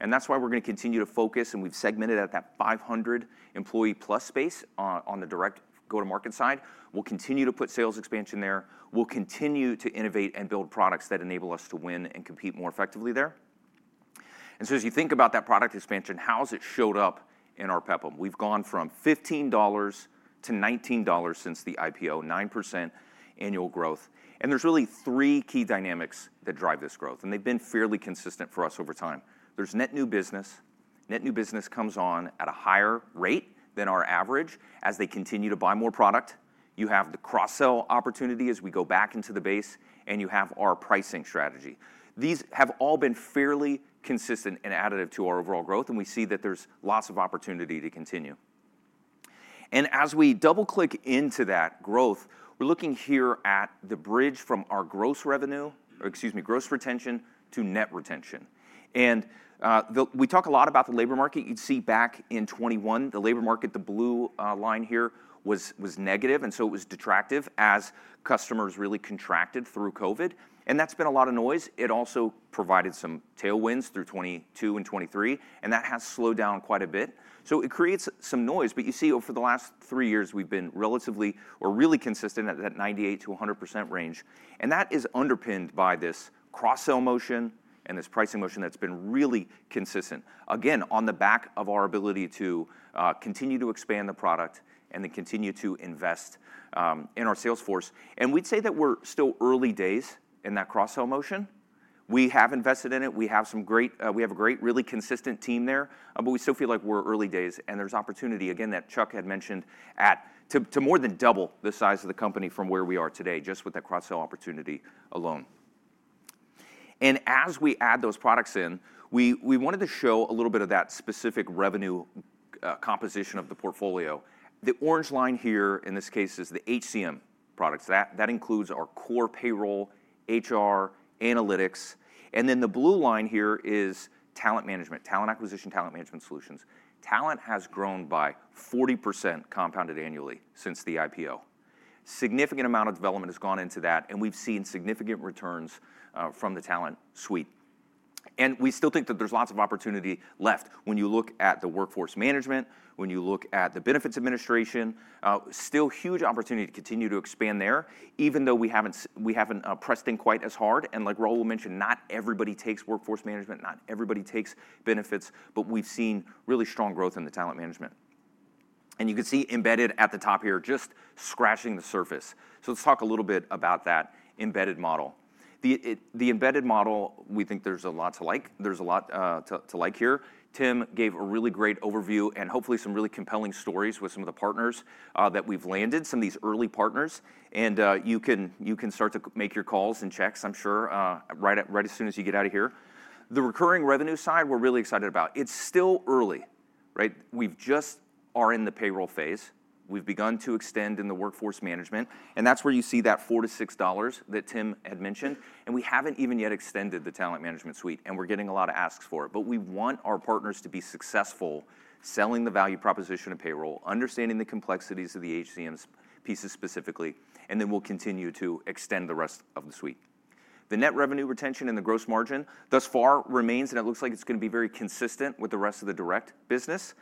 And that's why we're going to continue to focus, and we've segmented at that 500-employee-plus space on the direct go-to-market side. We'll continue to put sales expansion there. We'll continue to innovate and build products that enable us to win and compete more effectively there, and so as you think about that product expansion, how has it showed up in our PEPM? We've gone from $15-$19 since the IPO, 9% annual growth, and there's really three key dynamics that drive this growth, and they've been fairly consistent for us over time. There's net new business. Net new business comes on at a higher rate than our average as they continue to buy more product. You have the cross-sell opportunity as we go back into the base, and you have our pricing strategy. These have all been fairly consistent and additive to our overall growth, and we see that there's lots of opportunity to continue. As we double-click into that growth, we're looking here at the bridge from our gross revenue, excuse me, gross retention to net retention. We talk a lot about the labor market. You'd see back in 2021, the labor market, the blue line here was negative, and so it was detrimental as customers really contracted through COVID. That's been a lot of noise. It also provided some tailwinds through 2022 and 2023, and that has slowed down quite a bit. So it creates some noise, but you see over the last three years, we've been relatively or really consistent at that 98%-100% range. That is underpinned by this cross-sell motion and this pricing motion that's been really consistent, again, on the back of our ability to continue to expand the product and then continue to invest in our sales force. We'd say that we're still early days in that cross-sell motion. We have invested in it. We have a great, really consistent team there, but we still feel like we're early days. There's opportunity, again, that Chuck had mentioned to more than double the size of the company from where we are today just with that cross-sell opportunity alone. As we add those products in, we wanted to show a little bit of that specific revenue composition of the portfolio. The orange line here in this case is the HCM products. That includes our core payroll, HR, analytics. Then the blue line here is Talent Management, Talent Acquisition, Talent Management solutions. Talent has grown by 40% compounded annually since the IPO. Significant amount of development has gone into that, and we've seen significant returns from the talent suite. We still think that there's lots of opportunity left. When you look at the Workforce Management, when you look at the Benefits Administration, still huge opportunity to continue to expand there, even though we haven't pressed in quite as hard. Like Raul mentioned, not everybody takes Workforce Management, not everybody takes benefits, but we've seen really strong growth in the Talent Management. You can see embedded at the top here just scratching the surface. Let's talk a little bit about that embedded model. The embedded model, we think there's a lot to like. There's a lot to like here. Tim gave a really great overview and hopefully some really compelling stories with some of the partners that we've landed, some of these early partners. You can start to make your calls and checks, I'm sure, right as soon as you get out of here. The recurring revenue side, we're really excited about. It's still early, right? We just are in the payroll phase. We've begun to extend in the Workforce Management, and that's where you see that $4-$6 that Tim had mentioned, and we haven't even yet extended the Talent Management suite, and we're getting a lot of asks for it, but we want our partners to be successful selling the value proposition of payroll, understanding the complexities of the HCM pieces specifically, and then we'll continue to extend the rest of the suite. The net revenue retention and the gross margin thus far remains, and it looks like it's going to be very consistent with the rest of the direct business,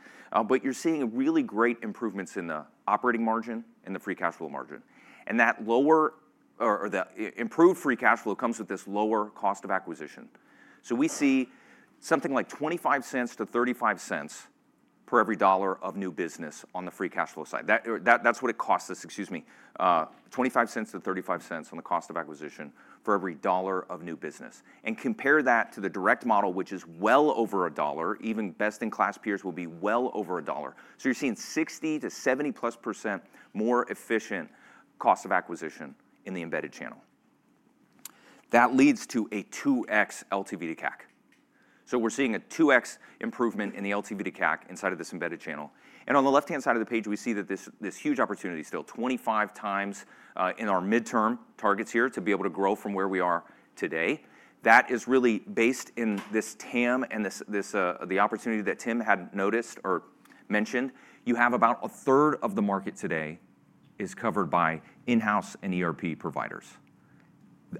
but you're seeing really great improvements in the operating margin and the free cash flow margin. That lower or the improved free cash flow comes with this lower cost of acquisition. So we see something like $0.25-$0.35 per every $1 of new business on the free cash flow side. That's what it costs us, excuse me, $0.25-$0.35 on the cost of acquisition for every $1 of new business. And compare that to the direct model, which is well over $1, even best-in-class peers will be well over $1. So you're seeing 60%-70%+ more efficient cost of acquisition in the embedded channel. That leads to a 2x LTV to CAC. So we're seeing a 2x improvement in the LTV to CAC inside of this embedded channel. And on the left-hand side of the page, we see that this huge opportunity is still 25 times in our midterm targets here to be able to grow from where we are today. That is really based in this TAM and the opportunity that Tim had noticed or mentioned. You have about a third of the market today is covered by in-house and ERP providers.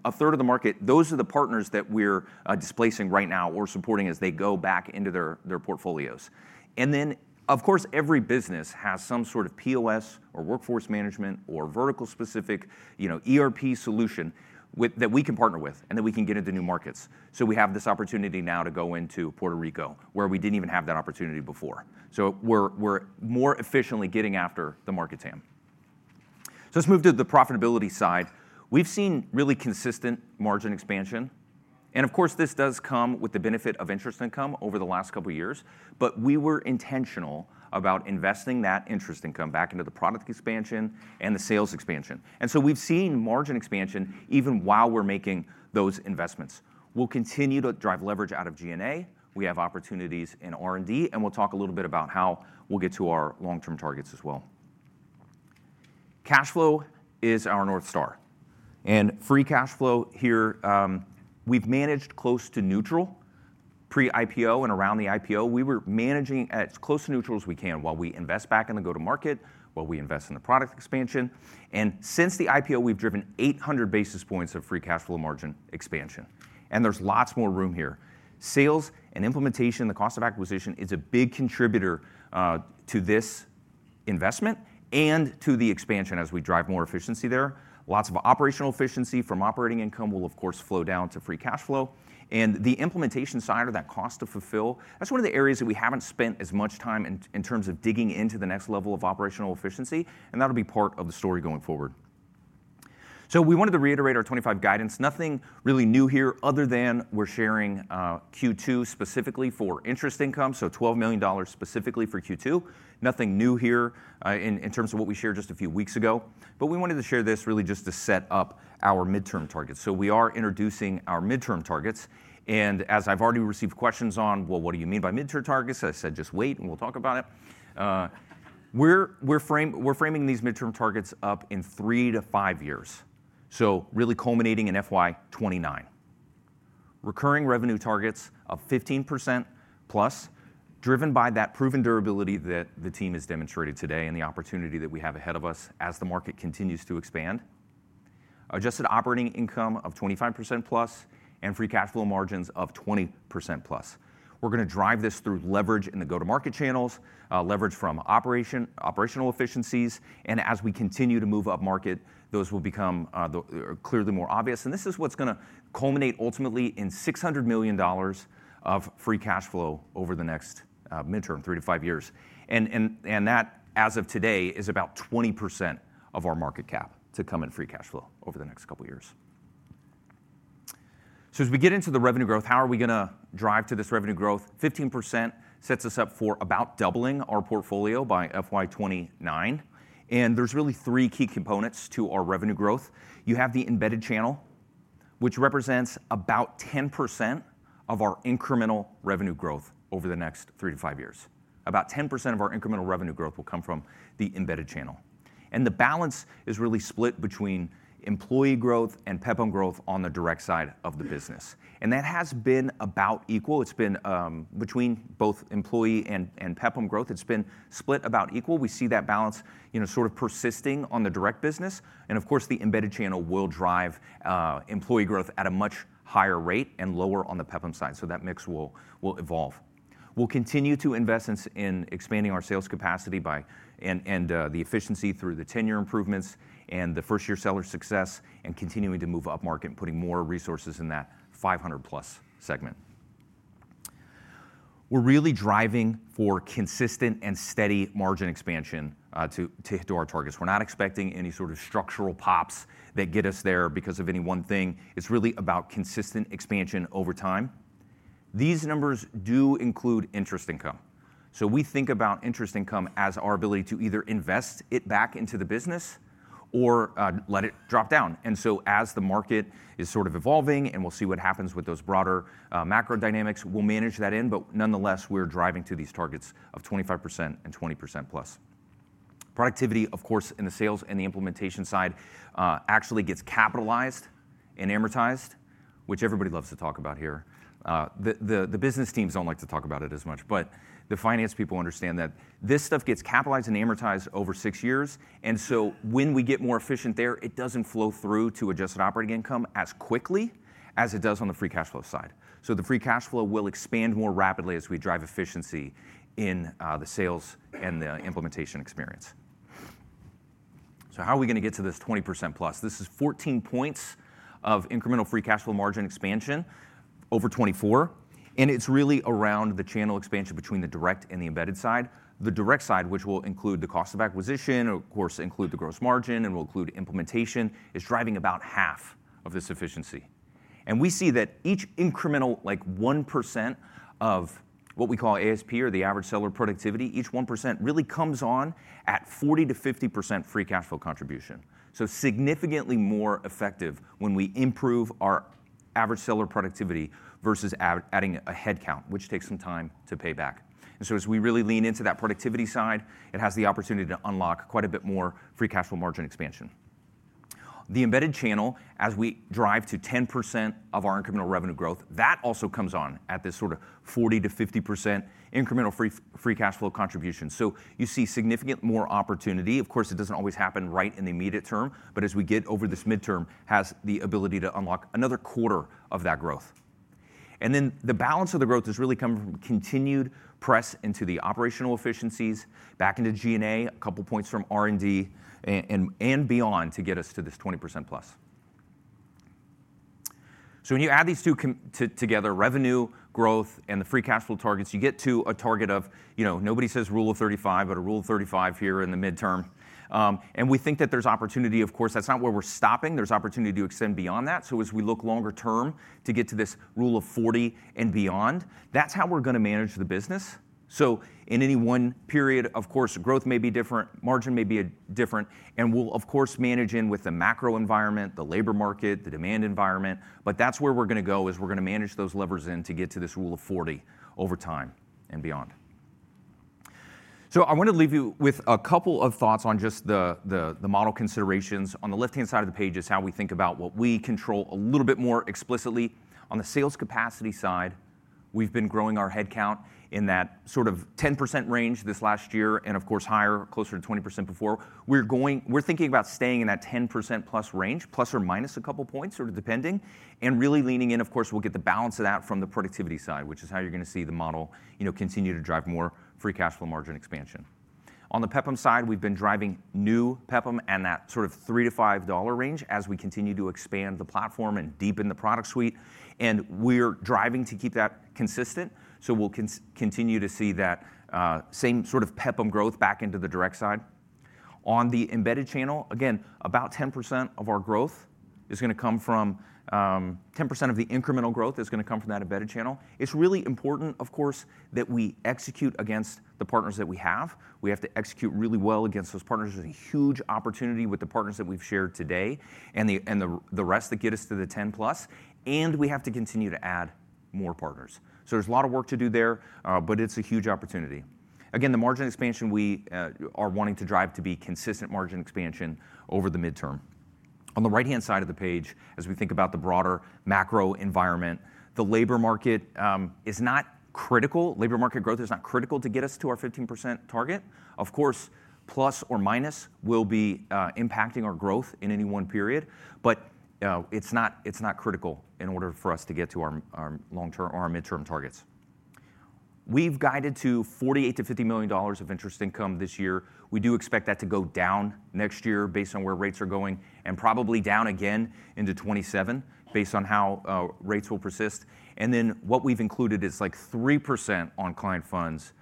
A third of the market, those are the partners that we're displacing right now or supporting as they go back into their portfolios. And then, of course, every business has some sort of POS or Workforce Management or vertical-specific ERP solution that we can partner with and that we can get into new markets. So we have this opportunity now to go into Puerto Rico where we didn't even have that opportunity before. So we're more efficiently getting after the market TAM. So let's move to the profitability side. We've seen really consistent margin expansion. And of course, this does come with the benefit of interest income over the last couple of years, but we were intentional about investing that interest income back into the product expansion and the sales expansion. And so we've seen margin expansion even while we're making those investments. We'll continue to drive leverage out of G&A. We have opportunities in R&D, and we'll talk a little bit about how we'll get to our long-term targets as well. Cash flow is our North Star. And free cash flow here, we've managed close to neutral pre-IPO and around the IPO. We were managing as close to neutral as we can while we invest back in the go-to-market, while we invest in the product expansion. And since the IPO, we've driven 800 basis points of free cash flow margin expansion. And there's lots more room here. Sales and implementation, the cost of acquisition is a big contributor to this investment and to the expansion as we drive more efficiency there. Lots of operational efficiency from operating income will, of course, flow down to free cash flow. And the implementation side or that cost to fulfill, that's one of the areas that we haven't spent as much time in terms of digging into the next level of operational efficiency, and that'll be part of the story going forward. So we wanted to reiterate our 2025 guidance. Nothing really new here other than we're sharing Q2 specifically for interest income, so $12 million specifically for Q2. Nothing new here in terms of what we shared just a few weeks ago, but we wanted to share this really just to set up our midterm targets. So we are introducing our midterm targets. And as I've already received questions on, well, what do you mean by midterm targets? I said, just wait and we'll talk about it. We're framing these midterm targets up in three to five years, so really culminating in FY 2029. Recurring revenue targets of 15% plus, driven by that proven durability that the team has demonstrated today and the opportunity that we have ahead of us as the market continues to expand. Adjusted operating income of 25% plus and free cash flow margins of 20% plus. We're going to drive this through leverage in the go-to-market channels, leverage from operational efficiencies. And as we continue to move up market, those will become clearly more obvious. And this is what's going to culminate ultimately in $600 million of free cash flow over the next midterm, three to five years. That, as of today, is about 20% of our market cap to come in free cash flow over the next couple of years. As we get into the revenue growth, how are we going to drive to this revenue growth? 15% sets us up for about doubling our portfolio by FY 2029. There's really three key components to our revenue growth. You have the embedded channel, which represents about 10% of our incremental revenue growth over the next three to five years. About 10% of our incremental revenue growth will come from the embedded channel. The balance is really split between employee growth and PEPM growth on the direct side of the business. That has been about equal. It's been between both employee and PEPM growth. It's been split about equal. We see that balance sort of persisting on the direct business. And of course, the embedded channel will drive employee growth at a much higher rate and lower on the PEPM side. So that mix will evolve. We'll continue to invest in expanding our sales capacity by and the efficiency through the tenure improvements and the first-year seller success and continuing to move up market and putting more resources in that 500-plus segment. We're really driving for consistent and steady margin expansion to our targets. We're not expecting any sort of structural pops that get us there because of any one thing. It's really about consistent expansion over time. These numbers do include interest income. So we think about interest income as our ability to either invest it back into the business or let it drop down. And so as the market is sort of evolving and we'll see what happens with those broader macro dynamics, we'll manage that in. But nonetheless, we're driving to these targets of 25% and 20% plus. Productivity, of course, in the sales and the implementation side actually gets capitalized and amortized, which everybody loves to talk about here. The business teams don't like to talk about it as much, but the finance people understand that this stuff gets capitalized and amortized over six years. And so when we get more efficient there, it doesn't flow through to adjusted operating income as quickly as it does on the free cash flow side. So the free cash flow will expand more rapidly as we drive efficiency in the sales and the implementation experience. So how are we going to get to this 20% plus? This is 14 points of incremental free cash flow margin expansion over 2024. And it's really around the channel expansion between the direct and the embedded side. The direct side, which will include the cost of acquisition, of course include the gross margin, and will include implementation, is driving about half of this efficiency. And we see that each incremental, like 1% of what we call ASP or the average seller productivity, each 1% really comes on at 40%-50% free cash flow contribution. So significantly more effective when we improve our average seller productivity versus adding a headcount, which takes some time to pay back. And so as we really lean into that productivity side, it has the opportunity to unlock quite a bit more free cash flow margin expansion. The embedded channel, as we drive to 10% of our incremental revenue growth, that also comes on at this sort of 40%-50% incremental free cash flow contribution. So you see significantly more opportunity. Of course, it doesn't always happen right in the immediate term, but as we get over this midterm, has the ability to unlock another quarter of that growth. And then the balance of the growth is really coming from continued press into the operational efficiencies, back into G&A, a couple of points from R&D and beyond to get us to this 20% plus. So when you add these two together, revenue growth and the free cash flow targets, you get to a target of, nobody says Rule of 35, but a Rule of 35 here in the midterm. And we think that there's opportunity. Of course, that's not where we're stopping. There's opportunity to extend beyond that. So as we look longer term to get to this Rule of 40 and beyond, that's how we're going to manage the business. In any one period, of course, growth may be different, margin may be different, and we'll, of course, manage in with the macro environment, the labor market, the demand environment. But that's where we're going to go is we're going to manage those levers in to get to this Rule of 40 over time and beyond. I want to leave you with a couple of thoughts on just the model considerations. On the left-hand side of the page is how we think about what we control a little bit more explicitly. On the sales capacity side, we've been growing our headcount in that sort of 10% range this last year and, of course, higher, closer to 20% before. We're thinking about staying in that 10% plus range, plus or minus a couple of points, sort of depending. Really leaning in, of course, we'll get the balance of that from the productivity side, which is how you're going to see the model continue to drive more free cash flow margin expansion. On the PEPM side, we've been driving new PEPM and that sort of $3-$5 range as we continue to expand the platform and deepen the product suite. We're driving to keep that consistent. We'll continue to see that same sort of PEPM growth back into the direct side. On the embedded channel, again, about 10% of our growth is going to come from 10% of the incremental growth is going to come from that embedded channel. It's really important, of course, that we execute against the partners that we have. We have to execute really well against those partners. There's a huge opportunity with the partners that we've shared today and the rest that get us to the 10 plus, and we have to continue to add more partners. So there's a lot of work to do there, but it's a huge opportunity. Again, the margin expansion we are wanting to drive to be consistent margin expansion over the midterm. On the right-hand side of the page, as we think about the broader macro environment, the labor market is not critical. Labor market growth is not critical to get us to our 15% target. Of course, plus or minus will be impacting our growth in any one period, but it's not critical in order for us to get to our midterm targets. We've guided to $48 million-$50 million of interest income this year. We do expect that to go down next year based on where rates are going and probably down again into 2027 based on how rates will persist. And then what we've included is like 3% on client funds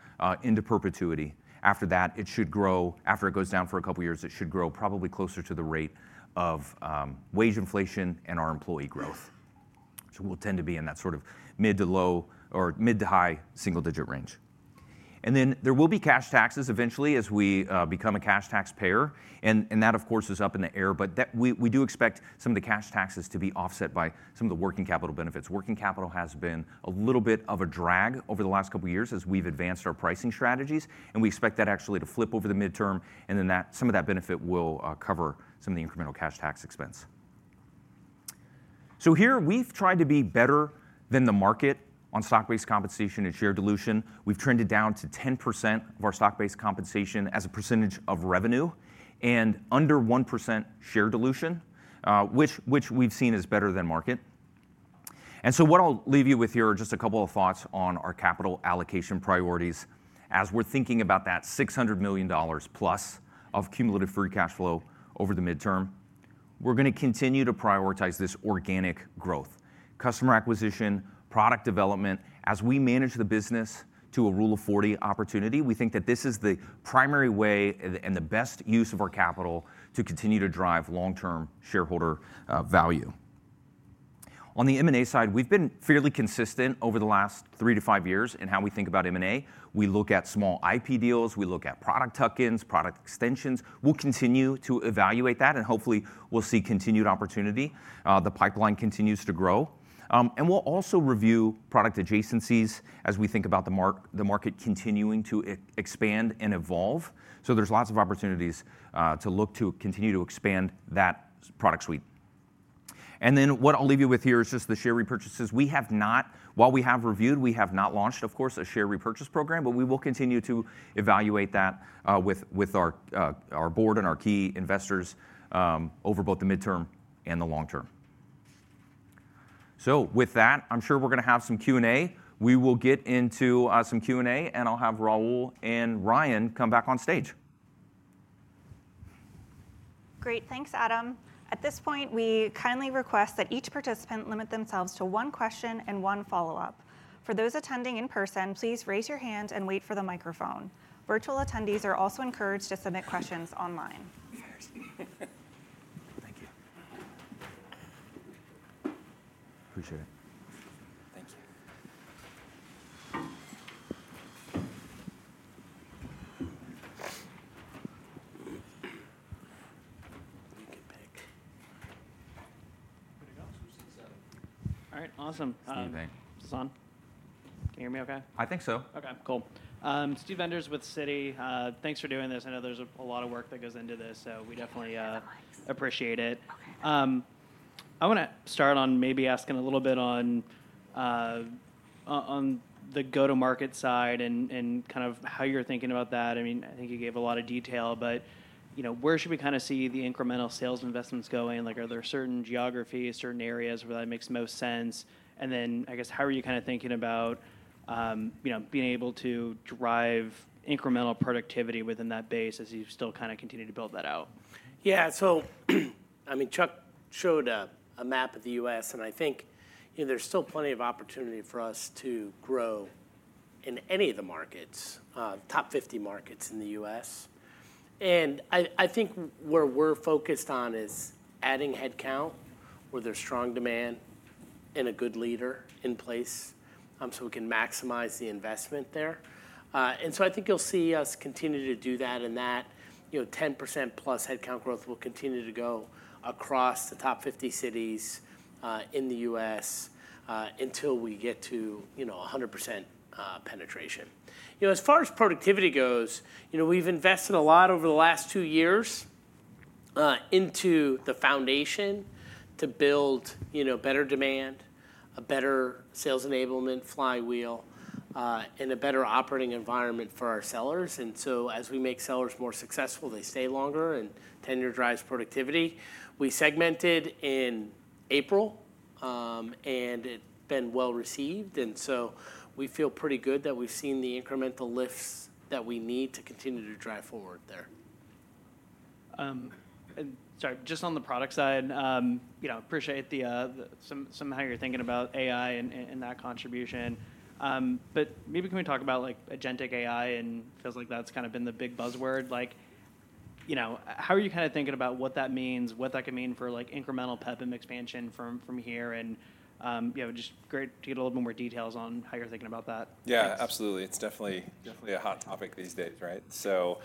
into perpetuity. After that, it should grow after it goes down for a couple of years, it should grow probably closer to the rate of wage inflation and our employee growth. So we'll tend to be in that sort of mid to low or mid to high single-digit range. And then there will be cash taxes eventually as we become a cash tax payer. And that, of course, is up in the air, but we do expect some of the cash taxes to be offset by some of the working capital benefits. Working capital has been a little bit of a drag over the last couple of years as we've advanced our pricing strategies, and we expect that actually to flip over the midterm and then that some of that benefit will cover some of the incremental cash tax expense, so here we've tried to be better than the market on stock-based compensation and share dilution. We've trended down to 10% of our stock-based compensation as a percentage of revenue and under 1% share dilution, which we've seen is better than market, and so what I'll leave you with here are just a couple of thoughts on our capital allocation priorities. As we're thinking about that $600 million plus of cumulative free cash flow over the midterm, we're going to continue to prioritize this organic growth, customer acquisition, product development as we manage the business to a Rule of 40 opportunity. We think that this is the primary way and the best use of our capital to continue to drive long-term shareholder value. On the M&A side, we've been fairly consistent over the last three to five years in how we think about M&A. We look at small IP deals. We look at product tuck-ins, product extensions. We'll continue to evaluate that and hopefully we'll see continued opportunity. The pipeline continues to grow, and we'll also review product adjacencies as we think about the market continuing to expand and evolve, so there's lots of opportunities to look to continue to expand that product suite, and then what I'll leave you with here is just the share repurchases. We have not, while we have reviewed, we have not launched, of course, a share repurchase program, but we will continue to evaluate that with our board and our key investors over both the midterm and the long term. So with that, I'm sure we're going to have some Q&A. We will get into some Q&A and I'll have Raul and Ryan come back on stage. Great. Thanks, Adam. At this point, we kindly request that each participant limit themselves to one question and one follow-up. For those attending in person, please raise your hand and wait for the microphone. Virtual attendees are also encouraged to submit questions online. Thank you. Appreciate it. Thank you. You can pick. All right. Awesome. It's on. Can you hear me okay? I think so. Okay. Cool. Steve Enders with Citi. Thanks for doing this. I know there's a lot of work that goes into this, so we definitely appreciate it. I want to start on maybe asking a little bit on the go-to-market side and kind of how you're thinking about that. I mean, I think you gave a lot of detail, but where should we kind of see the incremental sales investments going? Are there certain geographies, certain areas where that makes most sense? And then I guess how are you kind of thinking about being able to drive incremental productivity within that base as you still kind of continue to build that out? Yeah. So I mean, Chuck showed a map of the U.S., and I think there's still plenty of opportunity for us to grow in any of the markets, top 50 markets in the U.S. And I think where we're focused on is adding headcount where there's strong demand and a good leader in place so we can maximize the investment there. And so I think you'll see us continue to do that. And that 10% plus headcount growth will continue to go across the top 50 cities in the U.S. until we get to 100% penetration. As far as productivity goes, we've invested a lot over the last two years into the foundation to build better demand, a better sales enablement flywheel, and a better operating environment for our sellers. And so as we make sellers more successful, they stay longer and tenure drives productivity. We segmented in April, and it's been well received. And so we feel pretty good that we've seen the incremental lifts that we need to continue to drive forward there. Sorry, just on the product side. Appreciate some of how you're thinking about AI and that contribution. But maybe can we talk about agentic AI. And it feels like that's kind of been the big buzzword. How are you kind of thinking about what that means, what that can mean for incremental PEPM expansion from here? And it's just great to get a little bit more details on how you're thinking about that. Yeah, absolutely. It's definitely a hot topic these days, right? So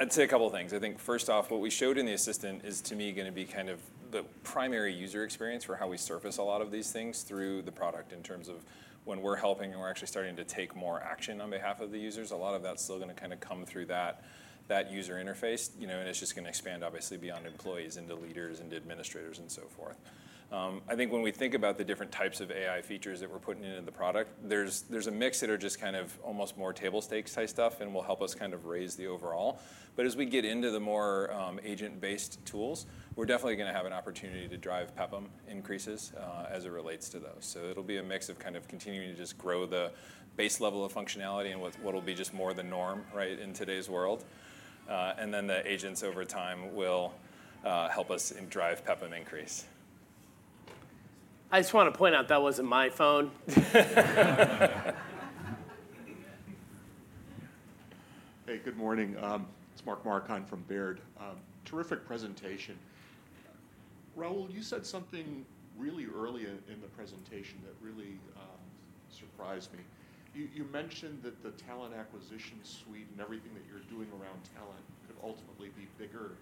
I'd say a couple of things. I think first off, what we showed in the assistant is to me going to be kind of the primary user experience for how we surface a lot of these things through the product in terms of when we're helping and we're actually starting to take more action on behalf of the users. A lot of that's still going to kind of come through that user interface, and it's just going to expand, obviously, beyond employees into leaders and administrators and so forth. I think when we think about the different types of AI features that we're putting into the product, there's a mix that are just kind of almost more table stakes type stuff and will help us kind of raise the overall, but as we get into the more agent-based tools, we're definitely going to have an opportunity to drive PEPM increases as it relates to those, so it'll be a mix of kind of continuing to just grow the base level of functionality and what will be just more the norm in today's world, and then the agents over time will help us drive PEPM increase. I just want to point out that wasn't my phone. Hey, good morning. It's Mark Marcon from Baird. Terrific presentation. Raul, you said something really early in the presentation that really surprised me. You mentioned that the Talent Acquisition suite and everything that you're doing around talent could ultimately be bigger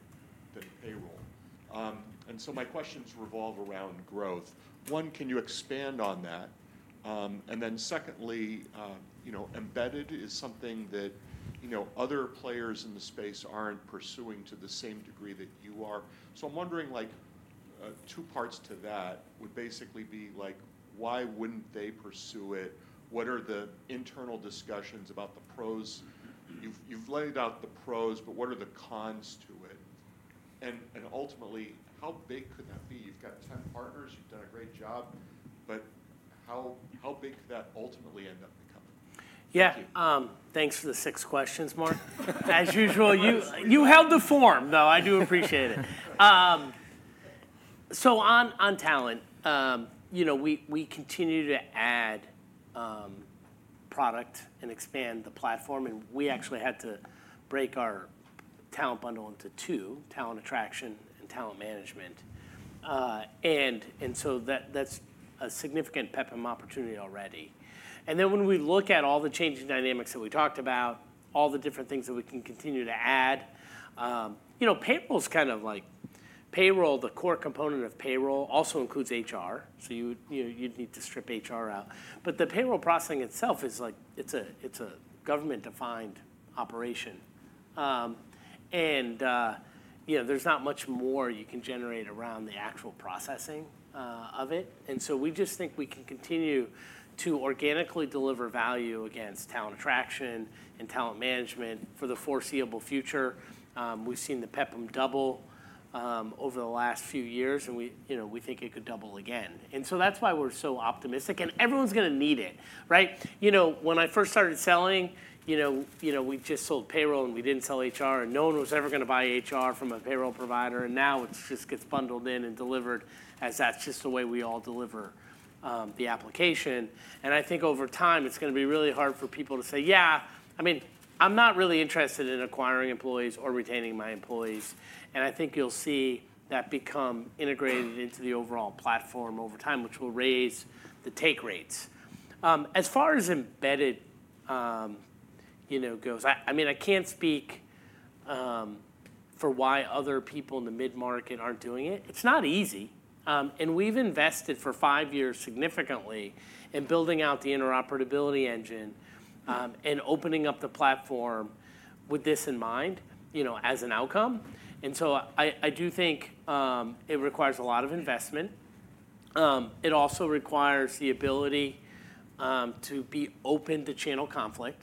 than payroll. And so my questions revolve around growth. One, can you expand on that? And then secondly, embedded is something that other players in the space aren't pursuing to the same degree that you are. So I'm wondering, two parts to that would basically be like, why wouldn't they pursue it? What are the internal discussions about the pros? You've laid out the pros, but what are the cons to it? And ultimately, how big could that be? You've got 10 partners. You've done a great job, but how big could that ultimately end up becoming? Yeah. Thanks for the six questions, Mark. As usual, you held the form, though. I do appreciate it, so on talent, we continue to add product and expand the platform, and we actually had to break our talent bundle into two, Talent Attraction and Talent Management, and so that's a significant PEPM opportunity already, and then when we look at all the changing dynamics that we talked about, all the different things that we can continue to add, payroll is kind of like payroll, the core component of payroll also includes HR, so you'd need to strip HR out, but the payroll processing itself is a government-defined operation, and there's not much more you can generate around the actual processing of it, and so we just think we can continue to organically deliver value against Talent Attraction and Talent Management for the foreseeable future. We've seen the PEPM double over the last few years, and we think it could double again. And so that's why we're so optimistic. And everyone's going to need it, right? When I first started selling, we just sold payroll and we didn't sell HR, and no one was ever going to buy HR from a payroll provider. And now it just gets bundled in and delivered as that's just the way we all deliver the application. And I think over time, it's going to be really hard for people to say, "Yeah, I mean, I'm not really interested in acquiring employees or retaining my employees." And I think you'll see that become integrated into the overall platform over time, which will raise the take rates. As far as embedded goes, I mean, I can't speak for why other people in the mid-market aren't doing it. It's not easy. And we've invested for five years significantly in building out the interoperability engine and opening up the platform with this in mind as an outcome. And so I do think it requires a lot of investment. It also requires the ability to be open to channel conflict.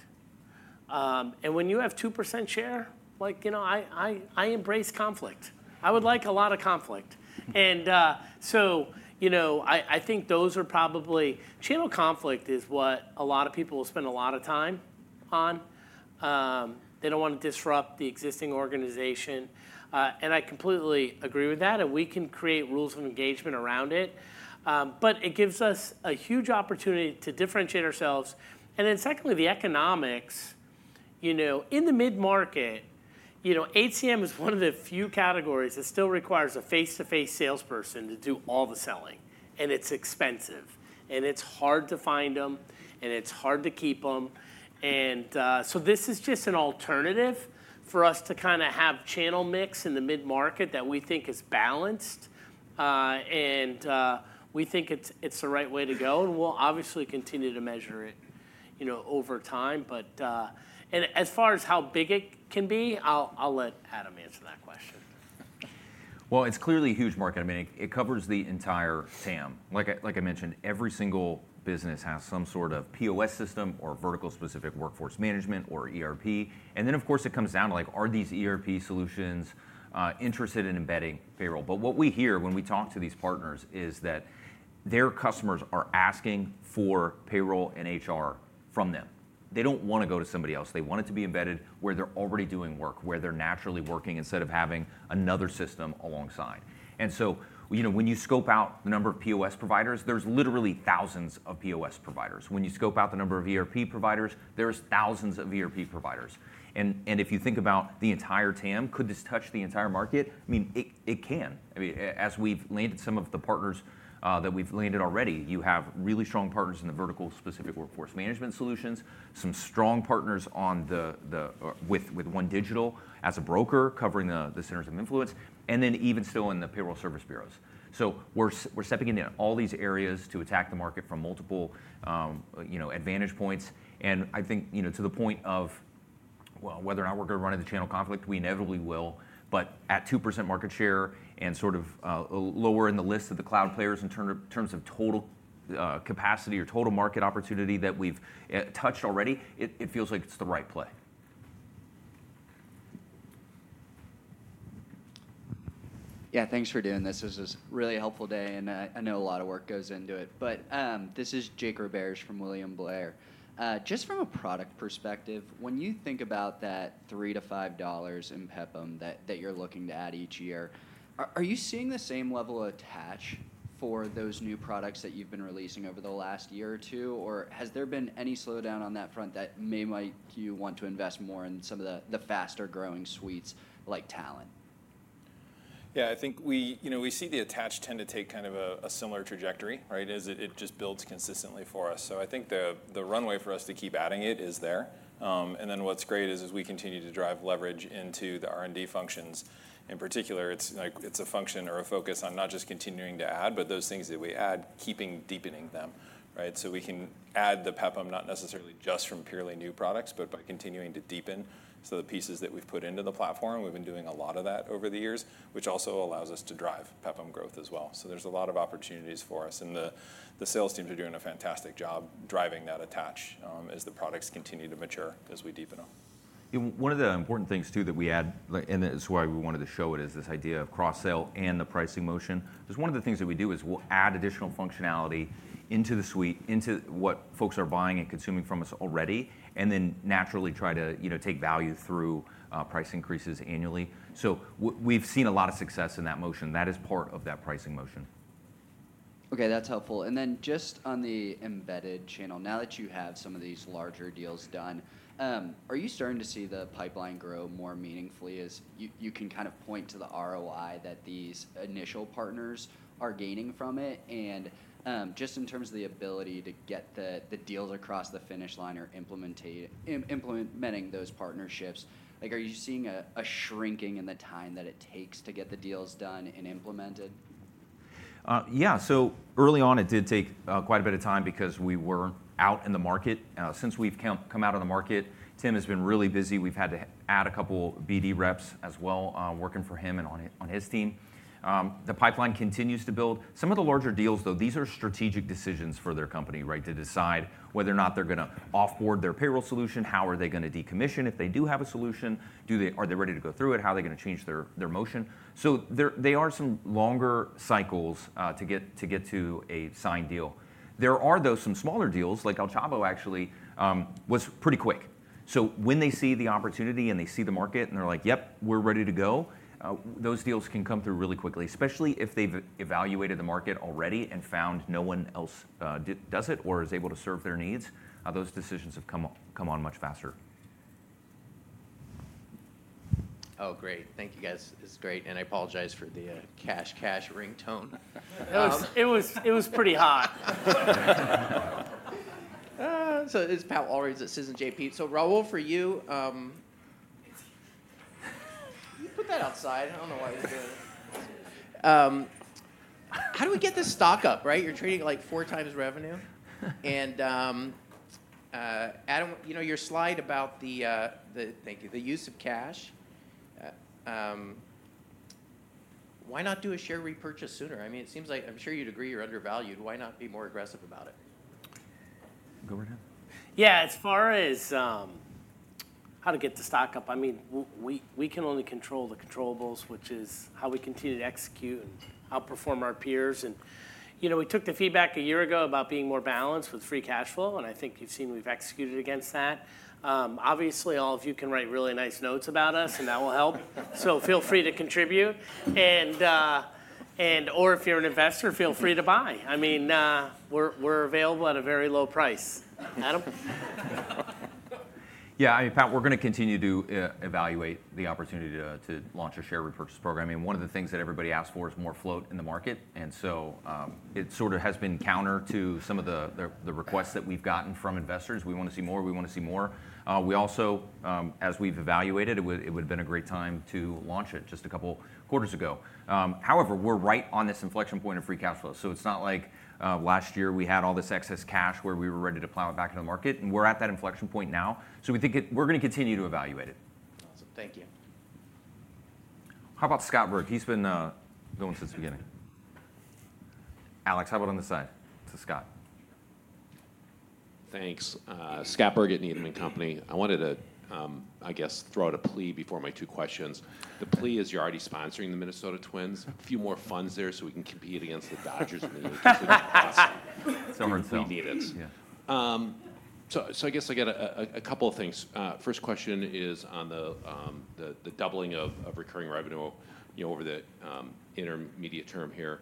And when you have 2% share, I embrace conflict. I would like a lot of conflict. And so I think those are probably channel conflict is what a lot of people will spend a lot of time on. They don't want to disrupt the existing organization. And I completely agree with that. And we can create rules of engagement around it. But it gives us a huge opportunity to differentiate ourselves. And then secondly, the economics. In the mid-market, HCM is one of the few categories that still requires a face-to-face salesperson to do all the selling. And it's expensive. It's hard to find them. It's hard to keep them. This is just an alternative for us to kind of have channel mix in the mid-market that we think is balanced. We think it's the right way to go. We'll obviously continue to measure it over time. As far as how big it can be, I'll let Adam answer that question. It's clearly a huge market. I mean, it covers the entire TAM. Like I mentioned, every single business has some sort of POS system or vertical-specific Workforce Management or ERP. Then, of course, it comes down to like, are these ERP solutions interested in embedding payroll? But what we hear when we talk to these partners is that their customers are asking for payroll and HR from them. They don't want to go to somebody else. They want it to be embedded where they're already doing work, where they're naturally working instead of having another system alongside. And so when you scope out the number of POS providers, there's literally thousands of POS providers. When you scope out the number of ERP providers, there's thousands of ERP providers. And if you think about the entire TAM, could this touch the entire market? I mean, it can. I mean, as we've landed some of the partners that we've landed already, you have really strong partners in the vertical-specific Workforce Management solutions, some strong partners with OneDigital as a broker covering the centers of influence, and then even still in the payroll service bureaus. So we're stepping into all these areas to attack the market from multiple advantage points. I think to the point of, well, whether or not we're going to run into channel conflict, we inevitably will. But at 2% market share and sort of lower in the list of the cloud players in terms of total capacity or total market opportunity that we've touched already, it feels like it's the right play. Yeah, thanks for doing this. This is a really helpful day. And I know a lot of work goes into it. But this is Jake Roberge from William Blair. Just from a product perspective, when you think about that $3-$5 in PEPM that you're looking to add each year, are you seeing the same level of attach for those new products that you've been releasing over the last year or two? Or has there been any slowdown on that front that may make you want to invest more in some of the faster-growing suites like talent? Yeah, I think we see the attach tend to take kind of a similar trajectory, right? It just builds consistently for us. So I think the runway for us to keep adding it is there. And then what's great is as we continue to drive leverage into the R&D functions. In particular, it's a function or a focus on not just continuing to add, but those things that we add, keeping deepening them, right? So we can add the PEPM not necessarily just from purely new products, but by continuing to deepen. So the pieces that we've put into the platform, we've been doing a lot of that over the years, which also allows us to drive PEPM growth as well. So there's a lot of opportunities for us. And the sales teams are doing a fantastic job driving that attach as the products continue to mature as we deepen them. One of the important things too that we add, and this is why we wanted to show it, is this idea of cross-sale and the pricing motion. Just one of the things that we do is we'll add additional functionality into the suite, into what folks are buying and consuming from us already, and then naturally try to take value through price increases annually. So we've seen a lot of success in that motion. That is part of that pricing motion. Okay, that's helpful. And then just on the embedded channel, now that you have some of these larger deals done, are you starting to see the pipeline grow more meaningfully as you can kind of point to the ROI that these initial partners are gaining from it? And just in terms of the ability to get the deals across the finish line or implementing those partnerships, are you seeing a shrinking in the time that it takes to get the deals done and implemented? Yeah, so early on, it did take quite a bit of time because we were out in the market. Since we've come out of the market, Tim has been really busy. We've had to add a couple of BD reps as well working for him and on his team. The pipeline continues to build. Some of the larger deals, though, these are strategic decisions for their company, right, to decide whether or not they're going to offboard their payroll solution, how are they going to decommission. If they do have a solution, are they ready to go through it? How are they going to change their motion? So there are some longer cycles to get to a signed deal. There are, though, some smaller deals. Like Alchavo actually was pretty quick. So when they see the opportunity and they see the market and they're like, "Yep, we're ready to go," those deals can come through really quickly, especially if they've evaluated the market already and found no one else does it or is able to serve their needs. Those decisions have come on much faster. Oh, great. Thank you, guys. This is great. And I apologize for the cash, cash ringtone. It was pretty hot. So this is Pat Walravens at JMP Securities. So Raul, for you, you put that outside. I don't know why you're doing it. How do we get this stock up, right? You're trading at like four times revenue. And Adam, your slide about the use of cash, why not do a share repurchase sooner? I mean, it seems like I'm sure you'd agree you're undervalued. Why not be more aggressive about it? Go right ahead. Yeah, as far as how to get the stock up, I mean, we can only control the controllable, which is how we continue to execute and outperform our peers. And we took the feedback a year ago about being more balanced with free cash flow. And I think you've seen we've executed against that. Obviously, all of you can write really nice notes about us, and that will help. So feel free to contribute. And/or if you're an investor, feel free to buy. I mean, we're available at a very low price. Adam? Yeah, I mean, Pat, we're going to continue to evaluate the opportunity to launch a share repurchase program. And one of the things that everybody asked for is more float in the market. And so it sort of has been counter to some of the requests that we've gotten from investors. We want to see more. We want to see more. We also, as we've evaluated, it would have been a great time to launch it just a couple of quarters ago. However, we're right on this inflection point of free cash flow. So it's not like last year we had all this excess cash where we were ready to plow it back into the market. And we're at that inflection point now. So we think we're going to continue to evaluate it. Awesome. Thank you. How about Scott Berg? He's been going since the beginning. Alex, how about on the side? This is Scott. Thanks. Scott Berg at Needham & Company. I wanted to, I guess, throw out a plea before my two questions. The plea is you're already sponsoring the Minnesota Twins. A few more funds there so we can compete against the Dodgers in the year because they're awesome. Somewhere in the South. So I guess I got a couple of things. First question is on the doubling of recurring revenue over the intermediate term here.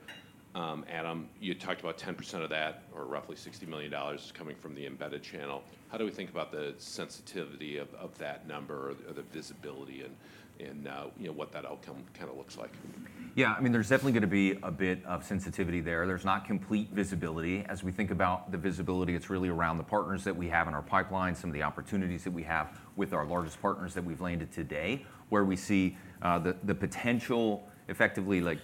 Adam, you talked about 10% of that or roughly $60 million is coming from the embedded channel. How do we think about the sensitivity of that number or the visibility and what that outcome kind of looks like? Yeah, I mean, there's definitely going to be a bit of sensitivity there. There's not complete visibility. As we think about the visibility, it's really around the partners that we have in our pipeline, some of the opportunities that we have with our largest partners that we've landed today, where we see the potential effectively,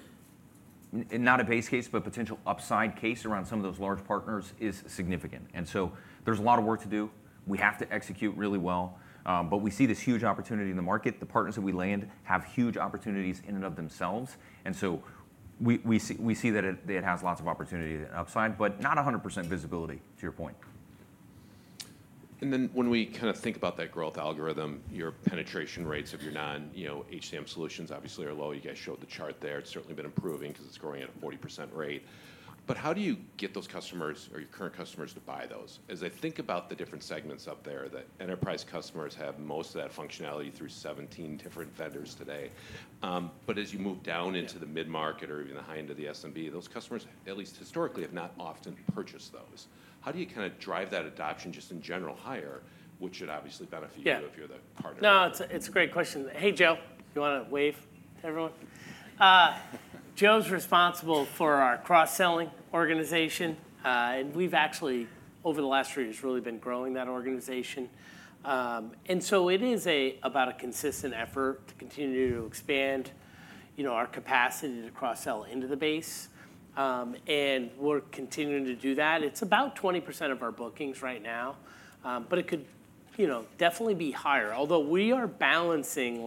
not a base case, but potential upside case around some of those large partners is significant, and so there's a lot of work to do. We have to execute really well, but we see this huge opportunity in the market. The partners that we land have huge opportunities in and of themselves, and so we see that it has lots of opportunity upside, but not 100% visibility to your point, and then when we kind of think about that growth algorithm, your penetration rates of your non-HCM solutions obviously are low. You guys showed the chart there. It's certainly been improving because it's growing at a 40% rate. But how do you get those customers or your current customers to buy those? As I think about the different segments up there, the enterprise customers have most of that functionality through 17 different vendors today. But as you move down into the mid-market or even the high end of the SMB, those customers, at least historically, have not often purchased those. How do you kind of drive that adoption just in general higher, which should obviously benefit you if you're the partner? No, it's a great question. Hey, Joe, if you want to wave to everyone. Joe's responsible for our cross-selling organization. And we've actually, over the last three years, really been growing that organization. And so it is about a consistent effort to continue to expand our capacity to cross-sell into the base. And we're continuing to do that. It's about 20% of our bookings right now. But it could definitely be higher. Although we are balancing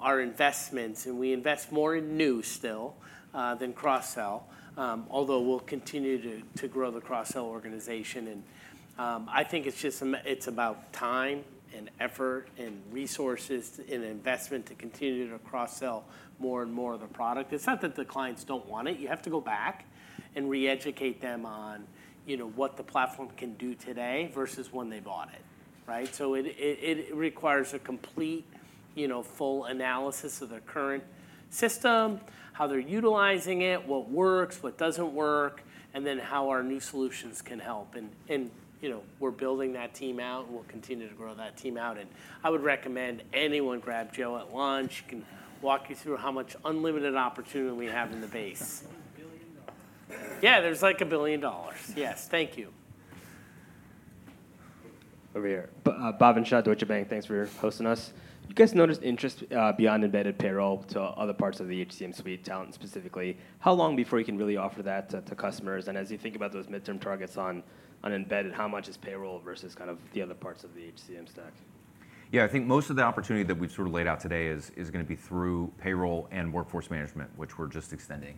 our investments, and we invest more in new still than cross-sell, although we'll continue to grow the cross-sell organization. And I think it's just about time and effort and resources and investment to continue to cross-sell more and more of the product. It's not that the clients don't want it. You have to go back and re-educate them on what the platform can do today versus when they bought it, right? So it requires a complete full analysis of their current system, how they're utilizing it, what works, what doesn't work, and then how our new solutions can help. And we're building that team out, and we'll continue to grow that team out. And I would recommend anyone grab Joe at lunch. He can walk you through how much unlimited opportunity we have in the base. Yeah, there's like $1 billion. Yes, thank you. Over here. Bhavin Shah, Deutsche Bank. Thanks for hosting us. You guys noticed interest beyond embedded payroll to other parts of the HCM suite, talent specifically. How long before you can really offer that to customers? And as you think about those midterm targets on embedded, how much is payroll versus kind of the other parts of the HCM stack? Yeah, I think most of the opportunity that we've sort of laid out today is going to be through payroll and Workforce Management, which we're just extending.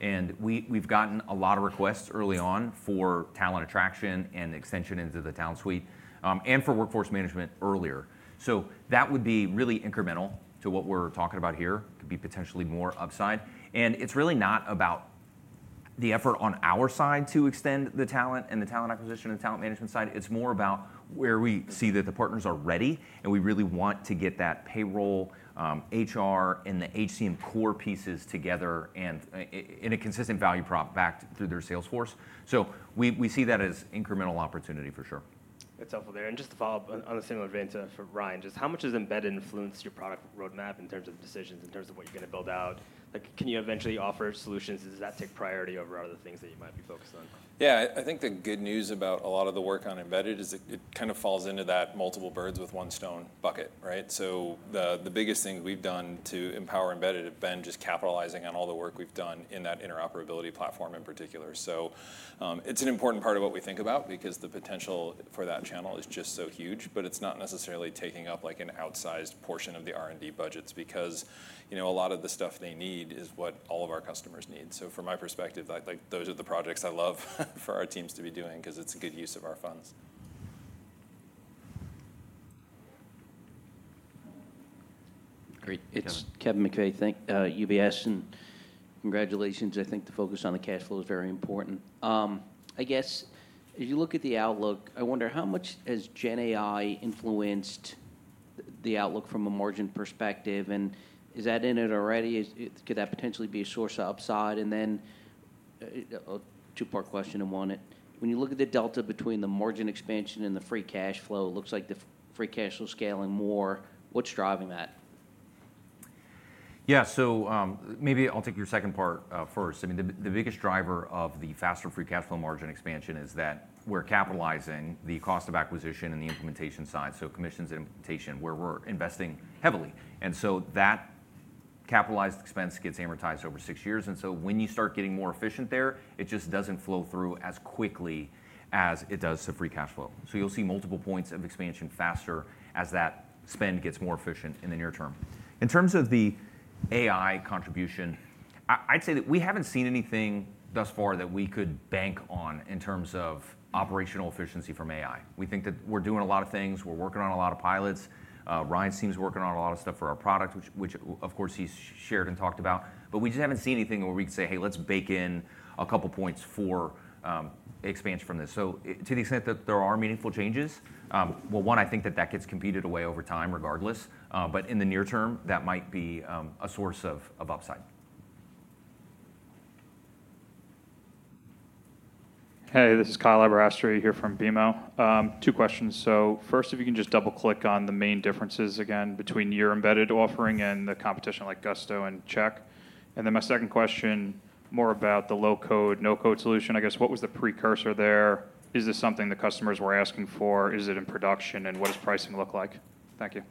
And we've gotten a lot of requests early on for Talent Attraction and extension into the talent suite and for Workforce Management earlier. So that would be really incremental to what we're talking about here. It could be potentially more upside. And it's really not about the effort on our side to extend the talent and the Talent Acquisition and Talent Management side. It's more about where we see that the partners are ready, and we really want to get that payroll, HR, and the HCM core pieces together in a consistent value prop backed through their sales force. So we see that as incremental opportunity for sure. That's helpful there. And just to follow up on a similar vein to Ryan, just how much has embedded influenced your product roadmap in terms of decisions, in terms of what you're going to build out? Can you eventually offer solutions? Does that take priority over other things that you might be focused on? Yeah, I think the good news about a lot of the work on embedded is it kind of falls into that multiple birds with one stone bucket, right? So the biggest things we've done to empower embedded have been just capitalizing on all the work we've done in that interoperability platform in particular. So it's an important part of what we think about because the potential for that channel is just so huge, but it's not necessarily taking up like an outsized portion of the R&D budgets because a lot of the stuff they need is what all of our customers need. So from my perspective, those are the projects I love for our teams to be doing because it's a good use of our funds. Great. It's Kevin McVeigh, UBS. And congratulations. I think the focus on the cash flow is very important. I guess as you look at the outlook, I wonder how much has GenAI influenced the outlook from a margin perspective? And is that in it already? Could that potentially be a source of upside? And then a two-part question in one. When you look at the delta between the margin expansion and the free cash flow, it looks like the free cash flow is scaling more. What's driving that? Yeah, so maybe I'll take your second part first. I mean, the biggest driver of the faster free cash flow margin expansion is that we're capitalizing the cost of acquisition and the implementation side, so commissions and implementation, where we're investing heavily. And so that capitalized expense gets amortized over six years. And so when you start getting more efficient there, it just doesn't flow through as quickly as it does to free cash flow. So you'll see multiple points of expansion faster as that spend gets more efficient in the near term. In terms of the AI contribution, I'd say that we haven't seen anything thus far that we could bank on in terms of operational efficiency from AI. We think that we're doing a lot of things. We're working on a lot of pilots. Ryan seems working on a lot of stuff for our product, which, of course, he's shared and talked about. But we just haven't seen anything where we could say, "Hey, let's bake in a couple of points for expansion from this." So to the extent that there are meaningful changes, well, one, I think that that gets competed away over time regardless. But in the near term, that might be a source of upside. Hey, this is Kyle Aberasturi here from BMO. Two questions. So first, if you can just double-click on the main differences again between your embedded offering and the competition like Gusto and Paychex. And then my second question, more about the low-code, no-code solution. I guess what was the precursor there? Is this something the customers were asking for? Is it in production? And what does pricing look like? Thank you.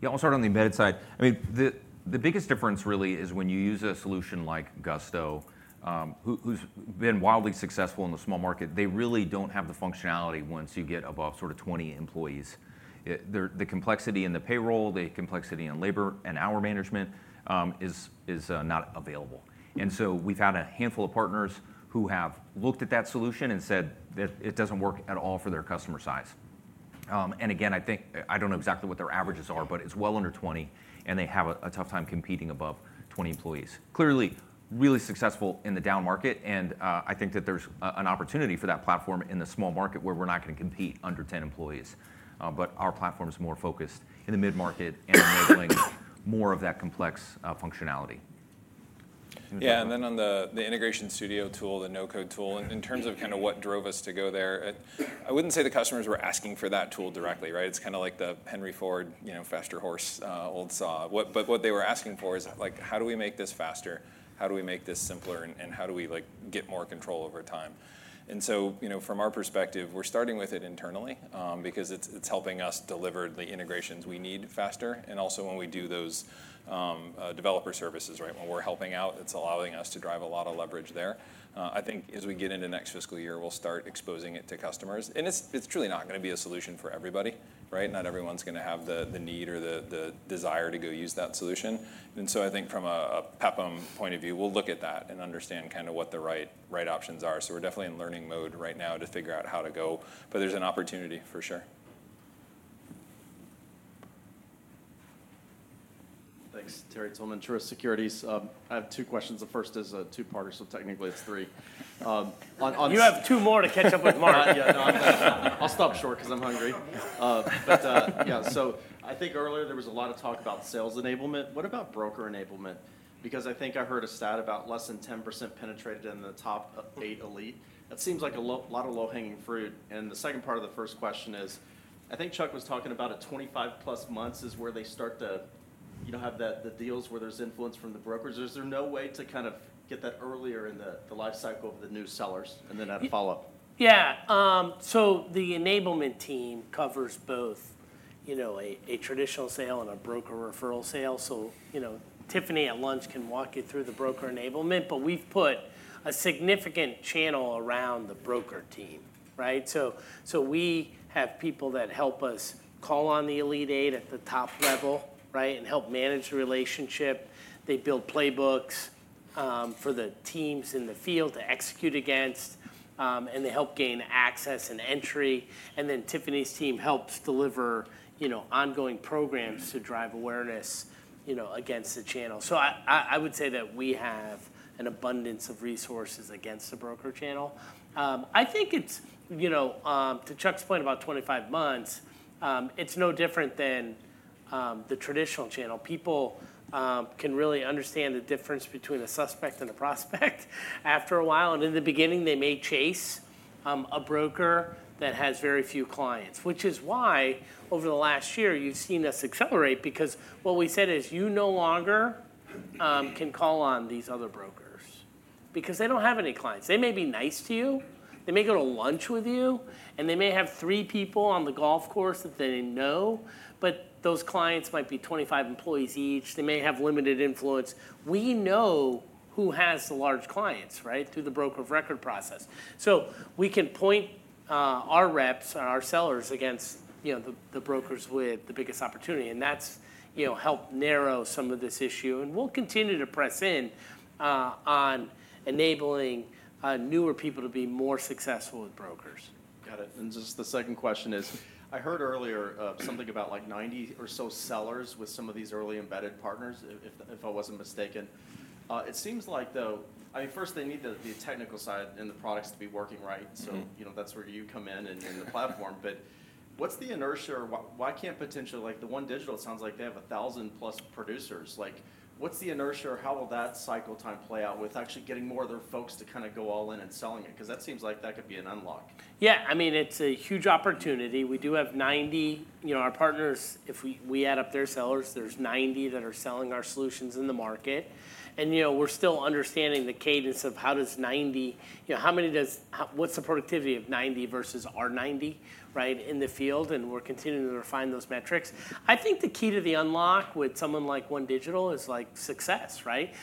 Yeah, I'll start on the embedded side. I mean, the biggest difference really is when you use a solution like Gusto, who's been wildly successful in the small market. They really don't have the functionality once you get above sort of 20 employees. The complexity in the payroll, the complexity in labor and hour management is not available. And so we've had a handful of partners who have looked at that solution and said that it doesn't work at all for their customer size. And again, I don't know exactly what their averages are, but it's well under 20, and they have a tough time competing above 20 employees. Clearly, really successful in the down market. And I think that there's an opportunity for that platform in the small market where we're not going to compete under 10 employees. But our platform is more focused in the mid-market and enabling more of that complex functionality. Yeah, and then on the Integration Studio tool, the no-code tool, in terms of kind of what drove us to go there, I wouldn't say the customers were asking for that tool directly, right? It's kind of like the Henry Ford faster horse old saw. But what they were asking for is, how do we make this faster? How do we make this simpler? And how do we get more control over time? And so from our perspective, we're starting with it internally because it's helping us deliver the integrations we need faster. And also when we do those developer services, right? When we're helping out, it's allowing us to drive a lot of leverage there. I think as we get into next fiscal year, we'll start exposing it to customers. And it's truly not going to be a solution for everybody, right? Not everyone's going to have the need or the desire to go use that solution. And so I think from a PAPM point of view, we'll look at that and understand kind of what the right options are. So we're definitely in learning mode right now to figure out how to go. But there's an opportunity for sure. Thanks Terry Tillman. Truist Securities, I have two questions. The first is a two-parter, so technically it's three. You have two more to catch up with Mark. Yeah, no, I'll stop short because I'm hungry. But yeah, so I think earlier there was a lot of talk about sales enablement. What about broker enablement? Because I think I heard a stat about less than 10% penetration in the Elite 8. That seems like a lot of low-hanging fruit. And the second part of the first question is, I think Chuck was talking about at 25-plus months is where they start to have the deals where there's influence from the brokers. Is there no way to kind of get that earlier in the life cycle of the new sellers and then have a follow-up? Yeah, so the enablement team covers both a traditional sale and a broker referral sale. So Tiffany at lunch can walk you through the broker enablement, but we've put a significant channel around the broker team, right? So we have people that help us call on the Elite 8 at the top level, right, and help manage the relationship. They build playbooks for the teams in the field to execute against, and they help gain access and entry. And then Tiffany's team helps deliver ongoing programs to drive awareness against the channel. So I would say that we have an abundance of resources against the broker channel. I think it's, to Chuck's point, about 25 months. It's no different than the traditional channel. People can really understand the difference between a suspect and a prospect after a while. And in the beginning, they may chase a broker that has very few clients, which is why over the last year you've seen us accelerate because what we said is you no longer can call on these other brokers because they don't have any clients. They may be nice to you. They may go to lunch with you, and they may have three people on the golf course that they know, but those clients might be 25 employees each. They may have limited influence. We know who has the large clients, right, through the broker of record process. So we can point our reps or our sellers against the brokers with the biggest opportunity. And that's helped narrow some of this issue. And we'll continue to press in on enabling newer people to be more successful with brokers. Got it. And just the second question is, I heard earlier something about like 90 or so sellers with some of these early embedded partners, if I wasn't mistaken. It seems like, though, I mean, first, they need the technical side and the products to be working right. So that's where you come in and the platform. But what's the inertia or why can't potentially, like the OneDigital, it sounds like they have 1,000-plus producers. What's the inertia or how will that cycle time play out with actually getting more of their folks to kind of go all in and selling it? Because that seems like that could be an unlock. Yeah, I mean, it's a huge opportunity. We do have 90. Our partners, if we add up their sellers, there's 90 that are selling our solutions in the market. And we're still understanding the cadence of how does 90, how many does, what's the productivity of 90 versus our 90, right, in the field? And we're continuing to refine those metrics. I think the key to the unlock with someone like OneDigital is like success, right?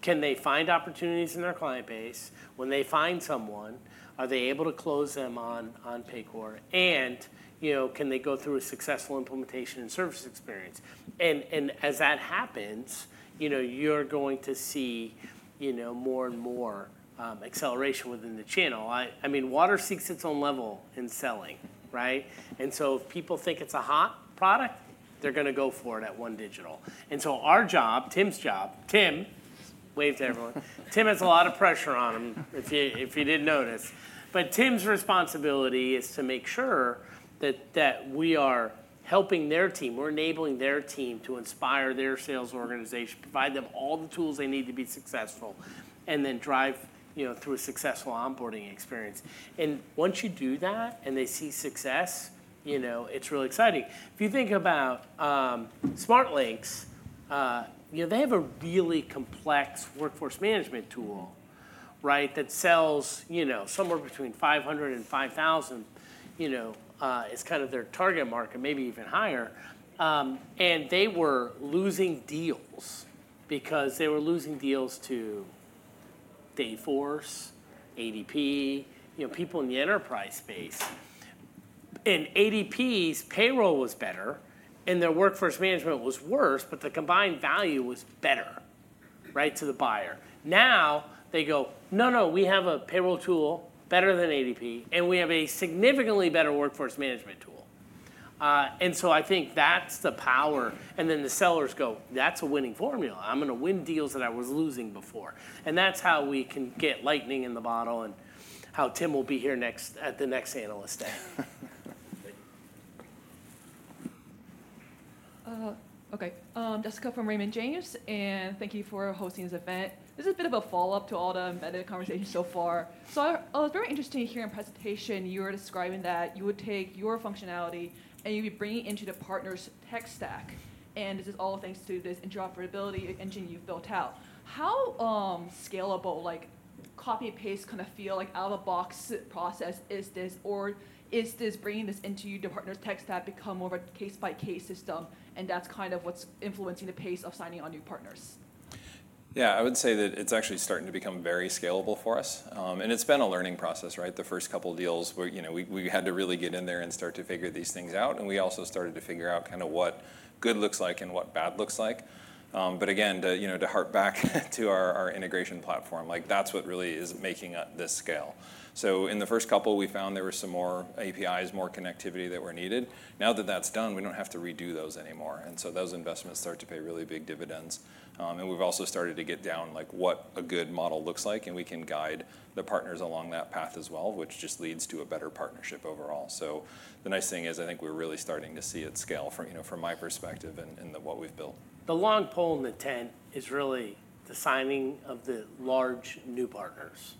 Can they find opportunities in their client base? When they find someone, are they able to close them on Paycor? And can they go through a successful implementation and service experience? And as that happens, you're going to see more and more acceleration within the channel. I mean, water seeks its own level in selling, right? And so if people think it's a hot product, they're going to go for it at OneDigital. And so our job, Tim's job. Tim waves to everyone. Tim has a lot of pressure on him, if you didn't notice. But Tim's responsibility is to make sure that we are helping their team. We're enabling their team to inspire their sales organization, provide them all the tools they need to be successful, and then drive through a successful onboarding experience. And once you do that and they see success, it's really exciting. If you think about SmartLinx, they have a really complex Workforce Management tool, right, that sells somewhere between 500 and 5,000. It's kind of their target market, maybe even higher. And they were losing deals because they were losing deals to Dayforce, ADP, people in the enterprise space. And ADP's payroll was better, and their Workforce Management was worse, but the combined value was better, right, to the buyer. Now they go, "No, no, we have a payroll tool better than ADP, and we have a significantly better Workforce Management tool." And so I think that's the power. And then the sellers go, "That's a winning formula. I'm going to win deals that I was losing before." And that's how we can get lightning in the bottle and how Tim will be here at the next analyst day. Okay. Jessica from Raymond James, and thank you for hosting this event. This is a bit of a follow-up to all the embedded conversations so far. So I was very interested to hear in presentation you were describing that you would take your functionality and you'd be bringing it into the partner's tech stack. And this is all thanks to this interoperability engine you've built out. How scalable, copy-paste kind of feel like out-of-the-box process is this? Or is this bringing this into your partner's tech stack become more of a case-by-case system? And that's kind of what's influencing the pace of signing on new partners? Yeah, I would say that it's actually starting to become very scalable for us. And it's been a learning process, right? The first couple of deals, we had to really get in there and start to figure these things out. And we also started to figure out kind of what good looks like and what bad looks like. But again, to hark back to our integration platform, that's what really is making this scale. So in the first couple, we found there were some more APIs, more connectivity that were needed. Now that that's done, we don't have to redo those anymore. And so those investments start to pay really big dividends. And we've also started to get down what a good model looks like. And we can guide the partners along that path as well, which just leads to a better partnership overall. So the nice thing is I think we're really starting to see it scale from my perspective and what we've built. The long pole in the tent is really the signing of the large new partners,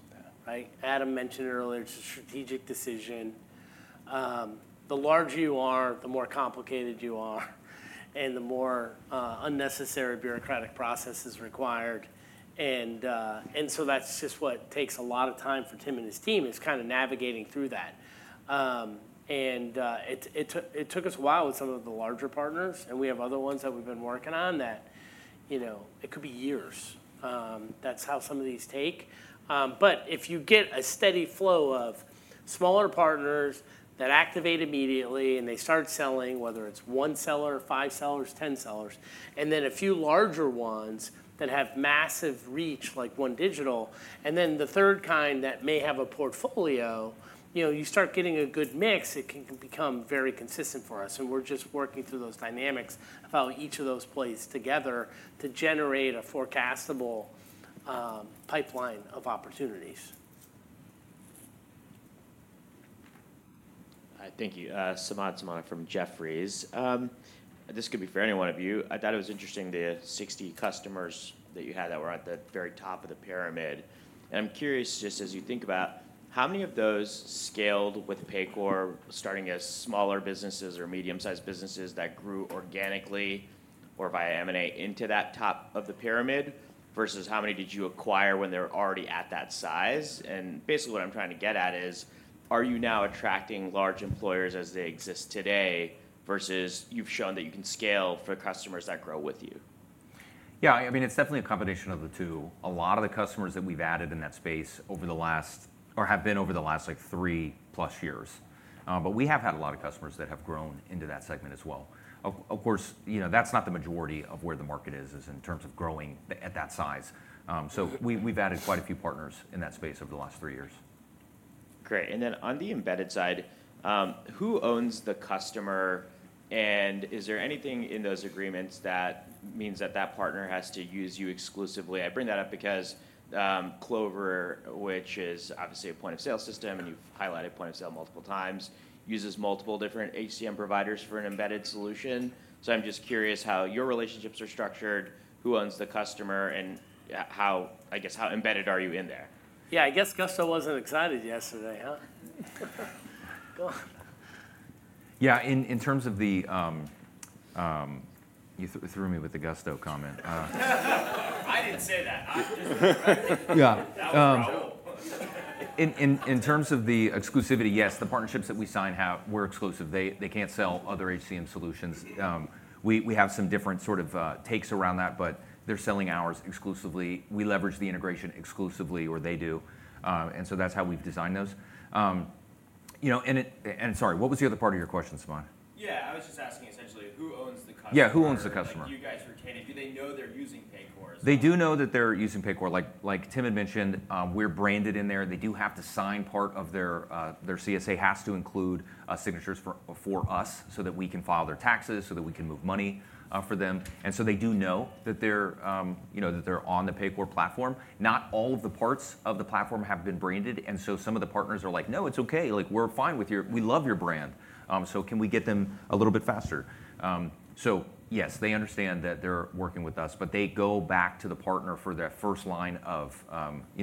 right? Adam mentioned earlier, it's a strategic decision. The larger you are, the more complicated you are, and the more unnecessary bureaucratic process is required. And so that's just what takes a lot of time for Tim and his team is kind of navigating through that. And it took us a while with some of the larger partners. And we have other ones that we've been working on that it could be years. That's how some of these take. But if you get a steady flow of smaller partners that activate immediately and they start selling, whether it's one seller, five sellers, 10 sellers, and then a few larger ones that have massive reach like OneDigital, and then the third kind that may have a portfolio, you start getting a good mix. It can become very consistent for us. And we're just working through those dynamics of how each of those plays together to generate a forecastable pipeline of opportunities. All right, thank you. Samad Samana from Jefferies. This could be for any one of you. I thought it was interesting the 60 customers that you had that were at the very top of the pyramid. And I'm curious just as you think about how many of those scaled with Paycor, starting as smaller businesses or medium-sized businesses that grew organically or via M&A into that top of the pyramid versus how many did you acquire when they're already at that size? And basically what I'm trying to get at is, are you now attracting large employers as they exist today versus you've shown that you can scale for customers that grow with you? Yeah, I mean, it's definitely a combination of the two. A lot of the customers that we've added in that space have been over the last three-plus years. But we have had a lot of customers that have grown into that segment as well. Of course, that's not the majority of where the market is in terms of growing at that size. So we've added quite a few partners in that space over the last three years. Great. And then on the embedded side, who owns the customer? And is there anything in those agreements that means that that partner has to use you exclusively? I bring that up because Clover, which is obviously a point-of-sale system, and you've highlighted point-of-sale multiple times, uses multiple different HCM providers for an embedded solution. So I'm just curious how your relationships are structured, who owns the customer, and I guess how embedded are you in there? Yeah, I guess Gusto wasn't excited yesterday, huh? Go on. Yeah, in terms of the. You threw me with the Gusto comment. I didn't say that. I'm just. Yeah, that was a problem. In terms of the exclusivity, yes, the partnerships that we sign were exclusive. They can't sell other HCM solutions. We have some different sort of takes around that, but they're selling ours exclusively. We leverage the integration exclusively, or they do. And so that's how we've designed those. And sorry, what was the other part of your question, Samad? Yeah, I was just asking essentially who owns the customer? Yeah, who owns the customer? You guys retain it. Do they know they're using Paycor? They do know that they're using Paycor. Like Tim had mentioned, we're branded in there. They do have to sign part of their CSA has to include signatures for us so that we can file their taxes, so that we can move money for them. And so they do know that they're on the Paycor platform. Not all of the parts of the platform have been branded. And so some of the partners are like, "No, it's okay. We're fine with your—we love your brand. So can we get them a little bit faster?" So yes, they understand that they're working with us, but they go back to the partner for that first line of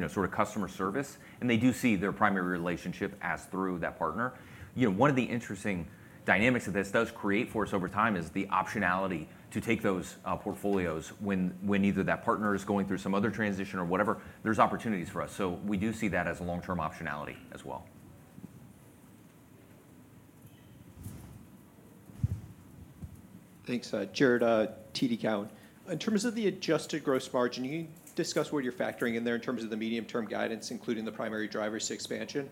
sort of customer service. And they do see their primary relationship as through that partner. One of the interesting dynamics that this does create for us over time is the optionality to take those portfolios when either that partner is going through some other transition or whatever. There's opportunities for us. So we do see that as a long-term optionality as well. Thanks. Jared Levine, TD Cowen. In terms of the adjusted gross margin, can you discuss what you're factoring in there in terms of the medium-term guidance, including the primary drivers to expansion?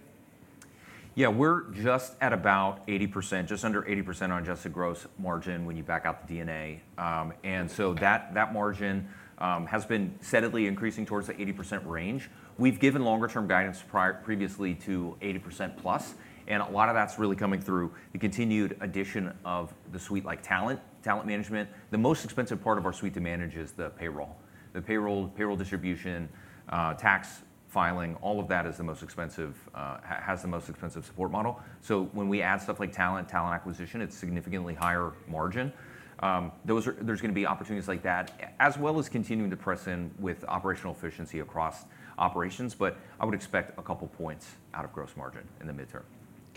Yeah, we're just at about 80%, just under 80% on adjusted gross margin when you back out the D&A. And so that margin has been steadily increasing towards the 80% range. We've given longer-term guidance previously to 80% plus. And a lot of that's really coming through the continued addition of the suite like Talent Management. The most expensive part of our suite to manage is the payroll. The payroll distribution, tax filing, all of that is the most expensive, has the most expensive support model. So when we add stuff like talent, Talent Acquisition, it's significantly higher margin. There's going to be opportunities like that, as well as continuing to press in with operational efficiency across operations. But I would expect a couple of points out of gross margin in the midterm.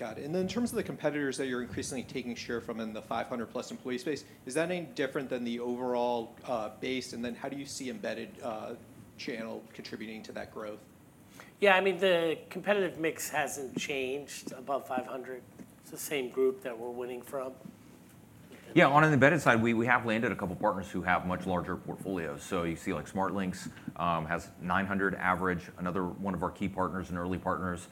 Got it. And then in terms of the competitors that you're increasingly taking share from in the 500-plus employee space, is that any different than the overall base? And then how do you see embedded channel contributing to that growth? Yeah, I mean, the competitive mix hasn't changed above 500. It's the same group that we're winning from. Yeah, on an embedded side, we have landed a couple of partners who have much larger portfolios. So you see like SmartLinx has 900 average. Another one of our key partners and early partners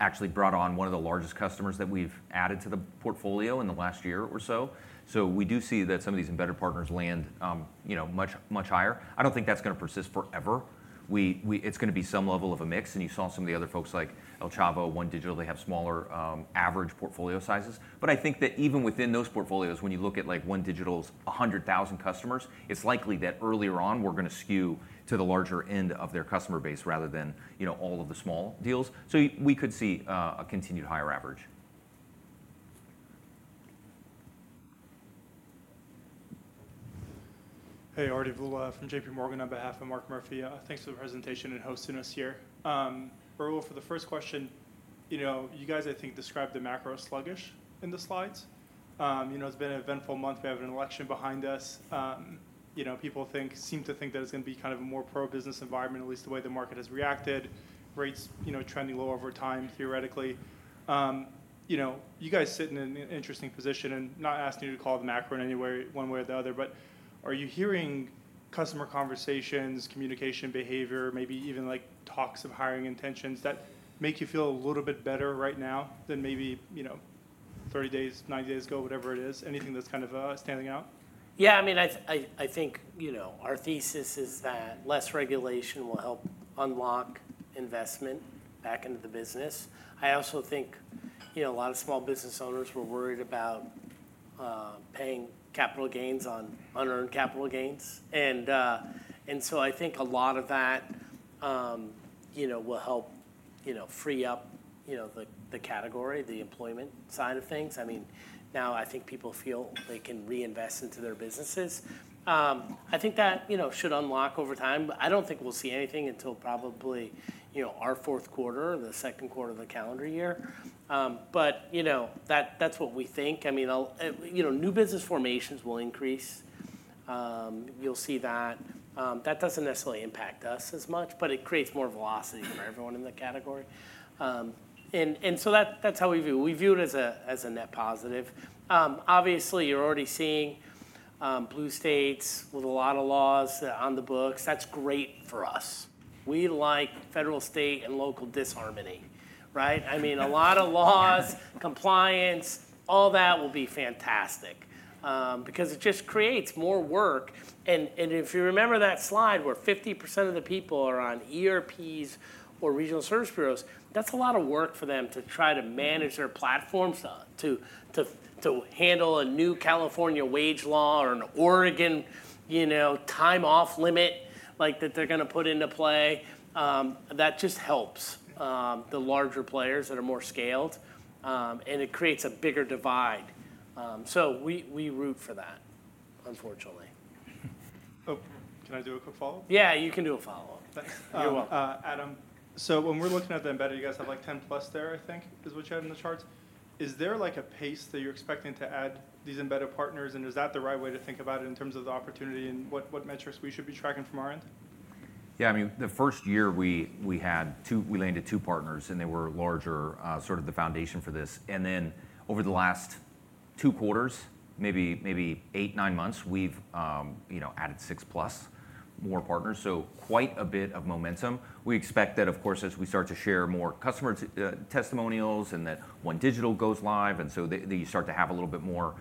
actually brought on one of the largest customers that we've added to the portfolio in the last year or so. So we do see that some of these embedded partners land much, much higher. I don't think that's going to persist forever. It's going to be some level of a mix. And you saw some of the other folks like Alchavo, OneDigital, they have smaller average portfolio sizes. But I think that even within those portfolios, when you look at OneDigital's 100,000 customers, it's likely that earlier on we're going to skew to the larger end of their customer base rather than all of the small deals. So we could see a continued higher average. Hey, Arti Vula from JPMorgan on behalf of Mark Murphy. Thanks for the presentation and hosting us here. Raul, for the first question, you guys, I think, described the macro as sluggish in the slides. It's been an eventful month. We have an election behind us. People seem to think that it's going to be kind of a more pro-business environment, at least the way the market has reacted, rates trending lower over time, theoretically. You guys sit in an interesting position and not asking you to call the macro in any way, one way or the other. But are you hearing customer conversations, communication behavior, maybe even talks of hiring intentions that make you feel a little bit better right now than maybe 30 days, 90 days ago, whatever it is, anything that's kind of standing out? Yeah, I mean, I think our thesis is that less regulation will help unlock investment back into the business. I also think a lot of small business owners were worried about paying capital gains on unearned capital gains. And so I think a lot of that will help free up the category, the employment side of things. I mean, now I think people feel they can reinvest into their businesses. I think that should unlock over time. I don't think we'll see anything until probably our fourth quarter, the second quarter of the calendar year. But that's what we think. I mean, new business formations will increase. You'll see that. That doesn't necessarily impact us as much, but it creates more velocity for everyone in the category. And so that's how we view it. We view it as a net positive. Obviously, you're already seeing blue states with a lot of laws on the books. That's great for us. We like federal, state, and local disharmony, right? I mean, a lot of laws, compliance, all that will be fantastic because it just creates more work. And if you remember that slide where 50% of the people are on ERPs or regional service bureaus, that's a lot of work for them to try to manage their platforms, to handle a new California wage law or an Oregon time-off limit that they're going to put into play. That just helps the larger players that are more scaled. And it creates a bigger divide. So we root for that, unfortunately. Can I do a quick follow-up? Yeah, you can do a follow-up. You're welcome. Adam, so when we're looking at the embedded, you guys have like 10-plus there, I think, is what you had in the charts. Is there a pace that you're expecting to add these embedded partners? And is that the right way to think about it in terms of the opportunity and what metrics we should be trackingfrom our end? Yeah, I mean, the first year we landed two partners, and they were larger, sort of the foundation for this. And then over the last two quarters, maybe eight, nine months, we've added six-plus more partners. So quite a bit of momentum. We expect that, of course, as we start to share more customer testimonials and that OneDigital goes live, and so you start to have a little bit more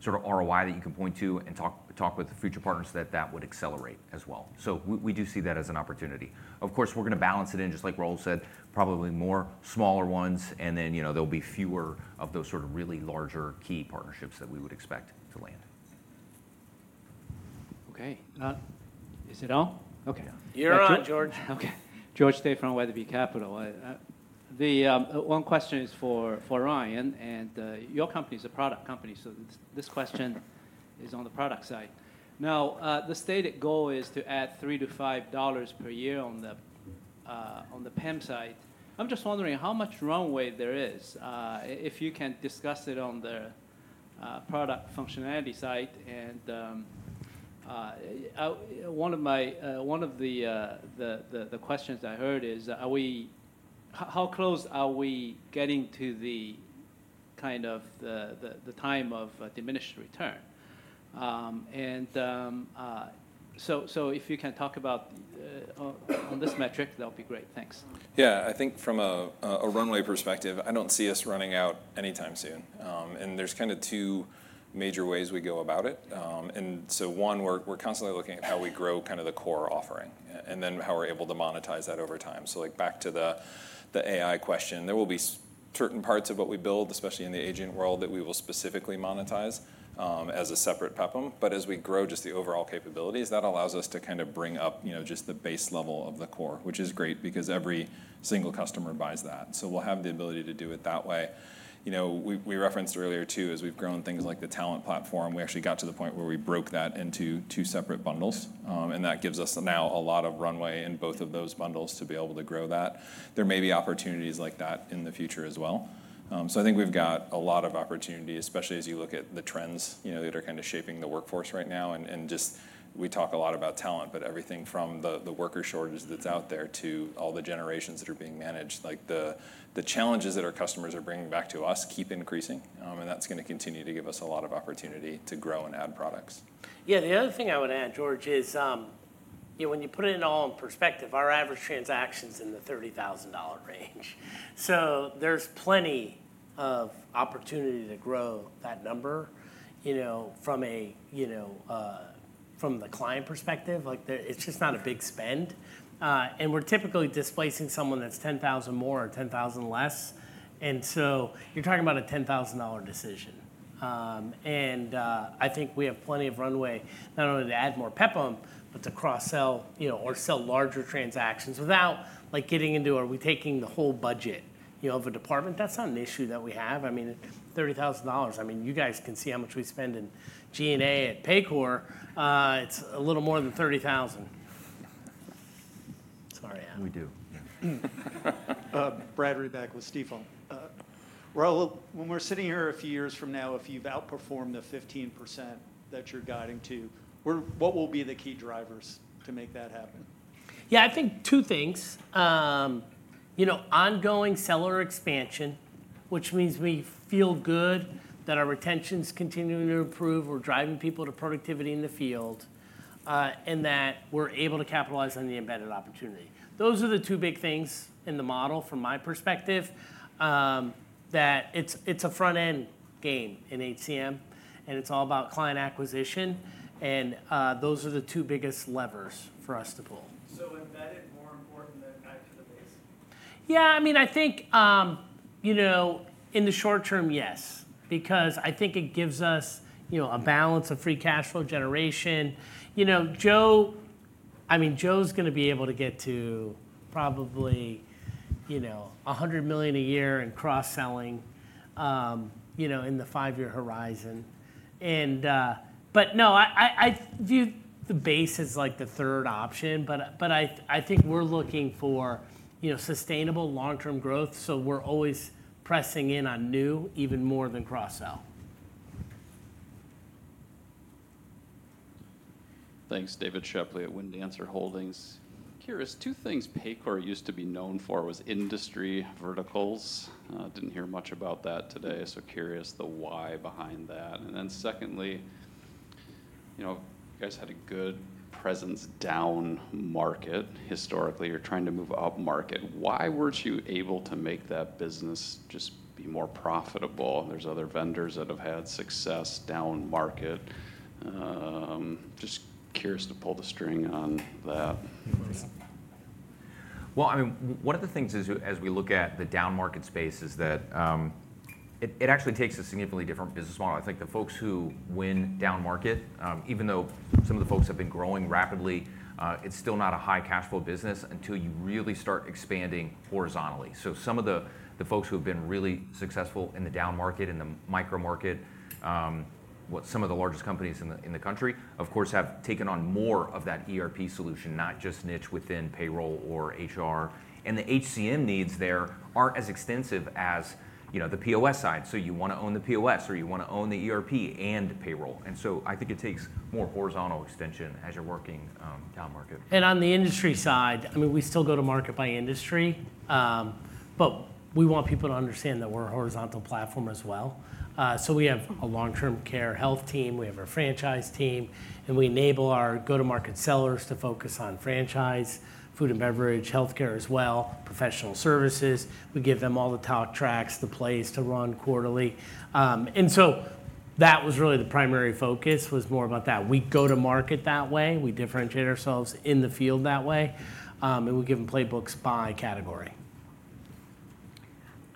sort of ROI that you can point to and talk with future partners, that that would accelerate as well. So we do see that as an opportunity. Of course, we're going to balance it in, just like Raul said, probably more smaller ones. And then there'll be fewer of those sort of really larger key partnerships that we would expect to land. Okay. Is it all? Okay. You're on, George. Okay. George Dai from Weatherbie Capital. The one question is for Ryan. And your company is a product company. So this question is on the product side. Now, the stated goal is to add $3-$5 per year on the PEPM side. I'm just wondering how much runway there is iyou can discuss it on the product functionality side. And one of the questions I heard is, how close are we getting to the kind of the time of diminished return? And so if you can talk about this metric, that would be great. Thanks. Yeah, I think from a runway perspective, I don't see us running out anytime soon. And there's kind of two major ways we go about it. And so one, we're constantly looking at how we grow kind of the core offering and then how we're able to monetize that over time. So back to the AI question, there will be certain parts of what we build, especially in the agent world, that we will specifically monetize as a separate PEPM. But as we grow just the overall capabilities, that allows us to kind of bring up just the base level of the core, which is great because every single customer buys that. So we'll have the ability to do it that way. We referenced earlier too, as we've grown things like the talent platform, we actually got to the point where we broke that into two separate bundles. And that gives us now a lot of runway in both of those bundles to be able to grow that. There may be opportunities like that in the future as well. So I think we've got a lot of opportunity, especially as you look at the trends that are kind of shaping the workforce right now. We talk a lot about talent, but everything from the worker shortage that's out there to all the generations that are being managed, like the challenges that our customers are bringing back to uskeep increasing. That's going to continue to give us a lot of opportunity to grow and add products. Yeah, the other thing I would add, George, is when you put it all in perspective, our average transaction is in the $30,000 range. So there's plenty of opportunity to grow that number from the client perspective. It's just not a big spend. And we're typically displacing someone that's $10,000 more or $10,000 less. And so you're talking about a $10,000 decision. And I think we have plenty of runway not only to add more PEPM, but to cross-sell or sell larger transactions without getting into are we taking the whole budget of a department. That's not an issue that we have. I mean, $30,000. I mean, you guys can see how much we spend in G&A at Paycor. It's a little more than $30,000 Sorry, Adam. [We do. Brad Rebeck with Steve Hulm.] When we're sitting here a few years from now, if you've outperformed the 15% that you're guiding to, what will be the key drivers to make that happen? Yeah, I think two things. Ongoing seller expansion, which means we feel good that our retention is continuing to improve. We're driving people to productivity in the field and that we're able to capitalize on the embedded opportunity. Those are the two big things in the model from my perspective, that it's a front-end game in HCM, and it's all about client acquisition. And those are the two biggest levers for us to pull. So embedded, more important than add to the base? Yeah, I mean, I think in the short term, yes, because I think it gives us a balance of free cash flow generation. I mean, Joe's going to be able to get to probably $100 million a year in cross-selling in the five-year horizon. But no, I view the base as the third option. But I think we're looking for sustainable long-term growth. So we're always pressing in on new, even more than cross-sell. Thanks. David Shepley at WindAcre Partnership. Curious, two things Paycor used to be known for was industry verticals. Didn't hear much about that today. So curious the why behind that. And then secondly, you guys had a good presence down market historically. You're trying to move up market. Why weren't you able to make that business just be more profitable? There's other vendors that have had success down market. Just curious to pull the string on that. Well, I mean, one of the things as we look at the down market space is that it actually takes a significantly different business model. I think the folks who win down market, even though some of the folks have been growing rapidly, it's still not a high cash flow business until you really start expanding horizontally. So some of the folks who have been really successful in the down market and the micro market, some of the largest companies in the country, of course, have taken on more of that ERP solution, not just niche within payroll or HR. And the HCM needs there aren't as extensive as the POS side. So you want to own the POS, or you want to own the ERP and payroll. And so I think it takes more horizontal extension as you're working down market. And on the industry side, I mean, we still go to market by industry. But we want people to understand that we're a horizontal platform as well. So we have a long-term care health team. We have our franchise team. And we enable our go-to-market sellers to focus on franchise, food and beverage, healthcare as well, professional services. We give them all the talk tracks, the plays to run quarterly. And so that was really the primary focus was more about that. We go to market that way. We differentiate ourselves in the field that way. And we give them playbooks by category.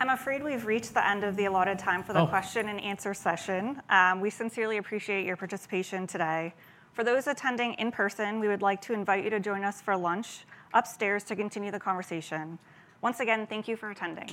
I'm afraid we've reached the end of the allotted time for the question and answer session. We sincerely appreciate your participation today. For those attending in person, we would like to invite you to join us for lunch upstairs to continue the conversation. Once again, thank you for attending.